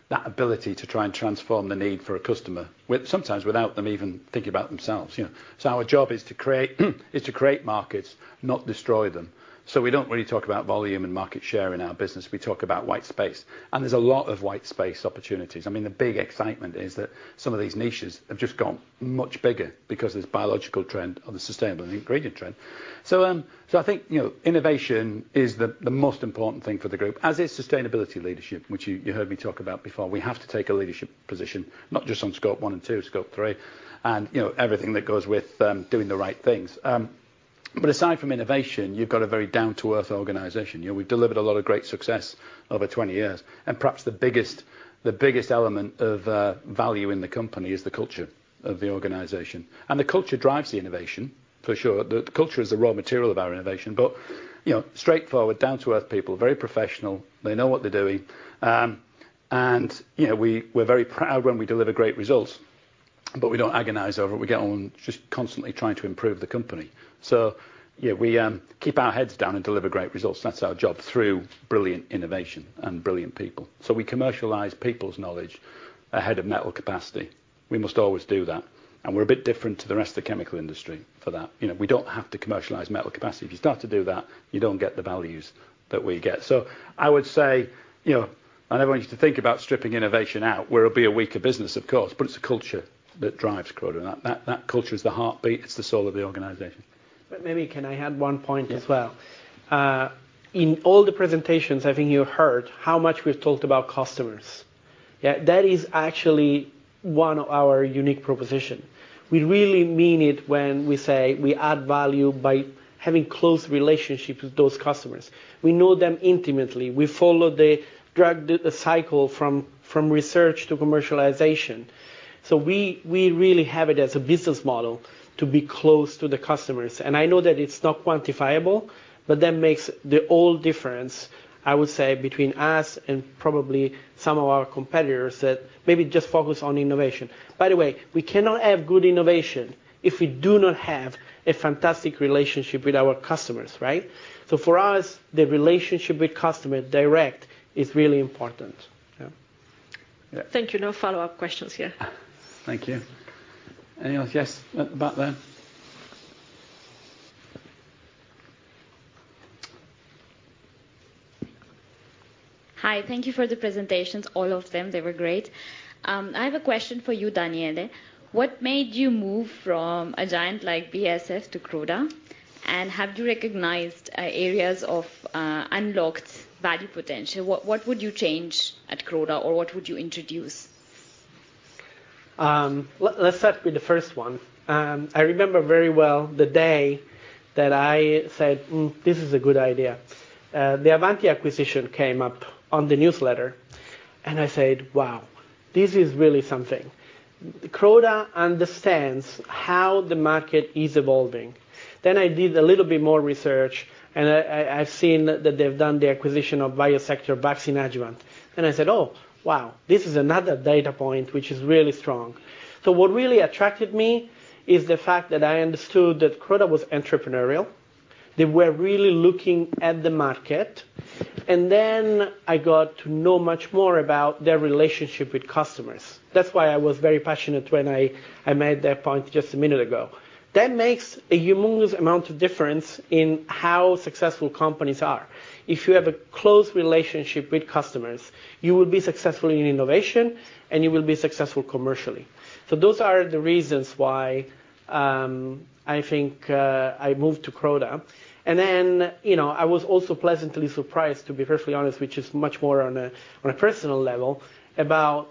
that ability to try and transform the need for a customer with sometimes without them even thinking about themselves, you know. Our job is to create markets, not destroy them. We don't really talk about volume and market share in our business. We talk about white space, and there's a lot of white space opportunities. I mean, the big excitement is that some of these niches have just gotten much bigger because of this biological trend or the sustainable ingredient trend. I think, you know, innovation is the most important thing for the group, as is sustainability leadership, which you heard me talk about before. We have to take a leadership position, not just on Scope 1 and 2, Scope 3, and, you know, everything that goes with doing the right things. Aside from innovation, you've got a very down-to-earth organization. You know, we've delivered a lot of great success over 20 years, and perhaps the biggest element of value in the company is the culture of the organization, and the culture drives the innovation for sure. The culture is the raw material of our innovation. You know, straightforward, down-to-earth people, very professional. They know what they're doing. You know, we're very proud when we deliver great results, but we don't agonize over it. We get on just constantly trying to improve the company. Yeah, we keep our heads down and deliver great results. That's our job through brilliant innovation and brilliant people. We commercialize people's knowledge ahead of metal capacity. We must always do that, and we're a bit different to the rest of the chemical industry for that. You know, we don't have to commercialize metal capacity. If you start to do that, you don't get the values that we get. I would say, you know, I never want you to think about stripping innovation out, where it'll be a weaker business, of course, but it's the culture that drives Croda. That culture is the heartbeat. It's the soul of the organization. Maybe can I add one point as well? Yeah. In all the presentations, I think you heard how much we've talked about customers. Yeah, that is actually one of our unique proposition. We really mean it when we say we add value by having close relationships with those customers. We know them intimately. We follow the drug development cycle from research to commercialization. We really have it as a business model to be close to the customers. I know that it's not quantifiable, but that makes all the difference, I would say, between us and probably some of our competitors that maybe just focus on innovation. By the way, we cannot have good innovation if we do not have a fantastic relationship with our customers, right? For us, the relationship with customers directly is really important. Yeah. Yeah. Thank you. No follow-up questions here. Thank you. Anyone else? Yes, at the back there. Hi, thank you for the presentations, all of them. They were great. I have a question for you, Daniele. What made you move from a giant like BASF to Croda? Have you recognized areas of unlocked value potential? What would you change at Croda, or what would you introduce? Let's start with the first one. I remember very well the day that I said, "Hmm, this is a good idea." The Avanti acquisition came up on the newsletter, and I said, "Wow, this is really something." Croda understands how the market is evolving. I did a little bit more research, and I've seen that they've done the acquisition of Biosector vaccine adjuvant, and I said, "Oh, wow, this is another data point which is really strong." What really attracted me is the fact that I understood that Croda was entrepreneurial. They were really looking at the market. I got to know much more about their relationship with customers. That's why I was very passionate when I made that point just a minute ago. That makes a humongous amount of difference in how successful companies are. If you have a close relationship with customers, you will be successful in innovation, and you will be successful commercially. Those are the reasons why I think I moved to Croda. You know, I was also pleasantly surprised, to be perfectly honest, which is much more on a personal level, about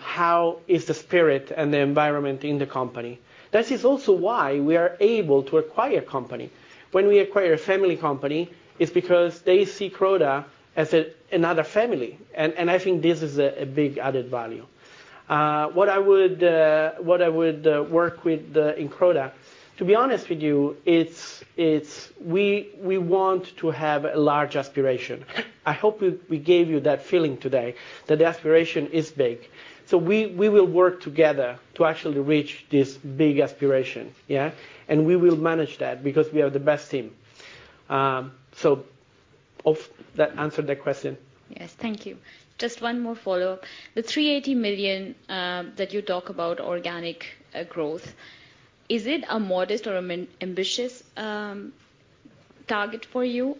how is the spirit and the environment in the company. That is also why we are able to acquire company. When we acquire a family company, it's because they see Croda as another family, and I think this is a big added value. What I would work with in Croda, to be honest with you, it's we want to have a large aspiration. I hope we gave you that feeling today, that the aspiration is big. We will work together to actually reach this big aspiration, yeah? We will manage that because we are the best team. That answered that question. Yes. Thank you. Just one more follow. The 380 million that you talk about organic growth, is it a modest or ambitious target for you?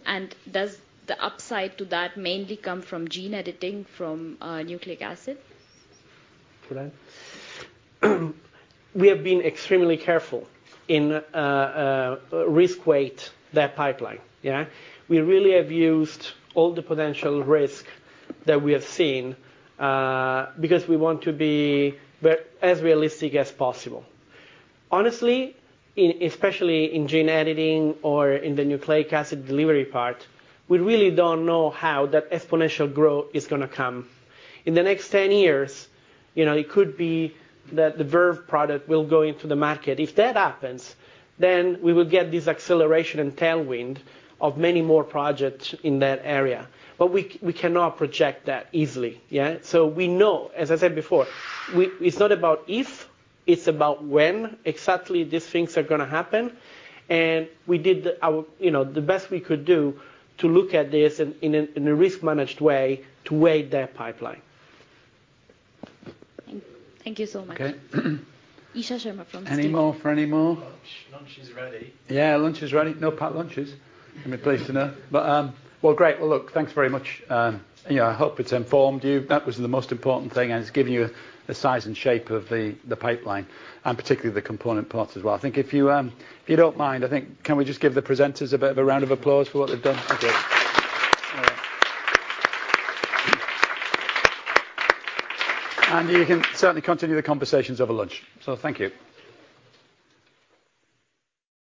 Does the upside to that mainly come from gene editing from nucleic acid? For that? We have been extremely careful in risk weight that pipeline, yeah? We really have used all the potential risk that we have seen, because we want to be as realistic as possible. Honestly, especially in gene editing or in the nucleic acid delivery part, we really don't know how that exponential growth is gonna come. In the next 10 years, you know, it could be that the Verve product will go into the market. If that happens, then we will get this acceleration and tailwind of many more projects in that area. But we cannot project that easily, yeah? We know, as I said before, it's not about if, it's about when exactly these things are gonna happen, and we did our, you know, the best we could do to look at this in a risk managed way to weigh their pipeline. Thank you so much. Okay. Isha Sharma from Stifel. Any more for any more? Lunch is ready. Yeah, lunch is ready. No packed lunches, I'm pleased to know. Well, great. Well, look, thanks very much. You know, I hope it's informed you. That was the most important thing, and it's given you the size and shape of the pipeline, and particularly the component parts as well. I think if you don't mind, I think, can we just give the presenters a bit of a round of applause for what they've done? Okay. You can certainly continue the conversations over lunch. Thank you.